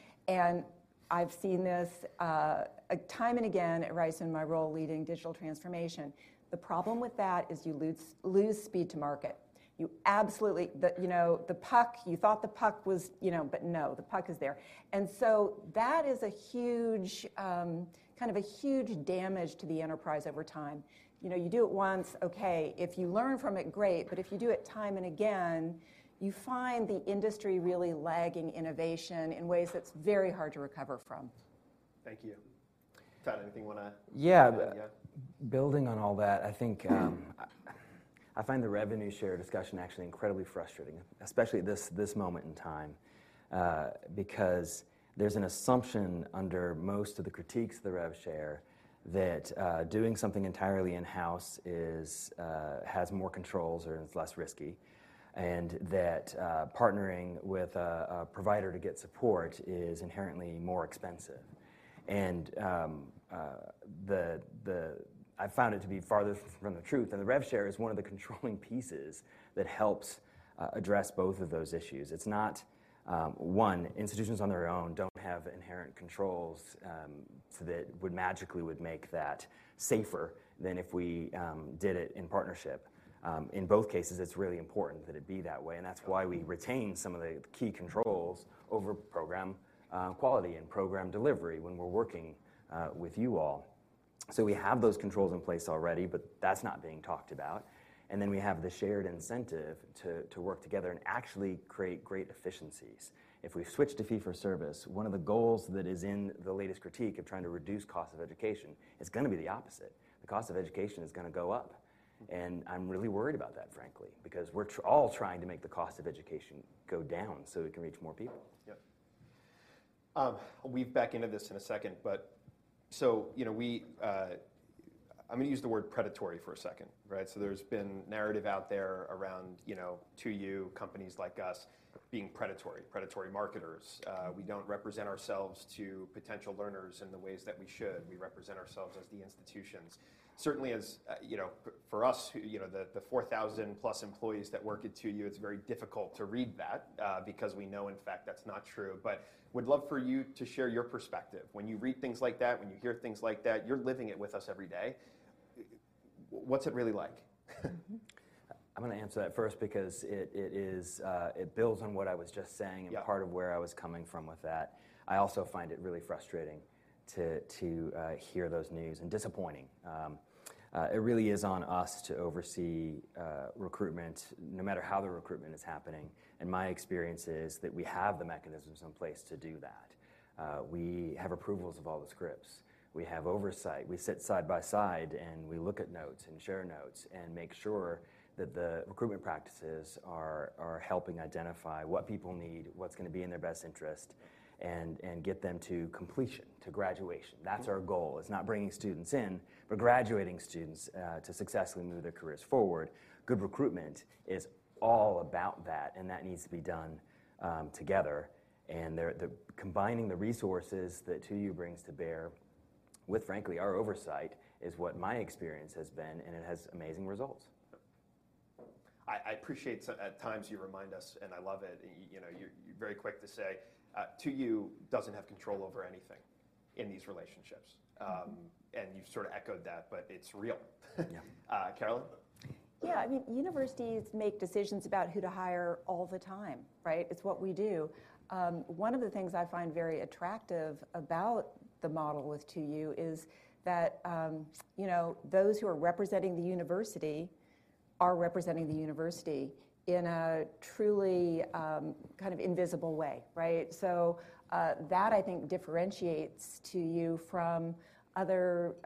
I've seen this, time and again at Rice in my role leading digital transformation. The problem with that is you lose speed to market. You absolutely. The, you know, the puck, you thought the puck was, you know, but no, the puck is there. That is a huge, kind of a huge damage to the enterprise over time. You know, you do it once, okay. If you learn from it, great. If you do it time and again, you find the industry really lagging innovation in ways that's very hard to recover from. Thank you. Todd, anything you wanna? Yeah. Yeah. Building on all that, I think, I find the revenue share discussion actually incredibly frustrating, especially this moment in time. Because there's an assumption under most of the critiques of the rev share that doing something entirely in-house is has more controls or is less risky, and that partnering with a provider to get support is inherently more expensive. I found it to be farther from the truth, and the rev share is one of the controlling pieces that helps address both of those issues. It's not. One, institutions on their own don't have inherent controls, so that would magically would make that safer than if we did it in partnership. In both cases, it's really important that it be that way. That's why we retain some of the key controls over program quality and program delivery when we're working with you all. We have those controls in place already, but that's not being talked about. Then we have the shared incentive to work together and actually create great efficiencies. If we switch to fee for service, one of the goals that is in the latest critique of trying to reduce cost of education is gonna be the opposite. The cost of education is gonna go up. I'm really worried about that, frankly, because we're all trying to make the cost of education go down so it can reach more people. I'll weave back into this in a second, you know, I'm gonna use the word predatory for a second, right? There's been narrative out there around, you know, 2U, companies like us being predatory marketers. We don't represent ourselves to potential learners in the ways that we should. We represent ourselves as the institutions. Certainly as, you know, for us who, you know, the 4,000 plus employees that work at 2U, it's very difficult to read that because we know, in fact, that's not true. Would love for you to share your perspective. When you read things like that, when you hear things like that, you're living it with us every day. What's it really like? I'm gonna answer that first because it is, it builds on what I was just saying. Yeah ...and part of where I was coming from with that. I also find it really frustrating to hear those news, and disappointing. It really is on us to oversee recruitment, no matter how the recruitment is happening. My experience is that we have the mechanisms in place to do that. We have approvals of all the scripts. We have oversight. We sit side by side. We look at notes and share notes and make sure that the recruitment practices are helping identify what people need, what's gonna be in their best interest, and get them to completion, to graduation. That's our goal. It's not bringing students in, but graduating students to successfully move their careers forward. Good recruitment is all about that. That needs to be done together. The combining the resources that 2U brings to bear with, frankly, our oversight is what my experience has been, and it has amazing results. Yep. I appreciate so at times you remind us, I love it, you know, you're very quick to say, 2U doesn't have control over anything in these relationships. Mm-hmm ...and you've sort of echoed that, but it's real. Yeah. Caroline? Yeah, I mean, universities make decisions about who to hire all the time, right? It's what we do. One of the things I find very attractive about the model with 2U is that, you know, those who are representing the university are representing the university in a truly kind of invisible way, right? That I think differentiates 2U from other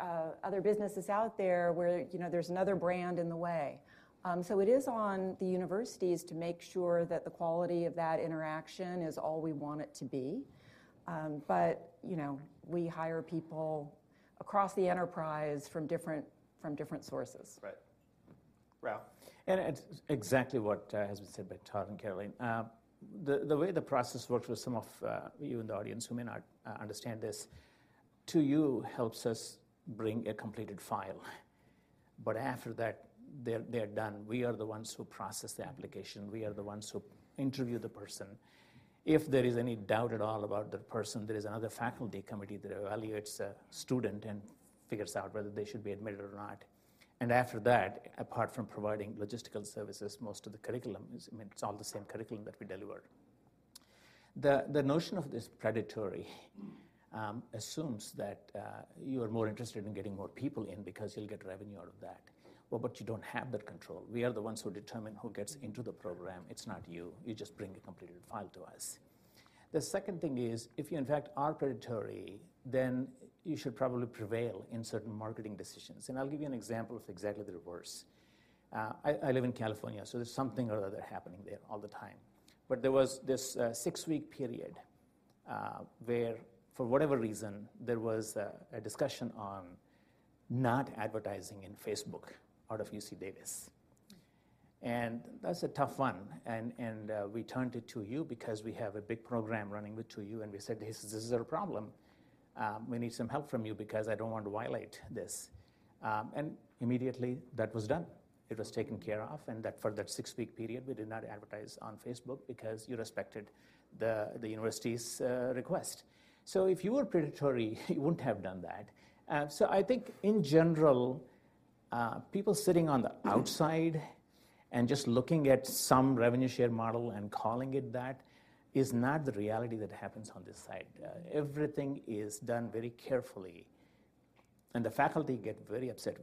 businesses out there where, you know, there's another brand in the way. It is on the universities to make sure that the quality of that interaction is all we want it to be. You know, we hire people across the enterprise from different sources. Right. Rao? It's exactly what has been said by Todd and Caroline. The way the process works for some of you in the audience who may not understand this, 2U helps us bring a completed file, but after that, they're done. We are the ones who process the application. We are the ones who interview the person. If there is any doubt at all about the person, there is another faculty committee that evaluates a student and figures out whether they should be admitted or not. After that, apart from providing logistical services, most of the curriculum is, I mean, it's all the same curriculum that we deliver. The notion of this predatory assumes that you are more interested in getting more people in because you'll get revenue out of that. But you don't have that control. We are the ones who determine who gets into the program. It's not you. You just bring a completed file to us. The second thing is, if you in fact are predatory, then you should probably prevail in certain marketing decisions, and I'll give you an example of exactly the reverse. I live in California, so there's something or other happening there all the time. There was this 6-week period where for whatever reason, there was a discussion on not advertising in Facebook out of UC Davis. That's a tough one. We turned to 2U because we have a big program running with 2U, and we said, "This is a problem. We need some help from you because I don't want to violate this." Immediately that was done. It was taken care of. For that 6-week period, we did not advertise on Facebook because you respected the university's request. If you were predatory, you wouldn't have done that. I think in general, people sitting on the outside and just looking at some revenue share model and calling it that is not the reality that happens on this side. Everything is done very carefully, the faculty get very upset.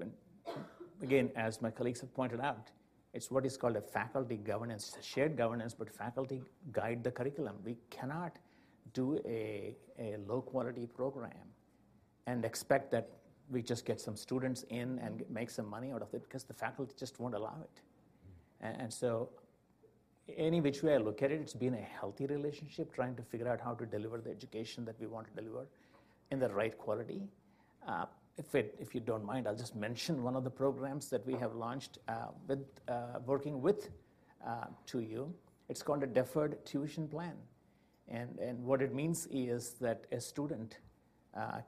Again, as my colleagues have pointed out, it's what is called a faculty governance, shared governance. Faculty guide the curriculum. We cannot do a low quality program and expect that we just get some students in and make some money out of it, because the faculty just won't allow it. Any which way I look at it's been a healthy relationship trying to figure out how to deliver the education that we want to deliver in the right quality. If you don't mind, I'll just mention one of the programs that we have launched with working with 2U. It's called a deferred tuition plan. What it means is that a student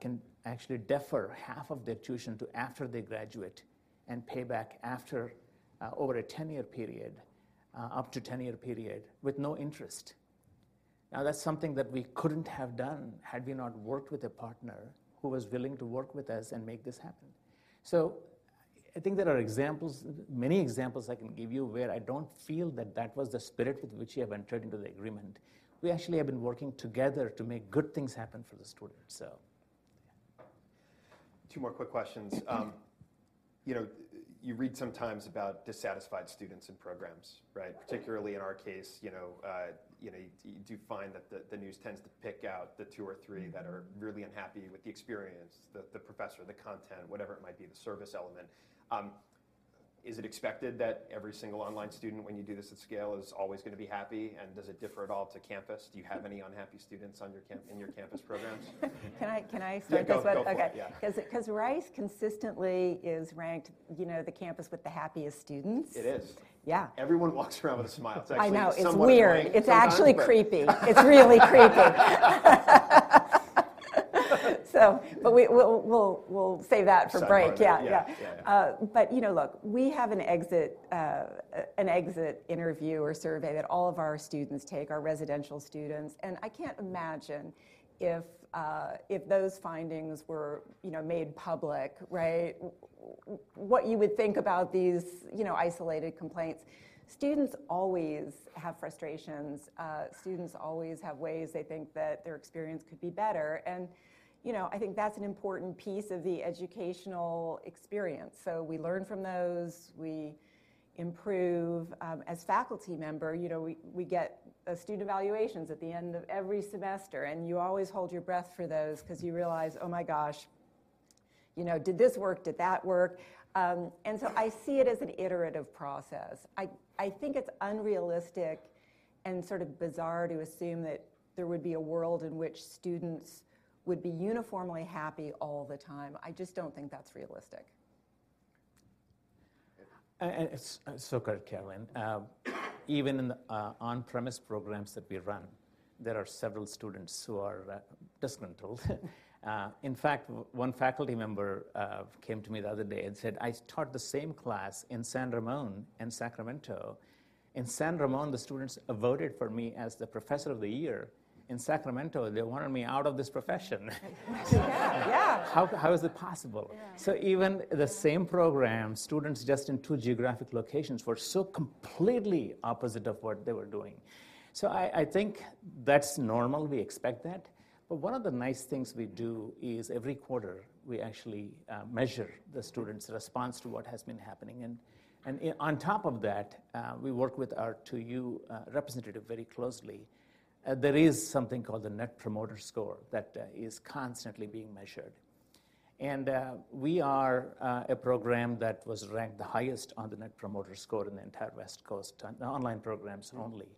can actually defer half of their tuition to after they graduate and pay back after over a 10-year period, up to 10-year period with no interest. That's something that we couldn't have done had we not worked with a partner who was willing to work with us and make this happen. I think there are examples, many examples I can give you where I don't feel that that was the spirit with which you have entered into the agreement. We actually have been working together to make good things happen for the students, so. 2 more quick questions. You know, you read sometimes about dissatisfied students in programs, right? Particularly in our case, you know, you know, you do find that the news tends to pick out the 2 or 3 that are really unhappy with the experience, the professor, the content, whatever it might be, the service element. Is it expected that every single online student, when you do this at scale, is always gonna be happy? Does it differ at all to campus? Do you have any unhappy students in your campus programs? Can I say this though? Yeah, go for it, yeah. Okay. 'Cause Rice consistently is ranked, you know, the campus with the happiest students. It is. Yeah. Everyone walks around with a smile. It's actually somewhat- I know. It's weird unsettling sometimes. It's actually creepy. It's really creepy. We'll save that for break. Some other day. Yeah. Yeah. Yeah. Yeah, yeah. you know, look, we have an exit, an exit interview or survey that all of our students take, our residential students, and I can't imagine if those findings were, you know, made public, right, what you would think about these, you know, isolated complaints. Students always have frustrations. Students always have ways they think that their experience could be better. you know, I think that's an important piece of the educational experience. We learn from those, we improve. as faculty member, you know, we get student evaluations at the end of every semester, and you always hold your breath for those 'cause you realize, oh my gosh, you know, did this work? Did that work? I see it as an iterative process. I think it's unrealistic and sort of bizarre to assume that there would be a world in which students would be uniformly happy all the time. I just don't think that's realistic. Go ahead, Caroline. Even in the on-premise programs that we run, there are several students who are disgruntled. In fact, one faculty member came to me the other day and said, "I taught the same class in San Ramon and Sacramento. In San Ramon, the students voted for me as the professor of the year. In Sacramento, they wanted me out of this profession. Yeah. Yeah. How is it possible? Yeah. Even the same program, students just in two geographic locations were so completely opposite of what they were doing. I think that's normal. We expect that. One of the nice things we do is every quarter, we actually measure the students' response to what has been happening. On top of that, we work with our 2U representative very closely. There is something called the Net Promoter Score that is constantly being measured. We are a program that was ranked the highest on the Net Promoter Score in the entire West Coast, on online programs only.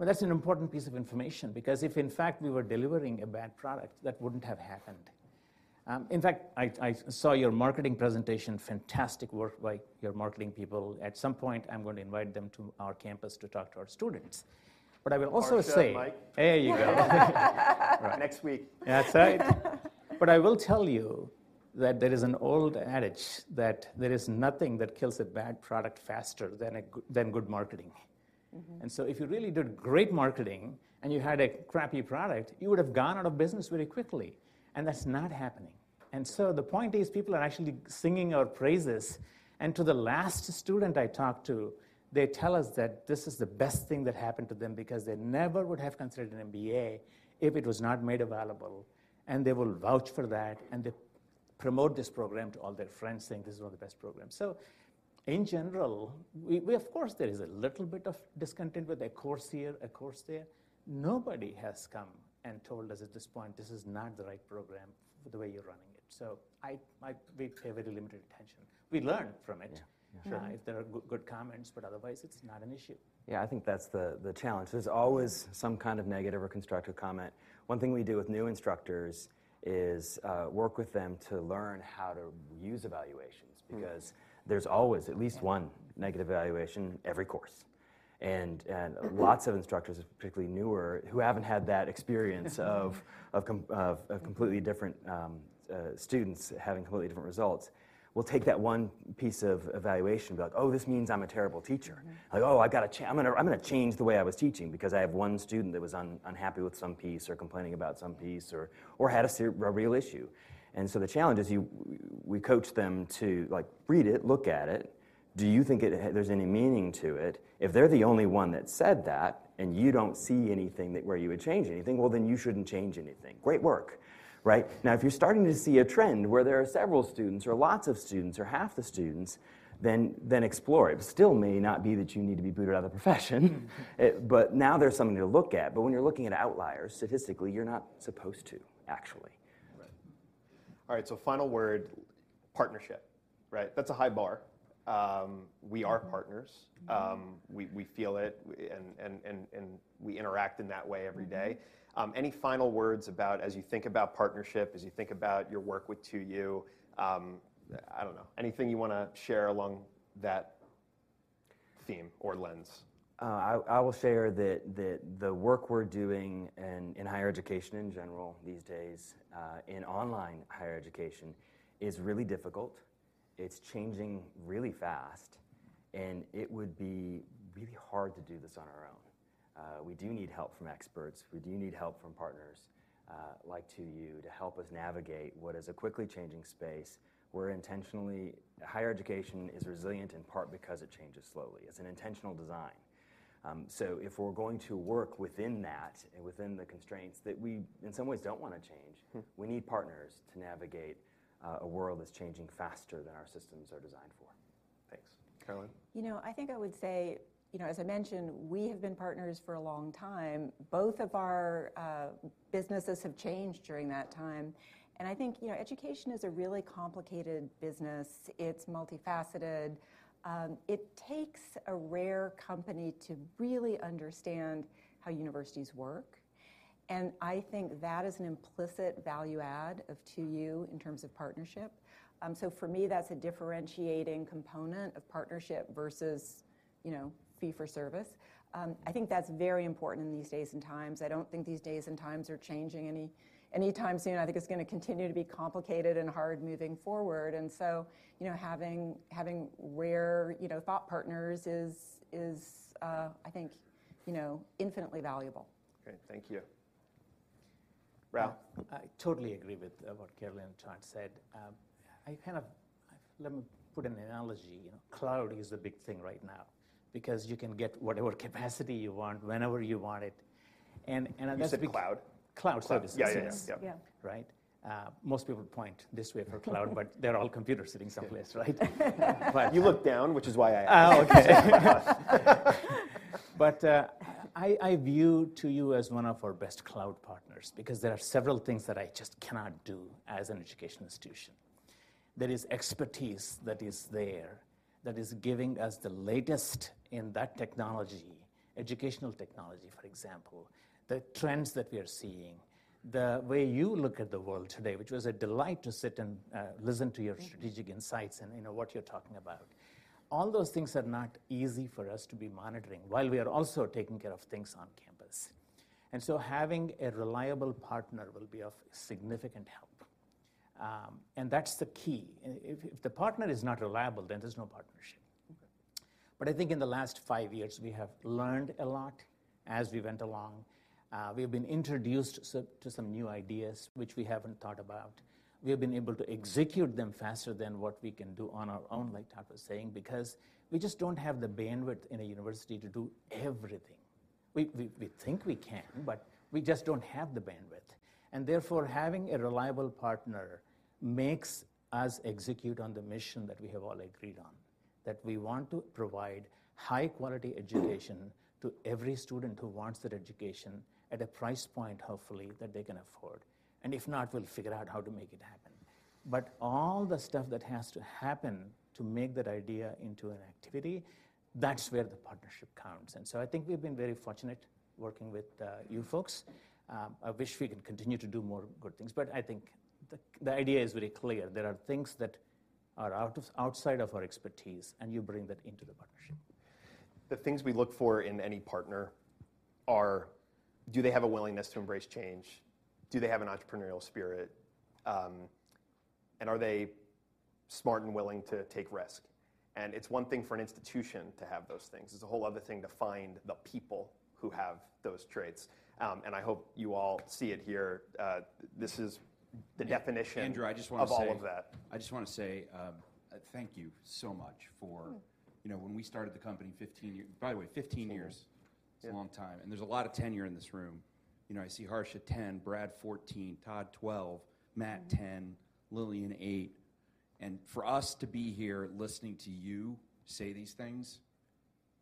That's an important piece of information, because if in fact we were delivering a bad product, that wouldn't have happened. In fact, I saw your marketing presentation. Fantastic work by your marketing people. At some point, I'm going to invite them to our campus to talk to our students. I will also say. Marsha, Mike. There you go. Next week. That's right. I will tell you that there is an old adage that there is nothing that kills a bad product faster than good marketing. Mm-hmm. If you really did great marketing and you had a crappy product, you would have gone out of business really quickly, and that's not happening. The point is people are actually singing our praises. To the last student I talked to, they tell us that this is the best thing that happened to them because they never would have considered an MBA if it was not made available, and they will vouch for that, and they promote this program to all their friends, saying, "This is one of the best programs." In general, we Of course, there is a little bit of discontent with a course here, a course there. Nobody has come and told us at this point, "This is not the right program for the way you're running it." We pay very limited attention. We learn from it. Yeah. For sure. Yeah. If there are good comments, but otherwise it's not an issue. I think that's the challenge. There's always some kind of negative or constructive comment. One thing we do with new instructors is work with them to learn how to use evaluations. Mm-hmm. There's always at least one negative evaluation every course. Lots of instructors, particularly newer, who haven't had that experience of completely different students having completely different results, will take that one piece of evaluation and be like, "Oh, this means I'm a terrible teacher. Right. Like, "Oh, I'm gonna change the way I was teaching because I have one student that was unhappy with some piece or complaining about some piece or had a real issue." The challenge is we coach them to, like, read it, look at it. Do you think there's any meaning to it? If they're the only one that said that, you don't see anything that where you would change anything, well, then you shouldn't change anything. Great work, right? Now, if you're starting to see a trend where there are several students or lots of students or half the students, then explore it. It still may not be that you need to be booted out of the profession. Now there's something to look at. When you're looking at outliers statistically, you're not supposed to actually. Right. All right, final word, partnership, right? That's a high bar. We are partners. Mm-hmm. we feel it. We, and we interact in that way every day. Mm-hmm. Any final words about as you think about partnership, as you think about your work with 2U, I don't know, anything you wanna share along that theme or lens? I will share that the work we're doing and in higher education in general these days, in online higher education is really difficult. It's changing really fast. It would be really hard to do this on our own. We do need help from experts. We do need help from partners, like 2U, to help us navigate what is a quickly changing space. Higher education is resilient in part because it changes slowly. It's an intentional design. If we're going to work within that and within the constraints that we in some ways don't wanna change. Hmm we need partners to navigate a world that's changing faster than our systems are designed for. Thanks. Caroline? I think I would say, you know, as I mentioned, we have been partners for a long time. Both of our businesses have changed during that time. I think, you know, education is a really complicated business. It's multifaceted. It takes a rare company to really understand how universities work. I think that is an implicit value add of 2U in terms of partnership. For me, that's a differentiating component of partnership versus, you know, fee for service. I think that's very important in these days and times. I don't think these days and times are changing any time soon. I think it's gonna continue to be complicated and hard moving forward. You know, having rare, you know, thought partners is, I think, you know, infinitely valuable. Great, thank you. Rao. I totally agree with what Caroline and Todd said. Let me put an analogy. You know, cloud is the big thing right now because you can get whatever capacity you want whenever you want it. That's- You said cloud? Cloud services. Yeah, yeah. Yeah. Right? Most people point this way for they're all computers sitting someplace, right? You look down, which is why I asked. I view 2U as one of our best cloud partners because there are several things that I just cannot do as an educational institution. There is expertise that is there that is giving us the latest in that technology, educational technology, for example. The trends that we are seeing, the way you look at the world today, which was a delight to sit and listen to your strategic insights and, you know, what you're talking about. All those things are not easy for us to be monitoring while we are also taking care of things on campus. Having a reliable partner will be of significant help. That's the key. If the partner is not reliable, then there's no partnership. Okay. I think in the last 5 years, we have learned a lot as we went along. We've been introduced to some new ideas which we haven't thought about. We have been able to execute them faster than what we can do on our own, like Todd was saying, because we just don't have the bandwidth in a university to do everything. We think we can, but we just don't have the bandwidth. Therefore, having a reliable partner makes us execute on the mission that we have all agreed on, that we want to provide high quality education to every student who wants that education at a price point, hopefully, that they can afford. If not, we'll figure out how to make it happen. All the stuff that has to happen to make that idea into an activity, that's where the partnership counts. I think we've been very fortunate working with you folks. I wish we could continue to do more good things. I think the idea is very clear. There are things that are outside of our expertise. You bring that into the partnership. The things we look for in any partner are, do they have a willingness to embrace change? Do they have an entrepreneurial spirit? Are they smart and willing to take risk? It's one thing for an institution to have those things. It's a whole other thing to find the people who have those traits. I hope you all see it here. This is the definition- Andrew, I just wanna say- of all of that. I just wanna say, thank you so much. Mm... you know, when we started the company 15 years... By the way, 15 years. It's a long time. It's a long time, and there's a lot of tenure in this room. You know, I see Harsha, 10; Brad, 14; Todd, 12; Matt, 10; Lillian, 8. For us to be here listening to you say these things,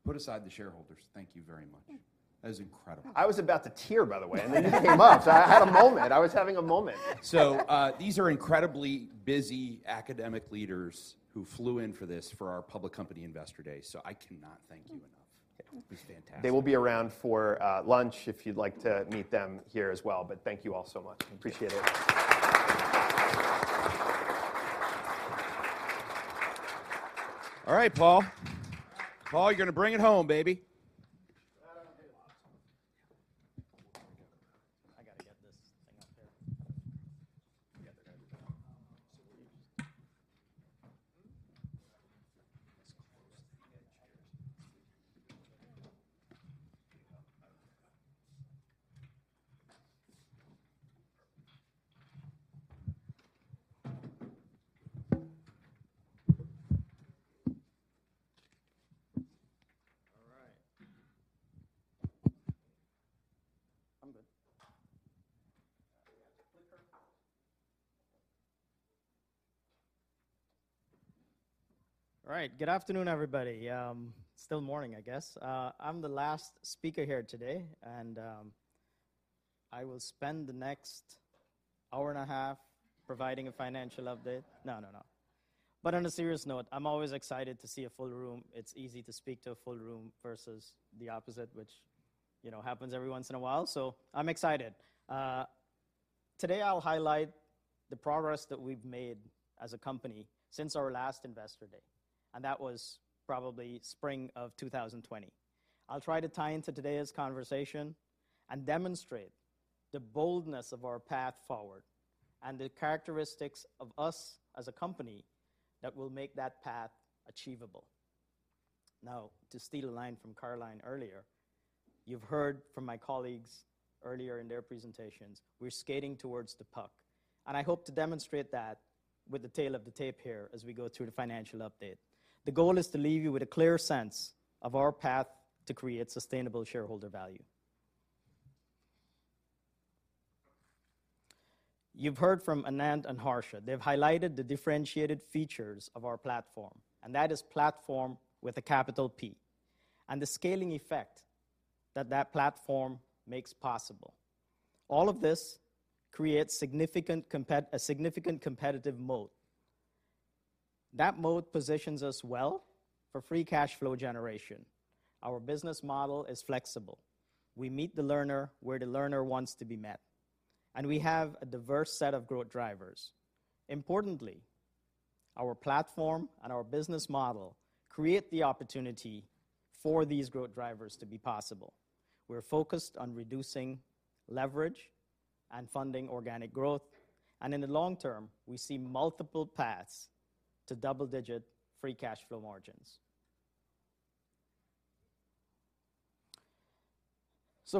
put aside the shareholders, thank you very much. Yeah. That is incredible. I was about to tear, by the way. You came up, so I had a moment. I was having a moment. These are incredibly busy academic leaders who flew in for this, for our public company investor day, so I cannot thank you enough. Yeah. It's fantastic. They will be around for lunch if you'd like to meet them here as well. Thank you all so much. Appreciate it. All right, Paul, you're gonna bring it home, baby. That I do. I gotta get this thing up here. Yeah, they're gonna do that. We'll use... That's close. All right. I'm good. All right. Good afternoon, everybody. Still morning, I guess. I'm the last speaker here today, and I will spend the next hour and a half providing a financial update. No, no. On a serious note, I'm always excited to see a full room. It's easy to speak to a full room versus the opposite, which, you know, happens every once in a while. I'm excited. Today I'll highlight the progress that we've made as a company since our last investor day, and that was probably spring of 2020. I'll try to tie into today's conversation and demonstrate the boldness of our path forward and the characteristics of us as a company that will make that path achievable. To steal a line from Caroline earlier, you've heard from my colleagues earlier in their presentations, we're skating towards the puck, and I hope to demonstrate that with the tale of the tape here as we go through the financial update. The goal is to leave you with a clear sense of our path to create sustainable shareholder value. You've heard from Anand and Harsha. They've highlighted the differentiated features of our Platform, and that is Platform with a capital P, and the scaling effect that platform makes possible. All of this creates a significant competitive moat. That moat positions us well for free cash flow generation. Our business model is flexible. We meet the learner where the learner wants to be met, and we have a diverse set of growth drivers. Importantly, our platform and our business model create the opportunity for these growth drivers to be possible. We're focused on reducing leverage and funding organic growth. In the long term, we see multiple paths to double-digit free cash flow margins.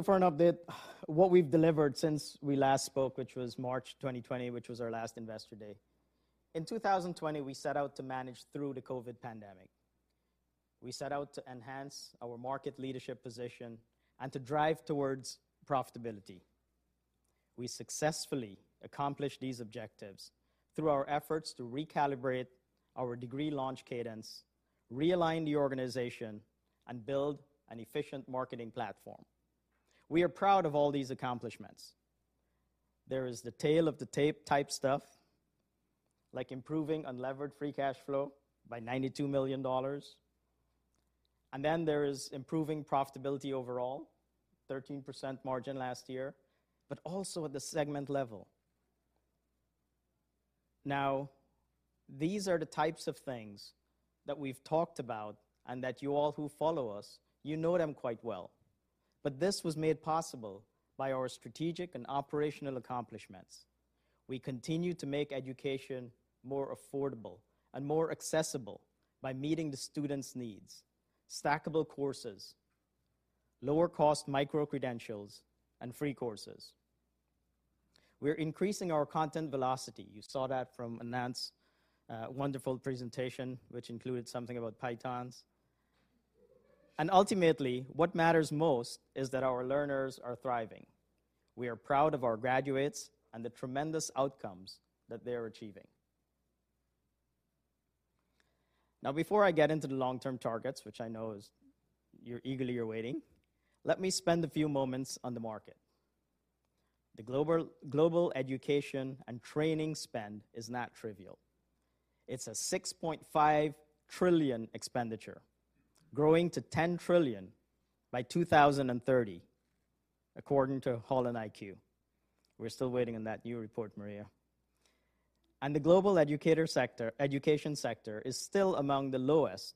For an update, what we've delivered since we last spoke, which was March 2020, which was our last investor day. In 2020, we set out to manage through the COVID pandemic. We set out to enhance our market leadership position and to drive towards profitability. We successfully accomplished these objectives through our efforts to recalibrate our degree launch cadence, realign the organization, and build an efficient marketing platform. We are proud of all these accomplishments. There is the tale of the tape type stuff, like improving unlevered free cash flow by $92 million. There is improving profitability overall, 13% margin last year, but also at the segment level. Now, these are the types of things that we've talked about and that you all who follow us, you know them quite well. This was made possible by our strategic and operational accomplishments. We continue to make education more affordable and more accessible by meeting the students' needs: stackable courses, lower-cost microcredentials, and free courses. We're increasing our content velocity. You saw that from Anant's wonderful presentation, which included something about Pythons. Ultimately, what matters most is that our learners are thriving. We are proud of our graduates and the tremendous outcomes that they are achieving. Now, before I get into the long-term targets, which I know is you're eagerly awaiting, let me spend a few moments on the market. The global education and training spend is not trivial. It's a $6.5 trillion expenditure growing to $10 trillion by 2030, according to HolonIQ. We're still waiting on that new report, Maria. The global education sector is still among the lowest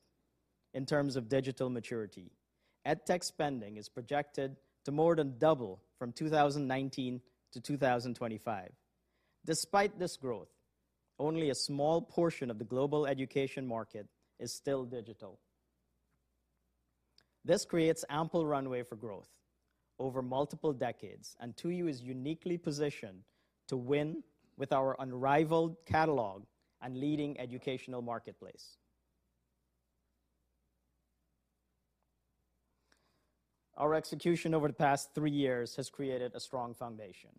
in terms of digital maturity. EdTech spending is projected to more than double from 2019 to 2025. Despite this growth, only a small portion of the global education market is still digital. This creates ample runway for growth over multiple decades. 2U is uniquely positioned to win with our unrivaled catalog and leading educational marketplace. Our execution over the past three years has created a strong foundation.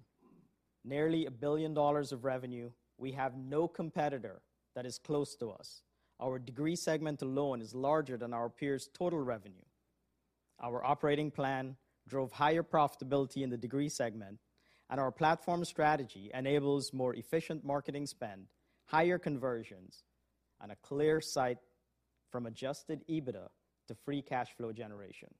Nearly $1 billion of revenue, we have no competitor that is close to us. Our degree segment alone is larger than our peers' total revenue. Our operating plan drove higher profitability in the degree segment. Our platform strategy enables more efficient marketing spend, higher conversions, and a clear sight from adjusted EBITDA to free cash flow generation.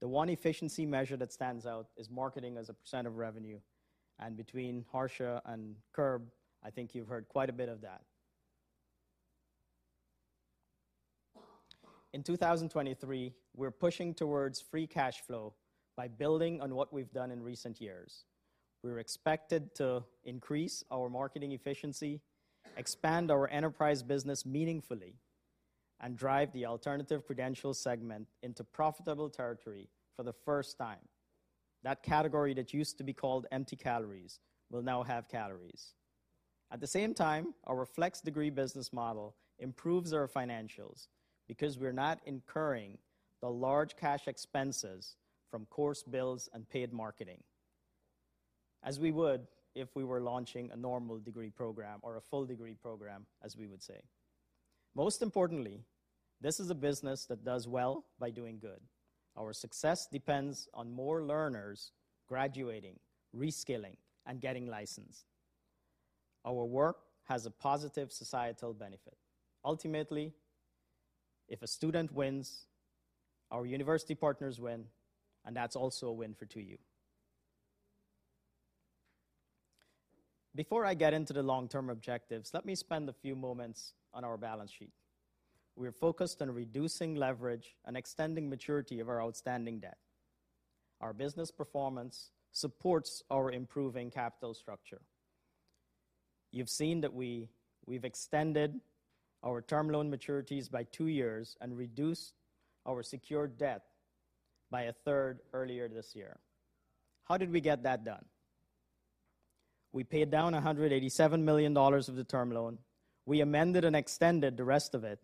The one efficiency measure that stands out is marketing as a % of revenue. Between Harsha and Kirk, I think you've heard quite a bit of that. In 2023, we're pushing towards free cash flow by building on what we've done in recent years. We're expected to increase our marketing efficiency, expand our enterprise business meaningfully. Drive the alternative credentials segment into profitable territory for the first time. That category that used to be called empty calories will now have calories. At the same time, our Flex Degree business model improves our financials because we're not incurring the large cash expenses from course bills and paid marketing as we would if we were launching a normal degree program or a full degree program, as we would say. Most importantly, this is a business that does well by doing good. Our success depends on more learners graduating, reskilling, and getting licensed. Our work has a positive societal benefit. Ultimately, if a student wins, our university partners win, and that's also a win for 2U. Before I get into the long-term objectives, let me spend a few moments on our balance sheet. We're focused on reducing leverage and extending maturity of our outstanding debt. Our business performance supports our improving capital structure. You've seen that we've extended our term loan maturities by 2 years and reduced our secured debt by a third earlier this year. How did we get that done? We paid down $187 million of the term loan. We amended and extended the rest of it.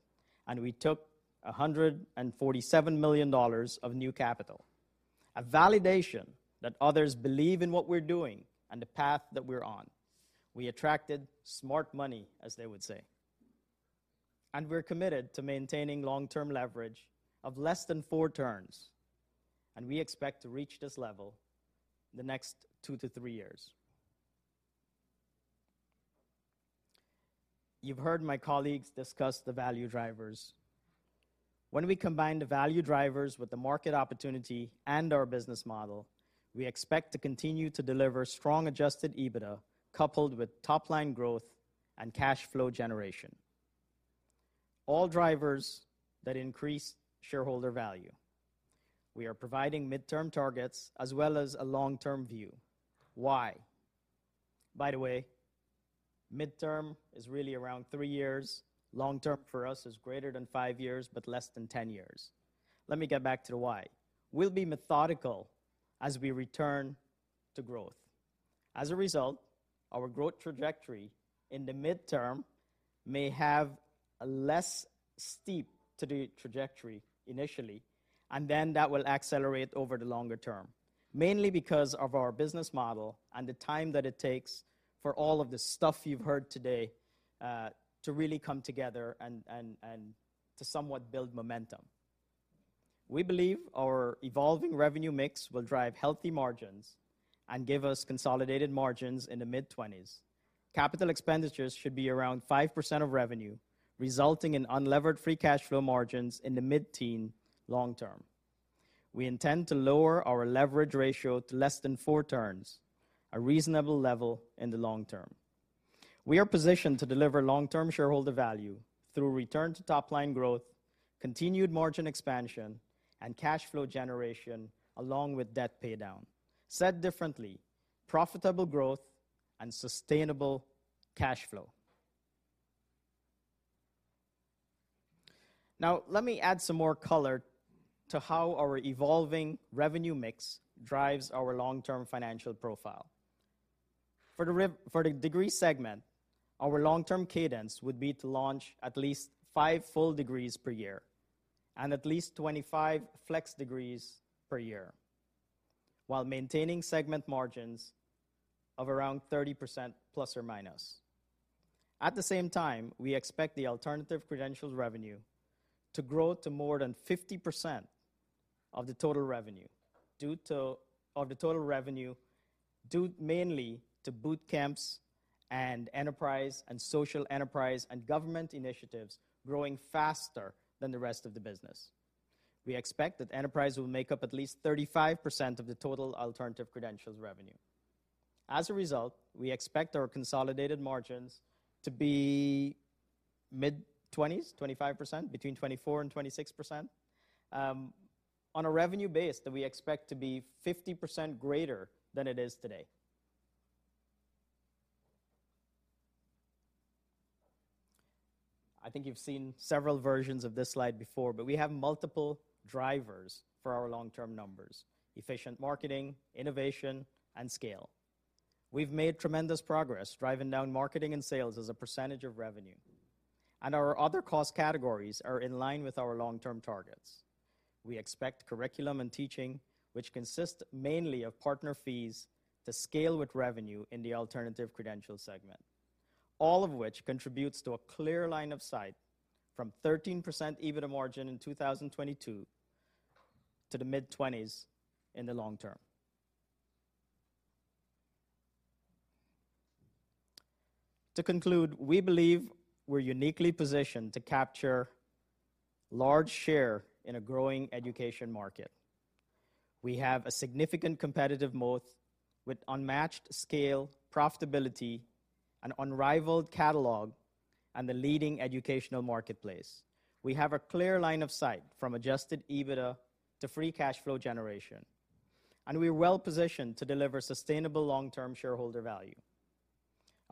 We took $147 million of new capital. A validation that others believe in what we're doing and the path that we're on. We attracted smart money, as they would say. We're committed to maintaining long-term leverage of less than 4 turns, and we expect to reach this level the next 2 to 3 years. You've heard my colleagues discuss the value drivers. When we combine the value drivers with the market opportunity and our business model, we expect to continue to deliver strong adjusted EBITDA coupled with top-line growth and cash flow generation. All drivers that increase shareholder value. We are providing midterm targets as well as a long-term view. Why? By the way, midterm is really around three years. Long-term for us is greater than five years, but less than 10 years. Let me get back to the why. We'll be methodical as we return to growth. As a result, our growth trajectory in the midterm may have a less steep trajectory initially, and then that will accelerate over the longer term. Mainly because of our business model and the time that it takes for all of the stuff you've heard today, to really come together and to somewhat build momentum. We believe our evolving revenue mix will drive healthy margins and give us consolidated margins in the mid-twenties. Capital expenditures should be around 5% of revenue, resulting in unlevered free cash flow margins in the mid-teen long term. We intend to lower our leverage ratio to less than 4 turns, a reasonable level in the long term. We are positioned to deliver long-term shareholder value through return to top-line growth, continued margin expansion, and cash flow generation, along with debt paydown. Said differently, profitable growth and sustainable cash flow. Now, let me add some more color to how our evolving revenue mix drives our long-term financial profile. For the degree segment, our long-term cadence would be to launch at least 5 full degrees per year and at least 25 flex degrees per year while maintaining segment margins of around 30% ±. At the same time, we expect the alternative credentials revenue to grow to more than 50% of the total revenue, due mainly to boot camps and enterprise and social enterprise and government initiatives growing faster than the rest of the business. We expect that enterprise will make up at least 35% of the total alternative credentials revenue. As a result, we expect our consolidated margins to be mid-twenties, 25%, between 24% and 26%, on a revenue base that we expect to be 50% greater than it is today. I think you've seen several versions of this slide before. We have multiple drivers for our long-term numbers: efficient marketing, innovation, and scale. We've made tremendous progress driving down marketing and sales as a percentage of revenue. Our other cost categories are in line with our long-term targets. We expect curriculum and teaching, which consist mainly of partner fees, to scale with revenue in the alternative credentials segment. All of which contributes to a clear line of sight from 13% EBITDA margin in 2022 to the mid-twenties in the long term. To conclude, we believe we're uniquely positioned to capture large share in a growing education market. We have a significant competitive moat with unmatched scale, profitability, an unrivaled catalog, and the leading educational marketplace. We have a clear line of sight from adjusted EBITDA to free cash flow generation, and we're well-positioned to deliver sustainable long-term shareholder value.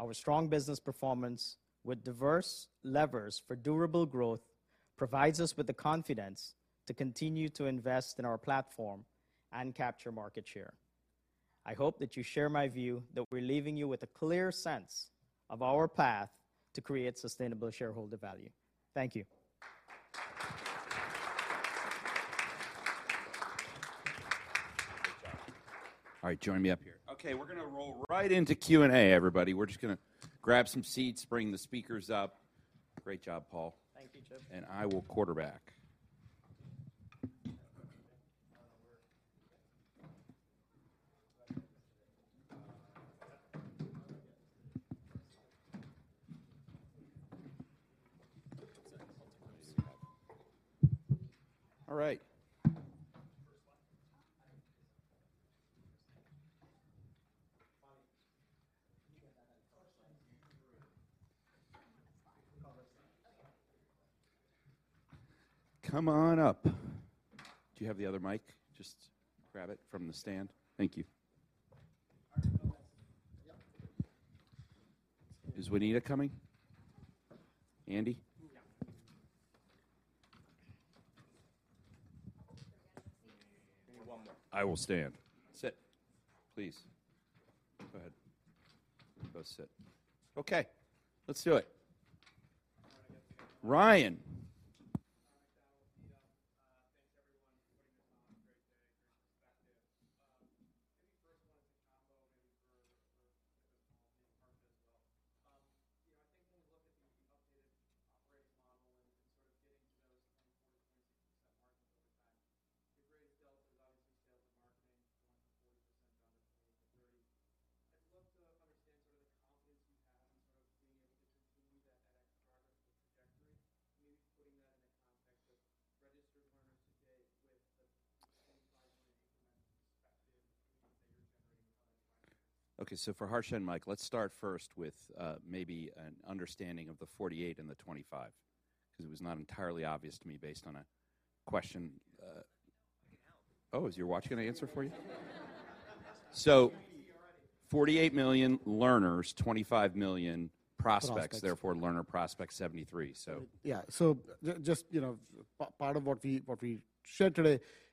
Our strong business performance with diverse levers for durable growth provides us with the confidence to continue to invest in our platform and capture market share. I hope that you share my view that we're leaving you with a clear sense of our path to create sustainable shareholder value. Thank you. Join me up here. We're gonna roll right into Q&A, everybody. We're just gonna grab some seats, bring the speakers up. Great job, Paul. Thank you, Chip. I will quarterback. All right. Come on up. Do you have the other mic? Just grab it from the stand. Thank you. Is Juanita coming? Andy? Yeah. We need one more. I will stand. Sit, please. Go ahead. You both sit. Okay, let's do it. Ryan.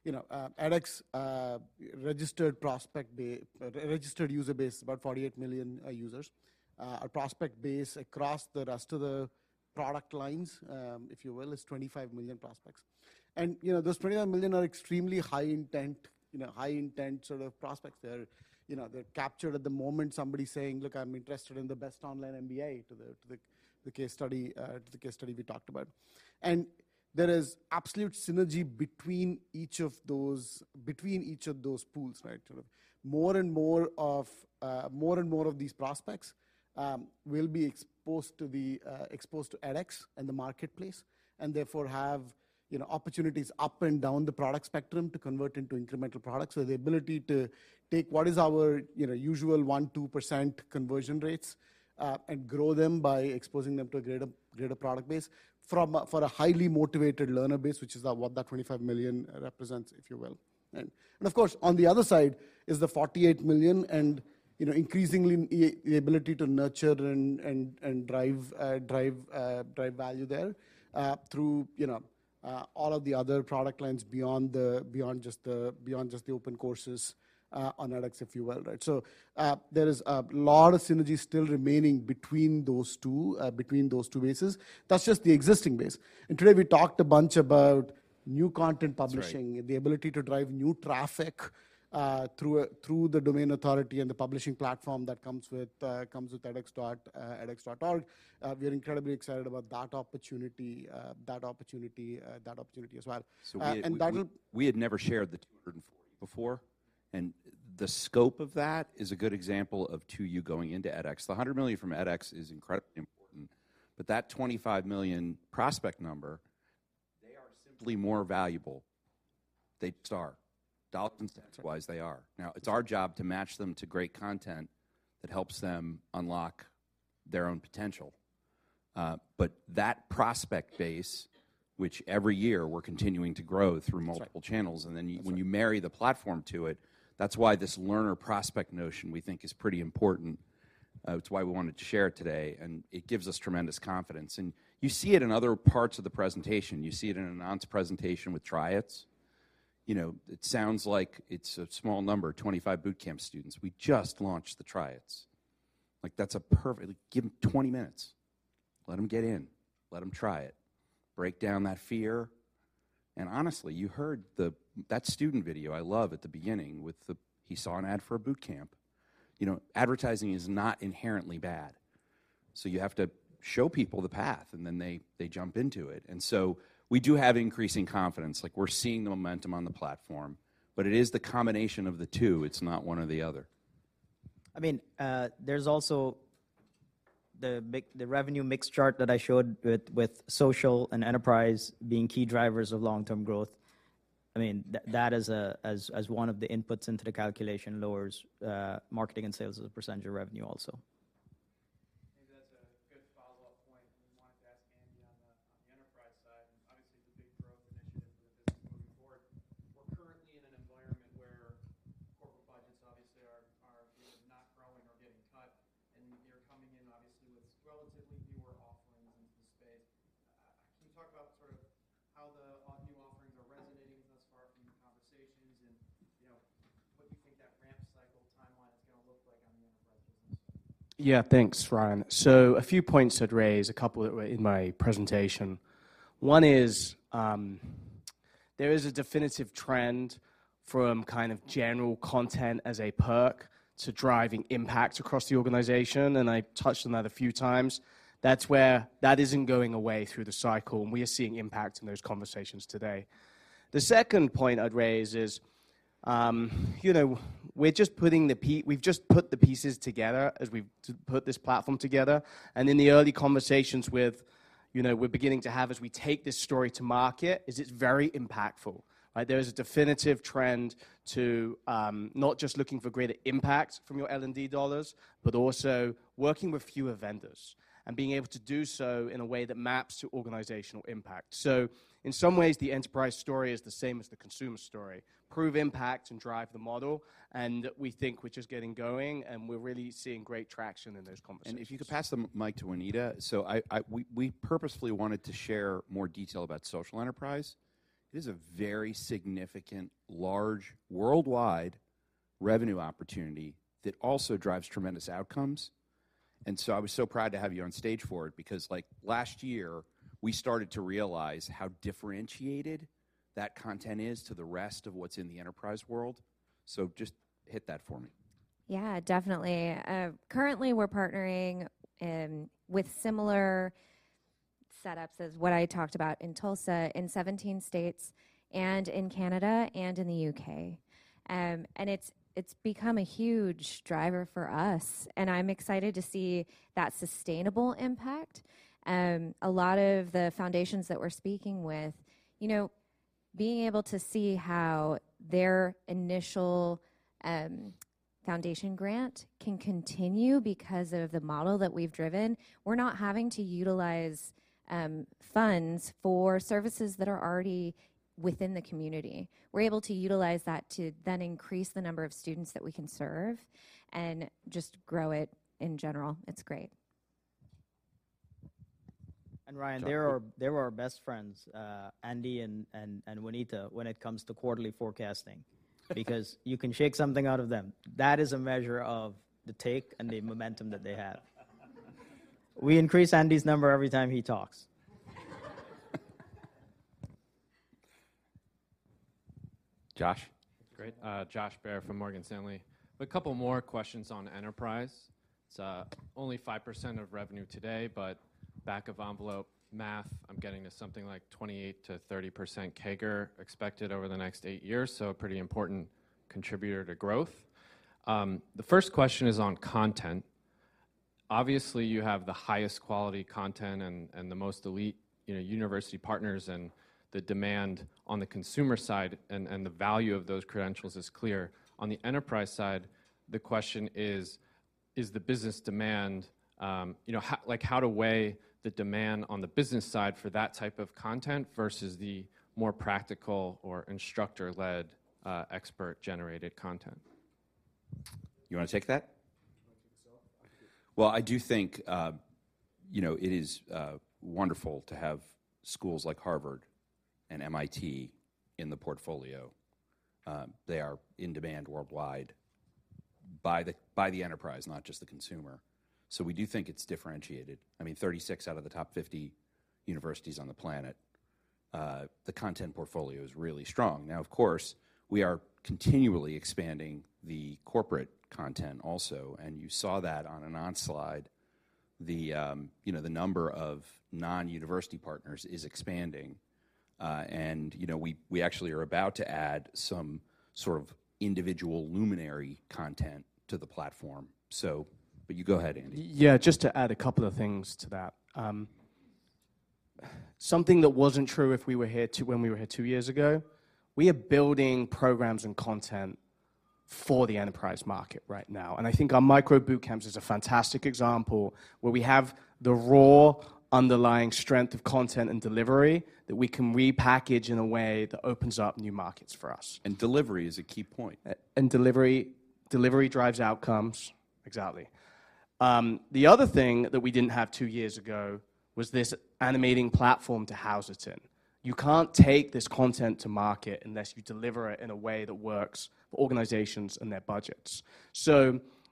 you know, edX registered prospect registered user base is about 48 million users. Our prospect base across the rest of the product lines, if you will, is 25 million prospects. You know, those 25 million are extremely high intent, you know, high intent sort of prospects. They're, you know, they're captured at the moment. Somebody saying, "Look, I'm interested in the best online MBA," to the case study we talked about. There is absolute synergy between each of those pools, right? More and more of these prospects will be exposed to edX in the marketplace, and therefore have, you know, opportunities up and down the product spectrum to convert into incremental products. The ability to take what is our, you know, usual 1, 2% conversion rates, and grow them by exposing them to a greater product base for a highly motivated learner base, which is what that 25 million represents, if you will, right? Of course, on the other side is the 48 million and, you know, increasingly the ability to nurture and drive value there, through, you know, all of the other product lines beyond just the open courses on edX, if you will, right? There is a lot of synergy still remaining between those two bases. That's just the existing base. Today, we talked a bunch about new content publishing. That's right. the ability to drive new traffic, through the domain authority and the publishing platform that comes with edX.org. We are incredibly excited about that opportunity as well. We had never shared the 240 before, and the scope of that is a good example of 2U going into edX. The $100 million from edX is incredibly important, but that $25 million prospect number, they are simply more valuable. They just are. Dollar and cents-wise, they are. Now, it's our job to match them to great content that helps them unlock their own potential. That prospect base, which every year we're continuing to grow through multiple channels- That's right. then you, when you marry the platform to it, that's why this learner prospect notion we think is pretty important. It's why we wanted to share it today, and it gives us tremendous confidence. You see it in other parts of the presentation. You see it in Anant's presentation with Try Its. You know, it sounds like it's a small number, 25 boot camp students. We just launched the Try Its. That's a perfect. Give them 20 minutes. Let them get in. Let them try it. Break down that fear. Honestly, you heard that student video I love at the beginning with the, he saw an ad for a boot camp. You know, advertising is not inherently bad, so you have to show people the path, and then they jump into it. We do have increasing confidence. Like, we're seeing the momentum on the platform, but it is the combination of the two. It's not one or the other. I mean, there's also the revenue mix chart that I showed with social and enterprise being key drivers of long-term growth. I mean, that is, as one of the inputs into the calculation lowers, marketing and sales as a % of revenue also. Corporate budgets obviously are either not growing or getting cut. You're coming in obviously with relatively newer offerings into the space. Can you talk about sort of how the new offerings are resonating thus far from your conversations and, you know, what you think that ramp cycle timeline is gonna look like on the enterprise business? Yeah, thanks, Ryan. A few points I'd raise, a couple that were in my presentation. One is, there is a definitive trend from kind of general content as a perk to driving impact across the organization. I touched on that a few times. That's where that isn't going away through the cycle. We are seeing impact in those conversations today. The second point I'd raise is, you know, we've just put the pieces together as we've put this platform together. In the early conversations with, you know, we're beginning to have as we take this story to market, is it's very impactful, right? There is a definitive trend to not just looking for greater impact from your L&D dollars, but also working with fewer vendors and being able to do so in a way that maps to organizational impact. In some ways, the enterprise story is the same as the consumer story, prove impact and drive the model, and we think we're just getting going, and we're really seeing great traction in those conversations. If you could pass the mic to Juanita. I. We purposefully wanted to share more detail about social enterprise. It is a very significant, large, worldwide revenue opportunity that also drives tremendous outcomes. I was so proud to have you on stage for it because, like, last year, we started to realize how differentiated that content is to the rest of what's in the enterprise world. Just hit that for me. Yeah, definitely. Currently, we're partnering with similar setups as what I talked about in Tulsa in 17 states and in Canada and in the UK. It's, it's become a huge driver for us, and I'm excited to see that sustainable impact. A lot of the foundations that we're speaking with, you know, being able to see how their initial foundation grant can continue because of the model that we've driven, we're not having to utilize funds for services that are already within the community. We're able to utilize that to then increase the number of students that we can serve and just grow it in general. It's great. Ryan, they're our best friends, Andy and Juanita, when it comes to quarterly forecasting because you can shake something out of them. That is a measure of the take and the momentum that they have. We increase Andy's number every time he talks. Josh? Great. Josh Baer from Morgan Stanley. A couple more questions on enterprise. It's only 5% of revenue today, but back of envelope math, I'm getting to something like 28%-30% CAGR expected over the next 8 years, so a pretty important contributor to growth. The first question is on content. Obviously, you have the highest quality content and the most elite, you know, university partners and the demand on the consumer side and the value of those credentials is clear. On the enterprise side, the question is the business demand, you know, how, like, how to weigh the demand on the business side for that type of content versus the more practical or instructor-led, expert-generated content? You wanna take that? You wanna take this, Al? I do think, you know, it is wonderful to have schools like Harvard and MIT in the portfolio. They are in demand worldwide by the enterprise, not just the consumer. We do think it's differentiated. I mean, 36 out of the top 50 universities on the planet, the content portfolio is really strong. Of course, we are continually expanding the corporate content also, and you saw that on Anand's slide. The, you know, the number of non-university partners is expanding. You know, we actually are about to add some sort of individual luminary content to the platform. You go ahead, Andy. Yeah, just to add a couple of things to that. Something that wasn't true if we were here when we were here two years ago, we are building programs and content for the enterprise market right now. I think our micro boot camps is a fantastic example where we have the raw underlying strength of content and delivery that we can repackage in a way that opens up new markets for us. Delivery is a key point. Delivery drives outcomes. Exactly. The other thing that we didn't have 2 years ago was this animating platform to house it in. You can't take this content to market unless you deliver it in a way that works for organizations and their budgets.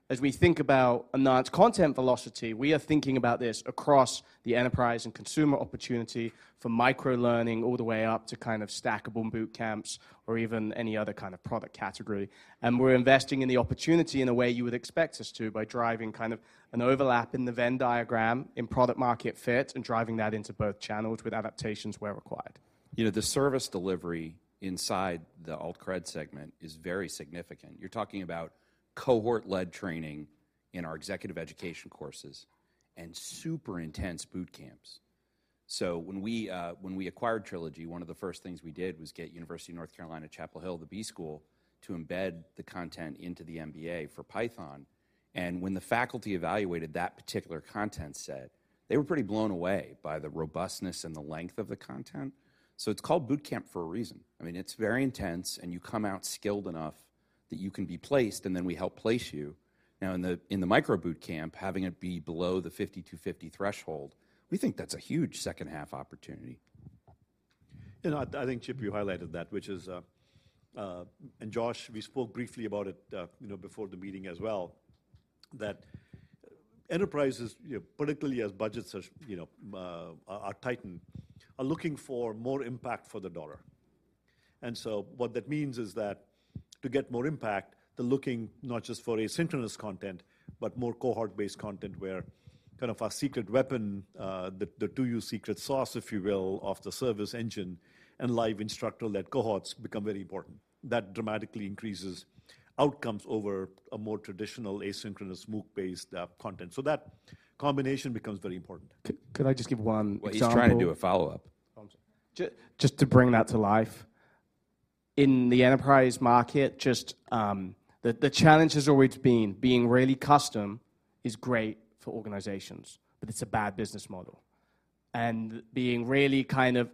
As we think about Anand's content velocity, we are thinking about this across the enterprise and consumer opportunity for micro-learning all the way up to kind of stackable bootcamps or even any other kind of product category. We're investing in the opportunity in a way you would expect us to by driving kind of an overlap in the Venn diagram in product market fit and driving that into both channels with adaptations where required. You know, the service delivery inside the alt-cred segment is very significant. You're talking about cohort-led training in our executive education courses and super intense bootcamps. When we acquired Trilogy, one of the first things we did was get University of North Carolina at Chapel Hill, the B School, to embed the content into the MBA for Python. When the faculty evaluated that particular content set. They were pretty blown away by the robustness and the length of the content. It's called boot camp for a reason. I mean, it's very intense, and you come out skilled enough that you can be placed, and then we help place you. In the micro boot camp, having it be below the $5,250 threshold, we think that's a huge second-half opportunity. nk, Chip, you highlighted that, which is, and Josh, we spoke briefly about it, you know, before the meeting as well, that enterprises, you know, particularly as budgets are tightened, are looking for more impact for the dollar. So what that means is that to get more impact, they're looking not just for asynchronous content, but more cohort-based content where kind of our secret weapon, the 2U secret sauce, if you will, of the service engine and live instructor-led cohorts become very important. That dramatically increases outcomes over a more traditional asynchronous MOOC-based content. So that combination becomes very important Could I just give one example? Well, he's trying to do a follow-up. Oh, I'm sorry. Just to bring that to life, in the enterprise market, just, the challenge has always been being really custom is great for organizations, but it's a bad business model. Being really kind of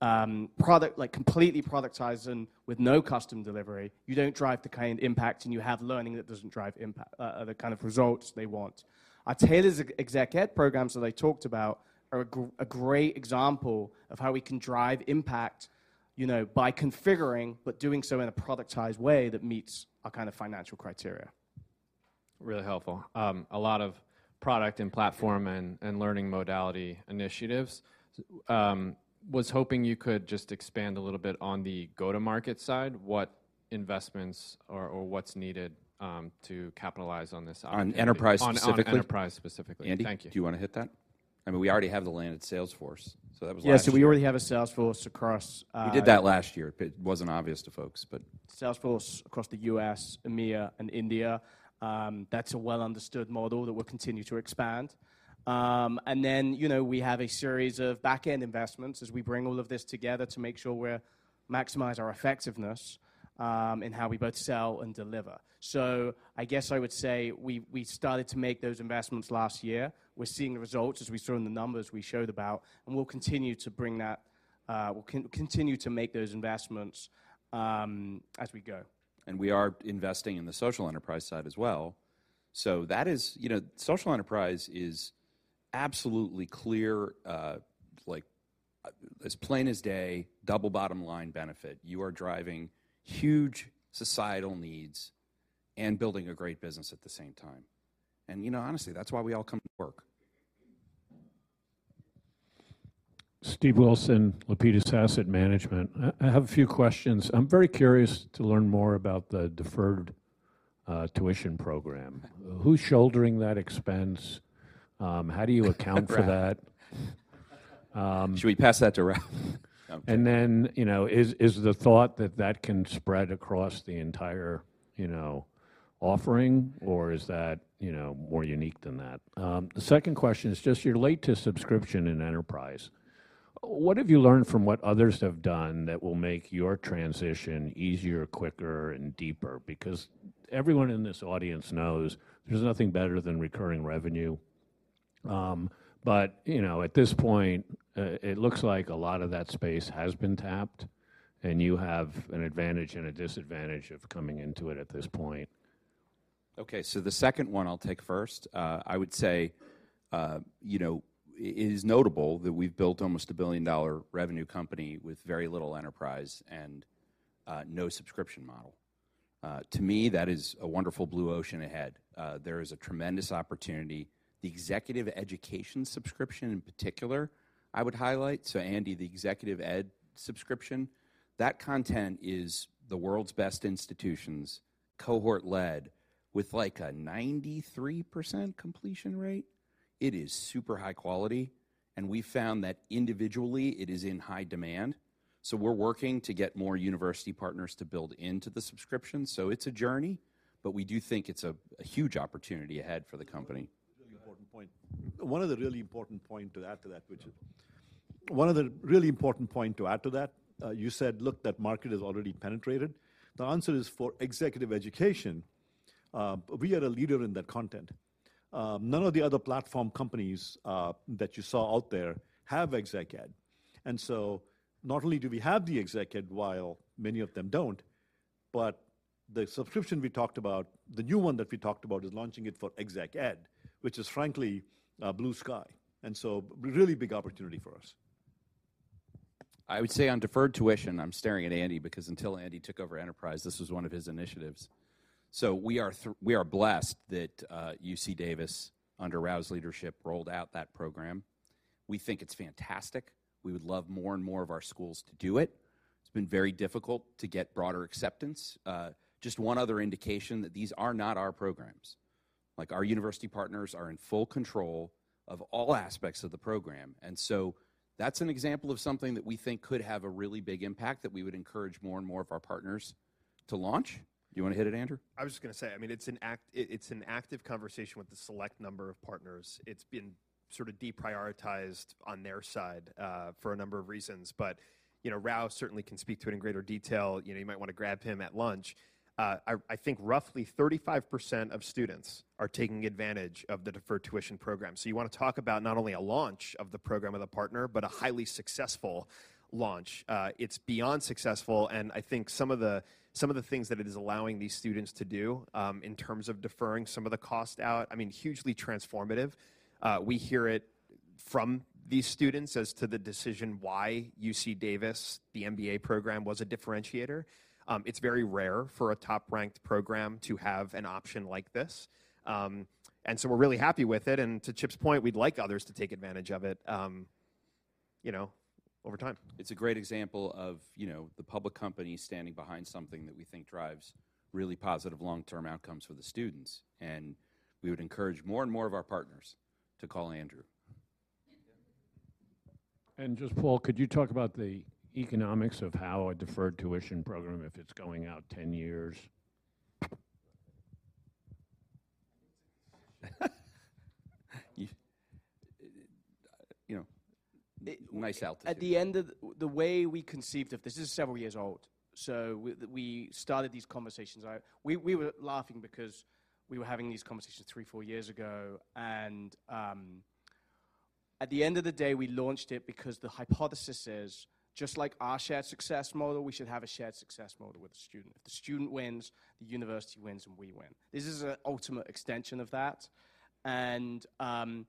completely productized and with no custom delivery, you don't drive the kind of impact, and you have learning that doesn't drive the kind of results they want. Our tailored exec ed programs that I talked about are a great example of how we can drive impact, you know, by configuring but doing so in a productized way that meets our kind of financial criteria. Really helpful. A lot of product and platform and learning modality initiatives. Was hoping you could just expand a little bit on the go-to-market side. What investments or what's needed, to capitalize on this opportunity? On enterprise specifically? On enterprise specifically. Thank you. Andy, do you wanna hit that? I mean, we already have the landed sales force, that was last year. Yeah, we already have a sales force across. We did that last year. If it wasn't obvious to folks, but... Salesforce across the U.S., EMEA, and India. That's a well-understood model that we'll continue to expand. You know, we have a series of back-end investments as we bring all of this together to make sure we're maximize our effectiveness in how we both sell and deliver. I guess I would say we started to make those investments last year. We're seeing the results as we saw in the numbers we showed about, we'll continue to make those investments as we go. We are investing in the social enterprise side as well. That is. You know, social enterprise is absolutely clear, like, as plain as day, double bottom line benefit. You are driving huge societal needs and building a great business at the same time. You know, honestly, that's why we all come to work. I have a few questions. I'm very curious to learn more about the deferred tuition program. Who's shouldering that expense? How do you account for that? Rao. Should we pass that to Rao? I'm joking. You know, is the thought that that can spread across the entire, you know, offering, or is that, you know, more unique than that? The second question is just your latest subscription in enterprise. What have you learned from what others have done that will make your transition easier, quicker, and deeper? Everyone in this audience knows there's nothing better than recurring revenue. You know, at this point, it looks like a lot of that space has been tapped and you have an advantage and a disadvantage of coming into it at this point. The second one I'll take first. I would say, you know, it is notable that we've built almost a billion-dollar revenue company with very little enterprise and no subscription model. To me, that is a wonderful blue ocean ahead. There is a tremendous opportunity. The executive education subscription in particular, I would highlight. Andy, the executive ed subscription, that content is the world's best institutions, cohort-led with, like, a 93% completion rate. It is super high quality, and we found that individually it is in high demand, so we're working to get more university partners to build into the subscription. It's a journey, but we do think it's a huge opportunity ahead for the company. Really important point. One of the really important point to add to that, you said, look, that market is already penetrated. The answer is for executive education, we are a leader in that content. None of the other platform companies that you saw out there have exec ed. Not only do we have the exec ed while many of them don't, but the subscription we talked about, the new one that we talked about, is launching it for exec ed, which is frankly, blue sky, really big opportunity for us. I would say on deferred tuition, I'm staring at Andy because until Andy took over enterprise, this was one of his initiatives. We are blessed that UC Davis, under Rao's leadership, rolled out that program. We think it's fantastic. We would love more and more of our schools to do it. It's been very difficult to get broader acceptance. Just one other indication that these are not our programs. Like, our university partners are in full control of all aspects of the program. That's an example of something that we think could have a really big impact that we would encourage more and more of our partners to launch. Do you wanna hit it, Andrew? I was just gonna say, I mean, it's an active conversation with a select number of partners. It's been sort of deprioritized on their side, for a number of reasons, but, you know, Rao certainly can speak to it in greater detail. You know, you might wanna grab him at lunch. I think roughly 35% of students are taking advantage of the deferred tuition program. You wanna talk about not only a launch of the program with a partner, but a highly successful launch. It's beyond successful, and I think some of the, some of the things that it is allowing these students to do, in terms of deferring some of the cost out, I mean, hugely transformative. We hear it. From these students as to the decision why UC Davis, the MBA program, was a differentiator. It's very rare for a top-ranked program to have an option like this. We're really happy with it. To Chip's point, we'd like others to take advantage of it, you know, over time. It's a great example of, you know, the public company standing behind something that we think drives really positive long-term outcomes for the students, and we would encourage more and more of our partners to call Andrew. Just, Paul, could you talk about the economics of how a deferred tuition program, if it's going out 10 years? You know, nice altitude. The way we conceived of this is several years old, so we started these conversations. We were laughing because we were having these conversations three, four years ago. At the end of the day, we launched it because the hypothesis is just like our shared success model, we should have a shared success model with the student. If the student wins, the university wins, and we win. This is an ultimate extension of that. The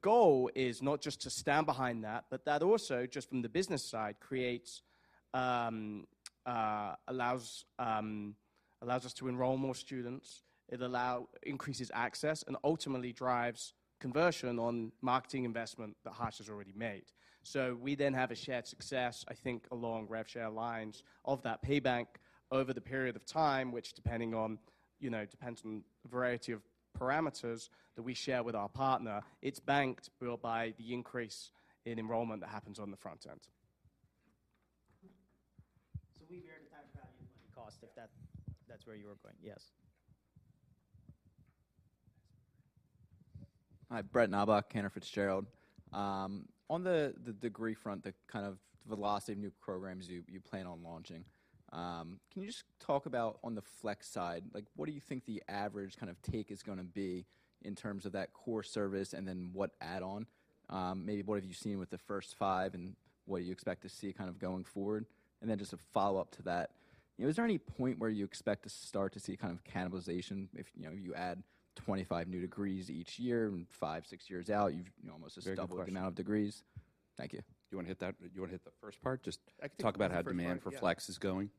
goal is not just to stand behind that, but that also, just from the business side, creates, allows us to enroll more students. It increases access and ultimately drives conversion on marketing investment that Harsh has already made. We then have a shared success, I think along rev share lines of that payback over the period of time, which depending on, you know, depends on a variety of parameters that we share with our partner. It's built by the increase in enrollment that happens on the front end. We vary the time value and money cost, if that's where you were going. Yes. Hi, Brett Knoblauch, Cantor Fitzgerald. On the degree front, the kind of velocity of new programs you plan on launching, can you just talk about on the flex side, like what do you think the average kind of take is gonna be in terms of that core service and then what add-on? Maybe what have you seen with the first 5 and what do you expect to see kind of going forward? Just a follow-up to that, you know, is there any point where you expect to start to see kind of cannibalization if, you know, you add 25 new degrees each year and 5, 6 years out, you've, you know, almost? Very good question. Doubled the amount of degrees. Thank you. Do you want to hit the first part? I can take the first part, yeah. talk about how demand for flex is going.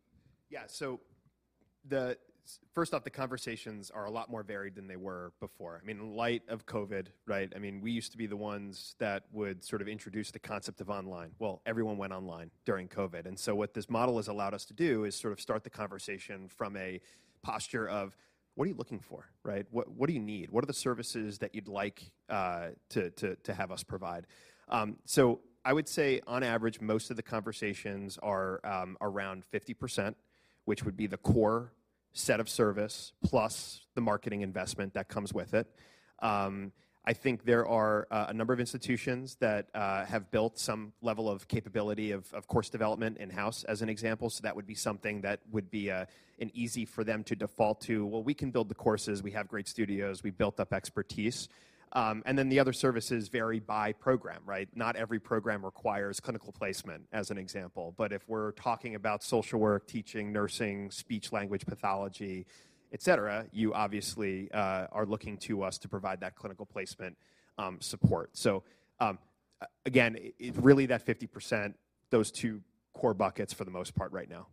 First off, the conversations are a lot more varied than they were before. I mean, in light of COVID, right? I mean, we used to be the ones that would sort of introduce the concept of online. Well, everyone went online during COVID. What this model has allowed us to do is sort of start the conversation from a posture of, "What are you looking for," right? "What do you need? What are the services that you'd like to have us provide?" I would say on average, most of the conversations are around 50%, which would be the core set of service plus the marketing investment that comes with it. I think there are a number of institutions that have built some level of capability of course development in-house as an example. That would be something that would be an easy for them to default to. We can build the courses, we have great studios, we built up expertise. The other services vary by program, right? Not every program requires clinical placement as an example. If we're talking about social work, teaching, nursing, speech language pathology, et cetera, you obviously are looking to us to provide that clinical placement support. Again, it really, that 50%, those two core buckets for the most part right now.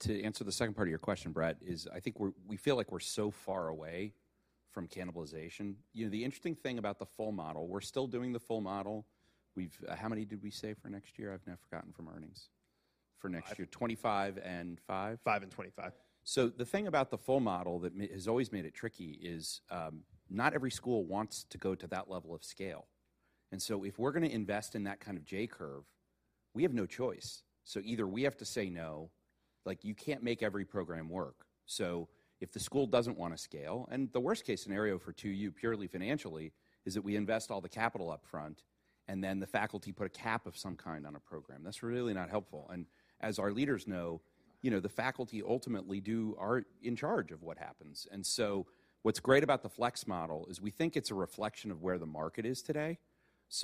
To answer the second part of your question, Brett, is I think we feel like we're so far away from cannibalization. You know, the interesting thing about the full model, we're still doing the full model. We've, how many did we say for next year? I've now forgotten from earnings. For next year, 25 and 5. 5 and 25. The thing about the full model that has always made it tricky is, not every school wants to go to that level of scale. If we're gonna invest in that kind of J curve, we have no choice. Either we have to say no, like, you can't make every program work. If the school doesn't wanna scale, the worst case scenario for 2U, purely financially, is that we invest all the capital up front, and then the faculty put a cap of some kind on a program. That's really not helpful. As our leaders know, you know, the faculty ultimately are in charge of what happens. What's great about the flex model is we think it's a reflection of where the market is today.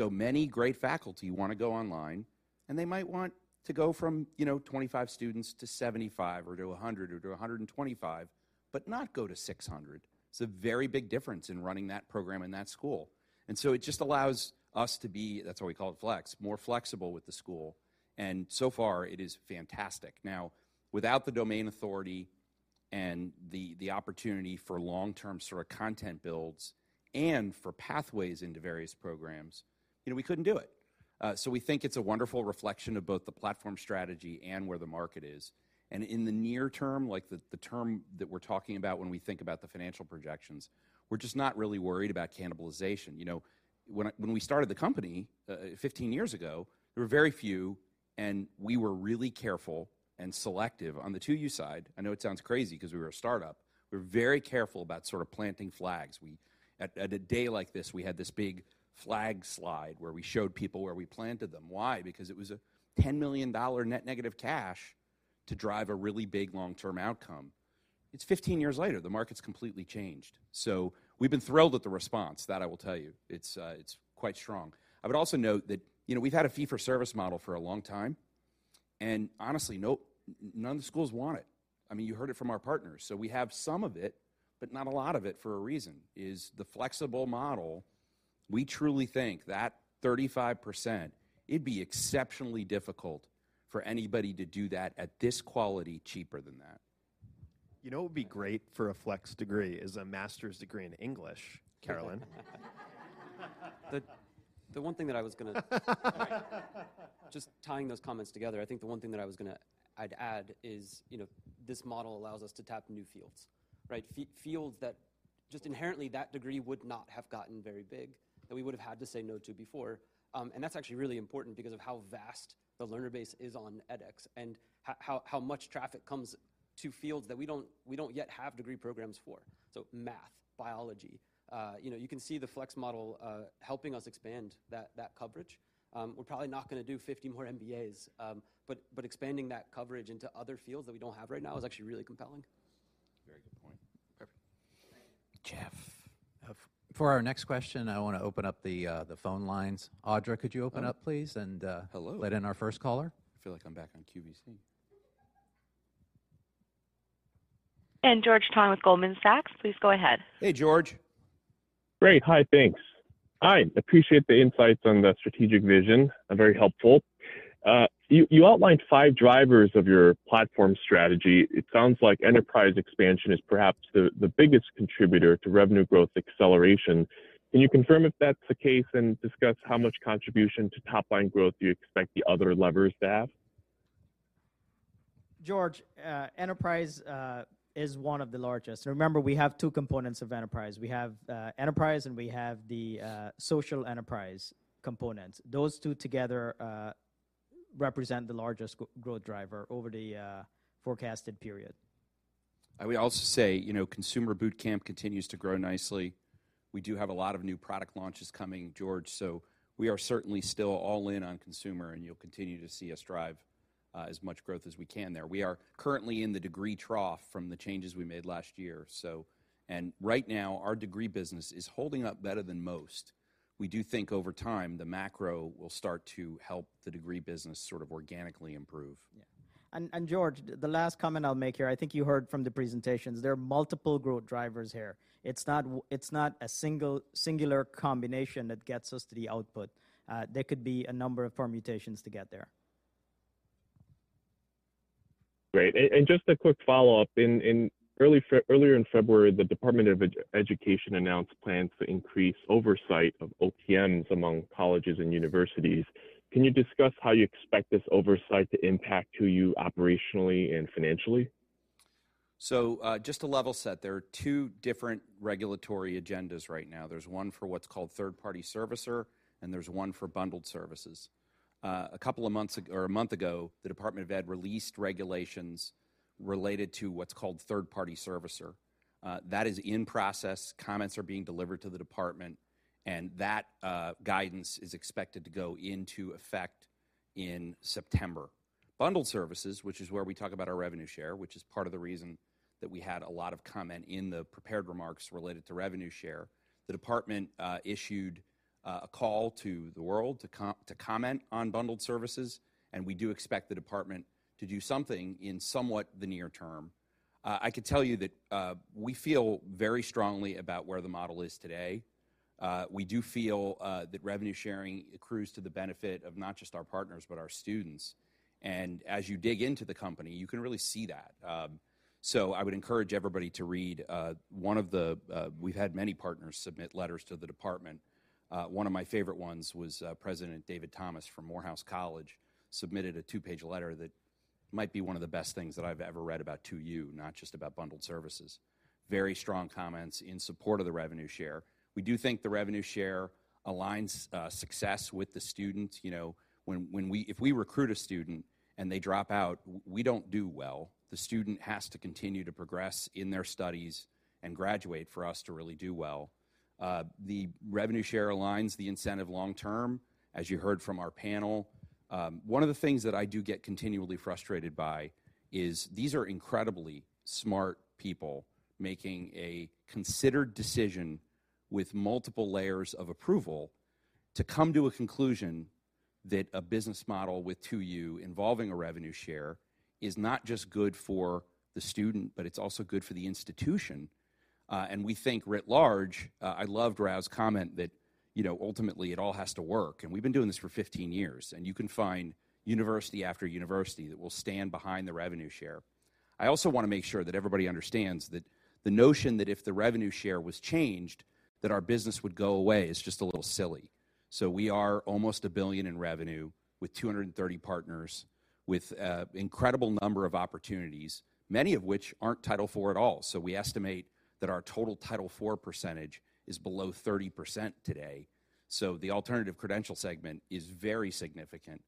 Many great faculty wanna go online, and they might want to go from, you know, 25 students to 75 or to 100 or to 125, but not go to 600. It's a very big difference in running that program in that school. It just allows us to be, that's why we call it flex, more flexible with the school. So far it is fantastic. Now, without the Domain Authority and the opportunity for long-term sort of content builds and for pathways into various programs, you know, we couldn't do it. We think it's a wonderful reflection of both the platform strategy and where the market is. In the near term, like the term that we're talking about when we think about the financial projections, we're just not really worried about cannibalization. You know, when we started the company, 15 years ago, there were very few, and we were really careful and selective. On the 2U side, I know it sounds crazy 'cause we were a startup, we were very careful about sort of planting flags. At a day like this, we had this big flag slide where we showed people where we planted them. Why? Because it was a $10 million net negative cash to drive a really big long-term outcome. It's 15 years later, the market's completely changed. We've been thrilled with the response, that I will tell you. It's quite strong. I would also note that, you know, we've had a fee for service model for a long time. Honestly, no, none of the schools want it. I mean, you heard it from our partners. We have some of it, but not a lot of it for a reason, is the flexible model, we truly think that 35%, it'd be exceptionally difficult for anybody to do that at this quality cheaper than that. You know what would be great for a flex degree is a master's degree in English, Caroline. Just tying those comments together, I'd add is, you know, this model allows us to tap new fields, right? Fields that just inherently that degree would not have gotten very big, that we would have had to say no to before. That's actually really important because of how vast the learner base is on edX and how much traffic comes to fields that we don't, we don't yet have degree programs for. Math, biology, you know, you can see the flex model helping us expand that coverage. We're probably not gonna do 50 more MBAs, but expanding that coverage into other fields that we don't have right now is actually really compelling. Very good point. Perfect. Thank you. Jeff. For our next question, I wanna open up the phone lines. Audra, could you open up, please. Hello let in our first caller? I feel like I'm back on QVC. George Tong with Goldman Sachs, please go ahead. Hey, George. Great. Hi. Thanks. I appreciate the insights on the strategic vision, very helpful. You outlined five drivers of your platform strategy. It sounds like enterprise expansion is perhaps the biggest contributor to revenue growth acceleration. Can you confirm if that's the case and discuss how much contribution to top-line growth do you expect the other levers to have? George, enterprise, is one of the largest. Remember we have 2 components of enterprise. We have enterprise, and we have the social enterprise components. Those 2 together, represent the largest growth driver over the forecasted period. I would also say, you know, Consumer Boot Camp continues to grow nicely. We do have a lot of new product launches coming, George. We are certainly still all in on consumer, and you'll continue to see us drive as much growth as we can there. We are currently in the degree trough from the changes we made last year. Right now, our degree business is holding up better than most. We do think over time, the macro will start to help the degree business sort of organically improve. Yeah. George, the last comment I'll make here, I think you heard from the presentations, there are multiple growth drivers here. It's not a singular combination that gets us to the output. There could be a number of permutations to get there. Great. just a quick follow-up. In earlier in February, the Department of Education announced plans to increase oversight of OPMs among colleges and universities. Can you discuss how you expect this oversight to impact 2U operationally and financially? Just to level set, there are two different regulatory agendas right now. There's one for what's called third-party servicer, and there's one for bundled services. A month ago, the Department of Ed released regulations related to what's called third-party servicer. That is in process. Comments are being delivered to the department, and that guidance is expected to go into effect in September. Bundled services, which is where we talk about our revenue share, which is part of the reason that we had a lot of comment in the prepared remarks related to revenue share. The department issued a call to the world to comment on bundled services, and we do expect the department to do something in somewhat the near term. I could tell you that we feel very strongly about where the model is today. We do feel that revenue sharing accrues to the benefit of not just our partners, but our students. As you dig into the company, you can really see that. I would encourage everybody to read one of the... We've had many partners submit letters to the Department. One of my favorite ones was President David Thomas from Morehouse College, submitted a two-page letter that might be one of the best things that I've ever read about 2U, not just about bundled services. Very strong comments in support of the revenue share. We do think the revenue share aligns success with the student. You know, when we if we recruit a student and they drop out, we don't do well. The student has to continue to progress in their studies and graduate for us to really do well. The revenue share aligns the incentive long term, as you heard from our panel. One of the things that I do get continually frustrated by is these are incredibly smart people making a considered decision with multiple layers of approval to come to a conclusion that a business model with 2U involving a revenue share is not just good for the student, but it's also good for the institution. We think writ large, I loved Rao's comment that, you know, ultimately it all has to work. We've been doing this for 15 years, and you can find university after university that will stand behind the revenue share. I also wanna make sure that everybody understands that the notion that if the revenue share was changed, that our business would go away is just a little silly. We are almost $1 billion in revenue with 230 partners, with incredible number of opportunities, many of which aren't Title IV at all. We estimate that our total Title IV percentage is below 30% today. The alternative credential segment is very significant.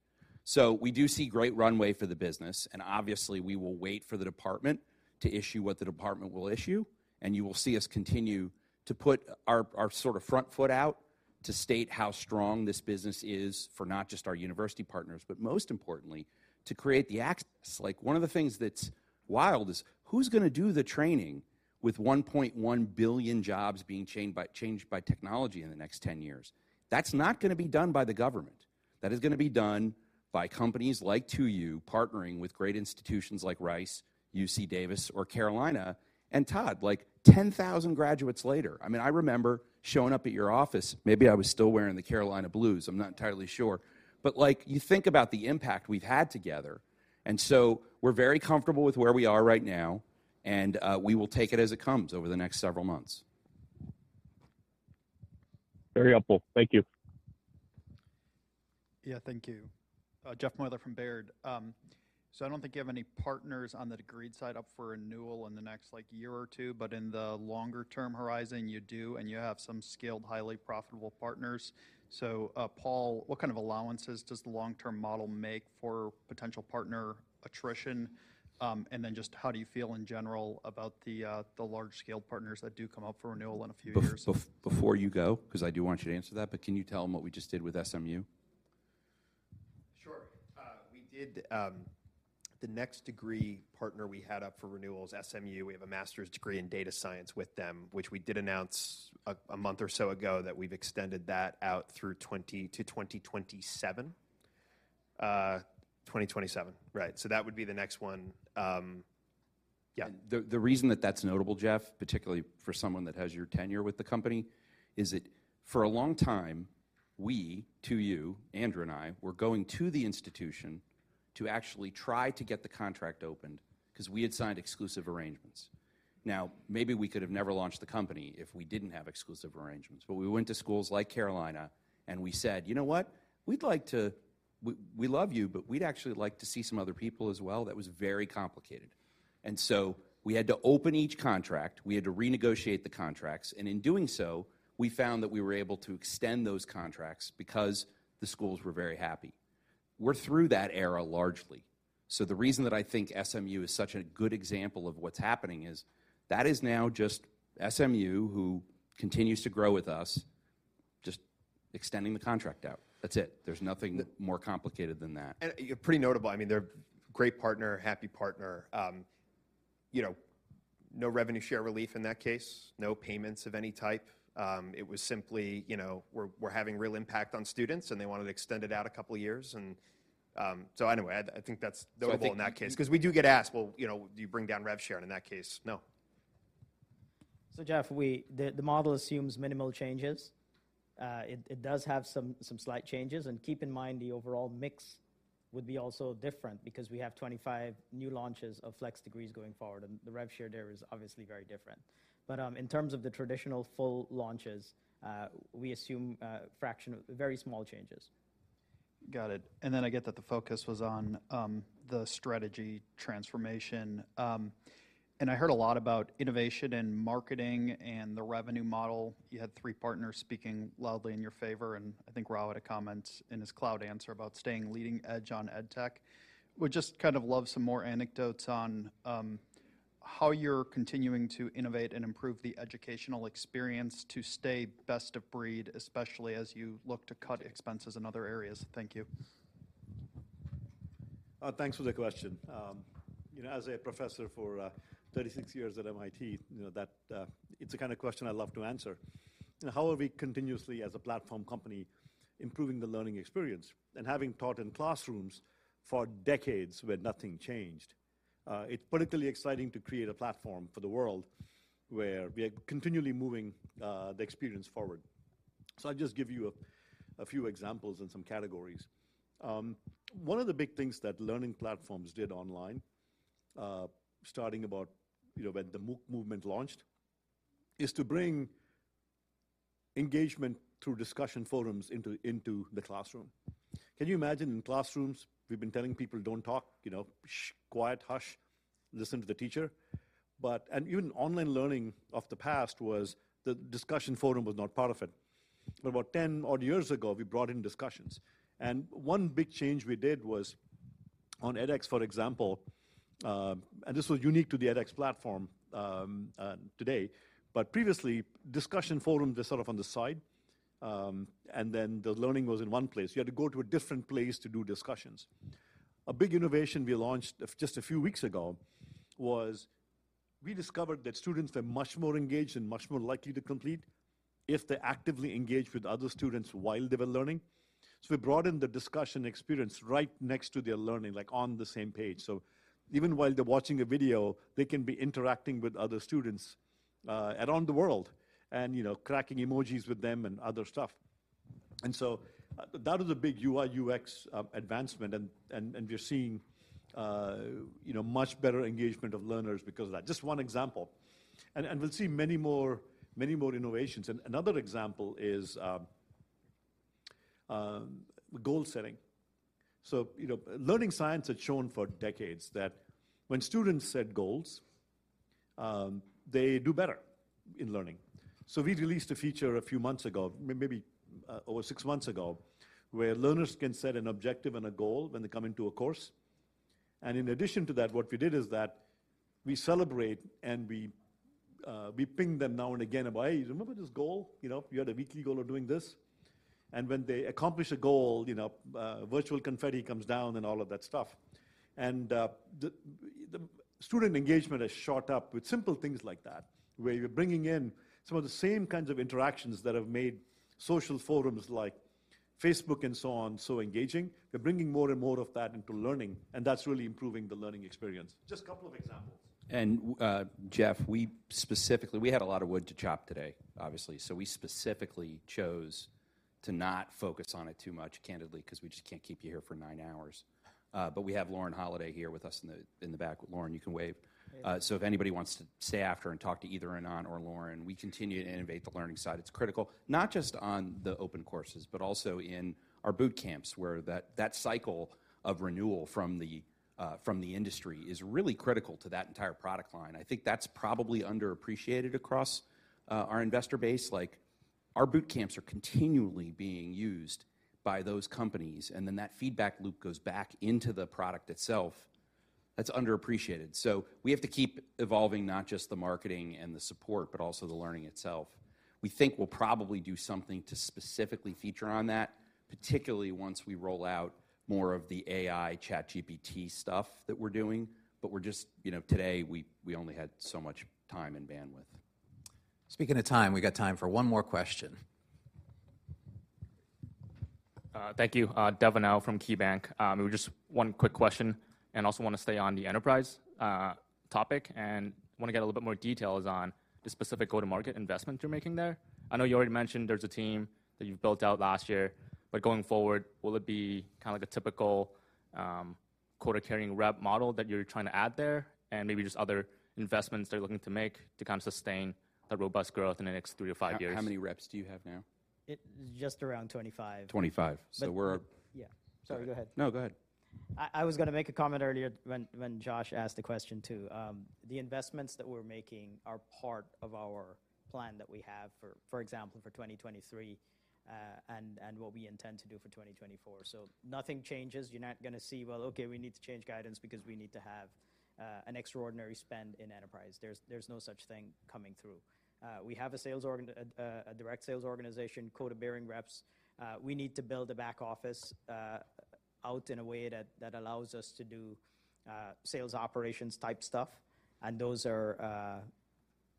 We do see great runway for the business, and obviously, we will wait for the department to issue what the department will issue, and you will see us continue to put our sort of front foot out to state how strong this business is for not just our university partners, but most importantly, to create the access. One of the things that's wild is who's gonna do the training? With $1.1 billion jobs being changed by technology in the next 10 years, that's not gonna be done by the government. That is gonna be done by companies like 2U partnering with great institutions like Rice, UC Davis or Carolina, and Todd, like 10,000 graduates later. I mean, I remember showing up at your office. Maybe I was still wearing the Carolina blues, I'm not entirely sure. Like, you think about the impact we've had together, and so we're very comfortable with where we are right now, and we will take it as it comes over the next several months. Very helpful. Thank you. Yeah. Thank you. Jeff Meuler from Baird. I don't think you have any partners on the degreed side up for renewal in the next, like, year or two, but in the longer-term horizon, you do, and you have some skilled, highly profitable partners. Paul, what kind of allowances does the long-term model make for potential partner attrition? Just how do you feel in general about the large-scale partners that do come up for renewal in a few years? Before you go, 'cause I do want you to answer that, but can you tell him what we just did with SMU? Sure. We did, the next degree partner we had up for renewal is SMU. We have a master's degree in data science with them, which we did announce a month or so ago, that we've extended that out through 2027, right. That would be the next one. Yeah. The reason that that's notable, Jeff, particularly for someone that has your tenure with the company, is that for a long time, we, 2U, Andrew and I, were going to the institution to actually try to get the contract opened 'cause we had signed exclusive arrangements. Maybe we could have never launched the company if we didn't have exclusive arrangements. We went to schools like Carolina and we said, "You know what? We love you, but we'd actually like to see some other people as well." That was very complicated. We had to open each contract, we had to renegotiate the contracts, and in doing so, we found that we were able to extend those contracts because the schools were very happy. We're through that era largely. The reason that I think SMU is such a good example of what's happening is that is now just SMU who continues to grow with us, just extending the contract out. That's it. There's nothing more complicated than that. Pretty notable, I mean, they're great partner, happy partner. You know, no revenue share relief in that case, no payments of any type. It was simply, you know, we're having real impact on students, and they wanted to extend it out a couple of years. Anyway, I think that's notable in that case because we do get asked, "Well, you know, do you bring down rev share?" In that case, no. Jeff, the model assumes minimal changes. It does have some slight changes, and keep in mind the overall mix would be also different because we have 25 new launches of flex degrees going forward, and the rev share there is obviously very different. In terms of the traditional full launches, we assume a fraction of very small changes. Got it. Then I get that the focus was on, the strategy transformation. I heard a lot about innovation and marketing and the revenue model. You had three partners speaking loudly in your favor, and I think Rao had a comment in his cloud answer about staying leading edge on EdTech. Would just kind of love some more anecdotes on, how you're continuing to innovate and improve the educational experience to stay best of breed, especially as you look to cut expenses in other areas. Thank you. Thanks for the question. You know, as a professor for 36 years at MIT, you know, that it's the kind of question I love to answer. You know, how are we continuously as a platform company improving the learning experience? Having taught in classrooms for decades where nothing changed, it's particularly exciting to create a platform for the world where we are continually moving the experience forward. I'll just give you a few examples and some categories. One of the big things that learning platforms did online, starting about, you know, when the MOOC movement launched, is to bring engagement through discussion forums into the classroom. Can you imagine in classrooms, we've been telling people, "Don't talk," you know, "Shh. Quiet. Hush. Listen to the teacher." Even online learning of the past was the discussion forum was not part of it. About 10 odd years ago, we brought in discussions. One big change we did was on edX, for example, and this was unique to the edX platform today, but previously, discussion forum was sort of on the side, and then the learning was in one place. You had to go to a different place to do discussions. A big innovation we launched just a few weeks ago was we discovered that students were much more engaged and much more likely to complete if they actively engaged with other students while they were learning. We brought in the discussion experience right next to their learning, like on the same page. Even while they're watching a video, they can be interacting with other students, around the world and, you know, cracking emojis with them and other stuff. That is a big UI/UX advancement and we're seeing, you know, much better engagement of learners because of that. Just one example. We'll see many more innovations. Another example is goal setting. You know, learning science had shown for decades that when students set goals, they do better in learning. We released a feature a few months ago, maybe over six months ago, where learners can set an objective and a goal when they come into a course. In addition to that, what we did is that we celebrate and we ping them now and again about, "Hey, you remember this goal? You know, you had a weekly goal of doing this. When they accomplish a goal, you know, virtual confetti comes down and all of that stuff. The student engagement has shot up with simple things like that, where you're bringing in some of the same kinds of interactions that have made social forums like Facebook and so on so engaging. They're bringing more and more of that into learning, and that's really improving the learning experience. Just a couple of examples. Jeff, we specifically had a lot of wood to chop today, obviously. We specifically chose to not focus on it too much, candidly, because we just can't keep you here for nine hours. We have Lauren Holliday here with us in the back. Lauren, you can wave. Hey. If anybody wants to stay after and talk to either Anant or Lauren, we continue to innovate the learning side. It's critical, not just on the open courses, but also in our boot camps, where that cycle of renewal from the industry is really critical to that entire product line. I think that's probably underappreciated across our investor base. Like, our boot camps are continually being used by those companies, and then that feedback loop goes back into the product itself. That's underappreciated. We have to keep evolving not just the marketing and the support, but also the learning itself. We think we'll probably do something to specifically feature on that, particularly once we roll out more of the AI ChatGPT stuff that we're doing, but You know, today we only had so much time and bandwidth. Speaking of time, we've got time for one more question. Thank you. Devin Au from KeyBanc Capital Markets. Just one quick question. Also want to stay on the enterprise topic. Wanna get a little bit more details on the specific go-to-market investment you're making there. I know you already mentioned there's a team that you've built out last year, but going forward, will it be kinda like a typical quota-carrying rep model that you're trying to add there? Maybe just other investments that you're looking to make to kind of sustain the robust growth in the next 3 to 5 years. How many reps do you have now? Just around 25. Twenty-five. But- So we're- Yeah. Sorry, go ahead. No, go ahead. I was gonna make a comment earlier when Josh asked the question too. The investments that we're making are part of our plan that we have for example, for 2023, and what we intend to do for 2024. Nothing changes. You're not gonna see, well, okay, we need to change guidance because we need to have an extraordinary spend in enterprise. There's no such thing coming through. We have a direct sales organization, quota-bearing reps. We need to build a back office out in a way that allows us to do sales operations type stuff, and those are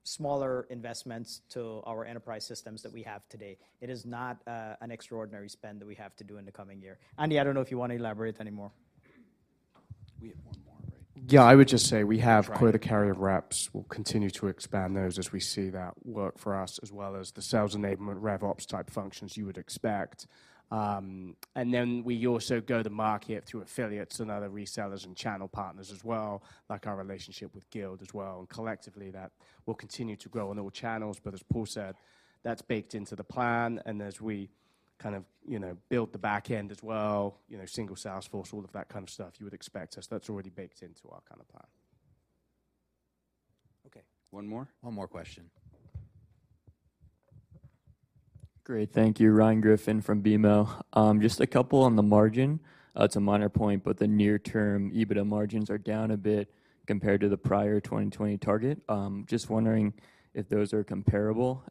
smaller investments to our enterprise systems that we have today. It is not an extraordinary spend that we have to do in the coming year. Andy, I don't know if you wanna elaborate anymore. We have one more, right? Yeah, I would just say we have quota carrier reps. We'll continue to expand those as we see that work for us, as well as the sales enablement, RevOps type functions you would expect. We also go to market through affiliates and other resellers and channel partners as well, like our relationship with Guild as well. Collectively that will continue to grow on all channels, but as Paul said, that's baked into the plan. As we kind of, you know, build the back end as well, you know, single sales force, all of that kind of stuff you would expect as that's already baked into our kind of plan. Okay. One more? One more question? Great. Thank you. Ryan Griffin from BMO. Just a couple on the margin. It's a minor point, but the near term EBITDA margins are down a bit compared to the prior 2020 target. Just wondering if those are comparable.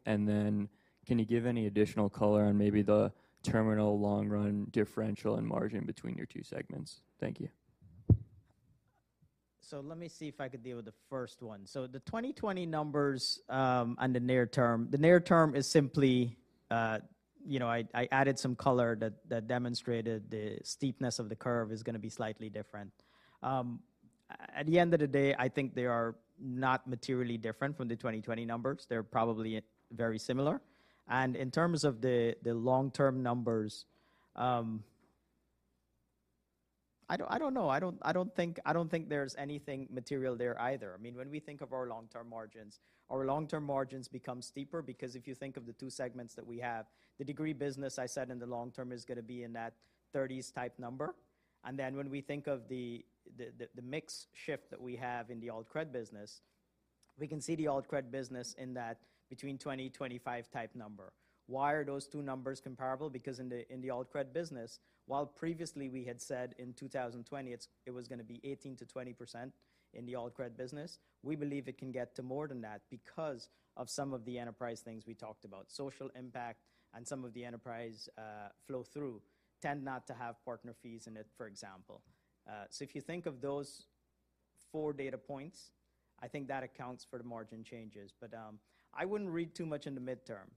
Can you give any additional color on maybe the terminal long run differential and margin between your two segments? Thank you. Let me see if I could deal with the first one. The 2020 numbers, on the near term, the near term is simply, you know, I added some color that demonstrated the steepness of the curve is gonna be slightly different. At the end of the day, I think they are not materially different from the 2020 numbers. They're probably very similar. In terms of the long-term numbers, I don't know. I don't think there's anything material there either. I mean, when we think of our long-term margins, our long-term margins become steeper because if you think of the two segments that we have, the degree business I said in the long term is gonna be in that 30s type number. When we think of the mix shift that we have in the alt-cred business, we can see the alt-cred business in that between 20-25 type number. Why are those 2 numbers comparable? In the alt-cred business, while previously we had said in 2020, it was gonna be 18%-20% in the alt-cred business, we believe it can get to more than that because of some of the enterprise things we talked about. Social impact and some of the enterprise flow through tend not to have partner fees in it, for example. If you think of those 4 data points, I think that accounts for the margin changes. I wouldn't read too much in the midterm.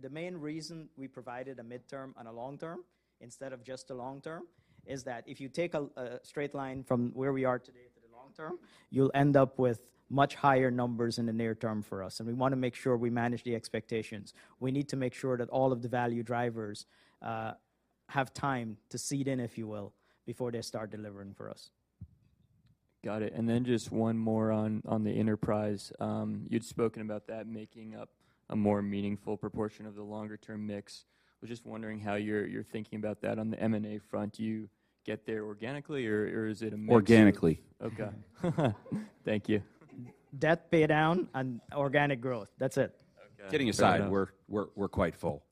The main reason we provided a midterm and a long term instead of just a long term is that if you take a straight line from where we are today to the long term, you'll end up with much higher numbers in the near term for us, and we wanna make sure we manage the expectations. We need to make sure that all of the value drivers have time to seed in, if you will, before they start delivering for us. Got it. Just one more on the enterprise. You'd spoken about that making up a more meaningful proportion of the longer term mix. Was just wondering how you're thinking about that on the M&A front. Do you get there organically or is it a mix? Organically. Okay. Thank you. Debt pay down and organic growth. That's it. Okay. Kidding aside, we're quite full.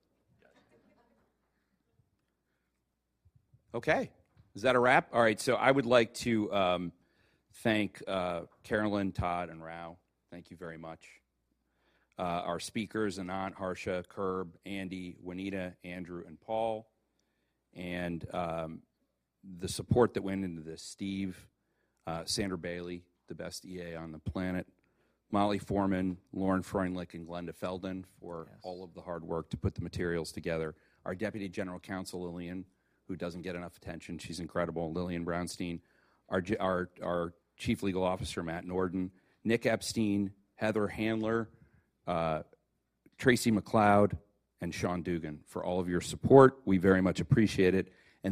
Gotcha. Okay. Is that a wrap? All right. I would like to thank Caroline, Todd, and Rao. Thank you very much. Our speakers, Anant, Harsha, Kirk, Andy, Juanita, Andrew, and Paul. The support that went into this, Steve, Sandra Bailey, the best EA on the planet. Molly Foreman, Lauren Freundlich, and Glenda Feldin. Yes all of the hard work to put the materials together. Our Deputy General Counsel, Lillian, who doesn't get enough attention. She's incredible. Lillian Brownstein, our Chief Legal Officer, Matt Norden, Nick Epstein, Heather Handler, Tracy MacLeod, and Sean Dugan, for all of your support. We very much appreciate it.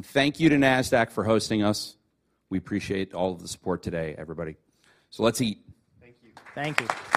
Thank you to Nasdaq for hosting us. We appreciate all of the support today, everybody. Let's eat. Thank you. Thank you.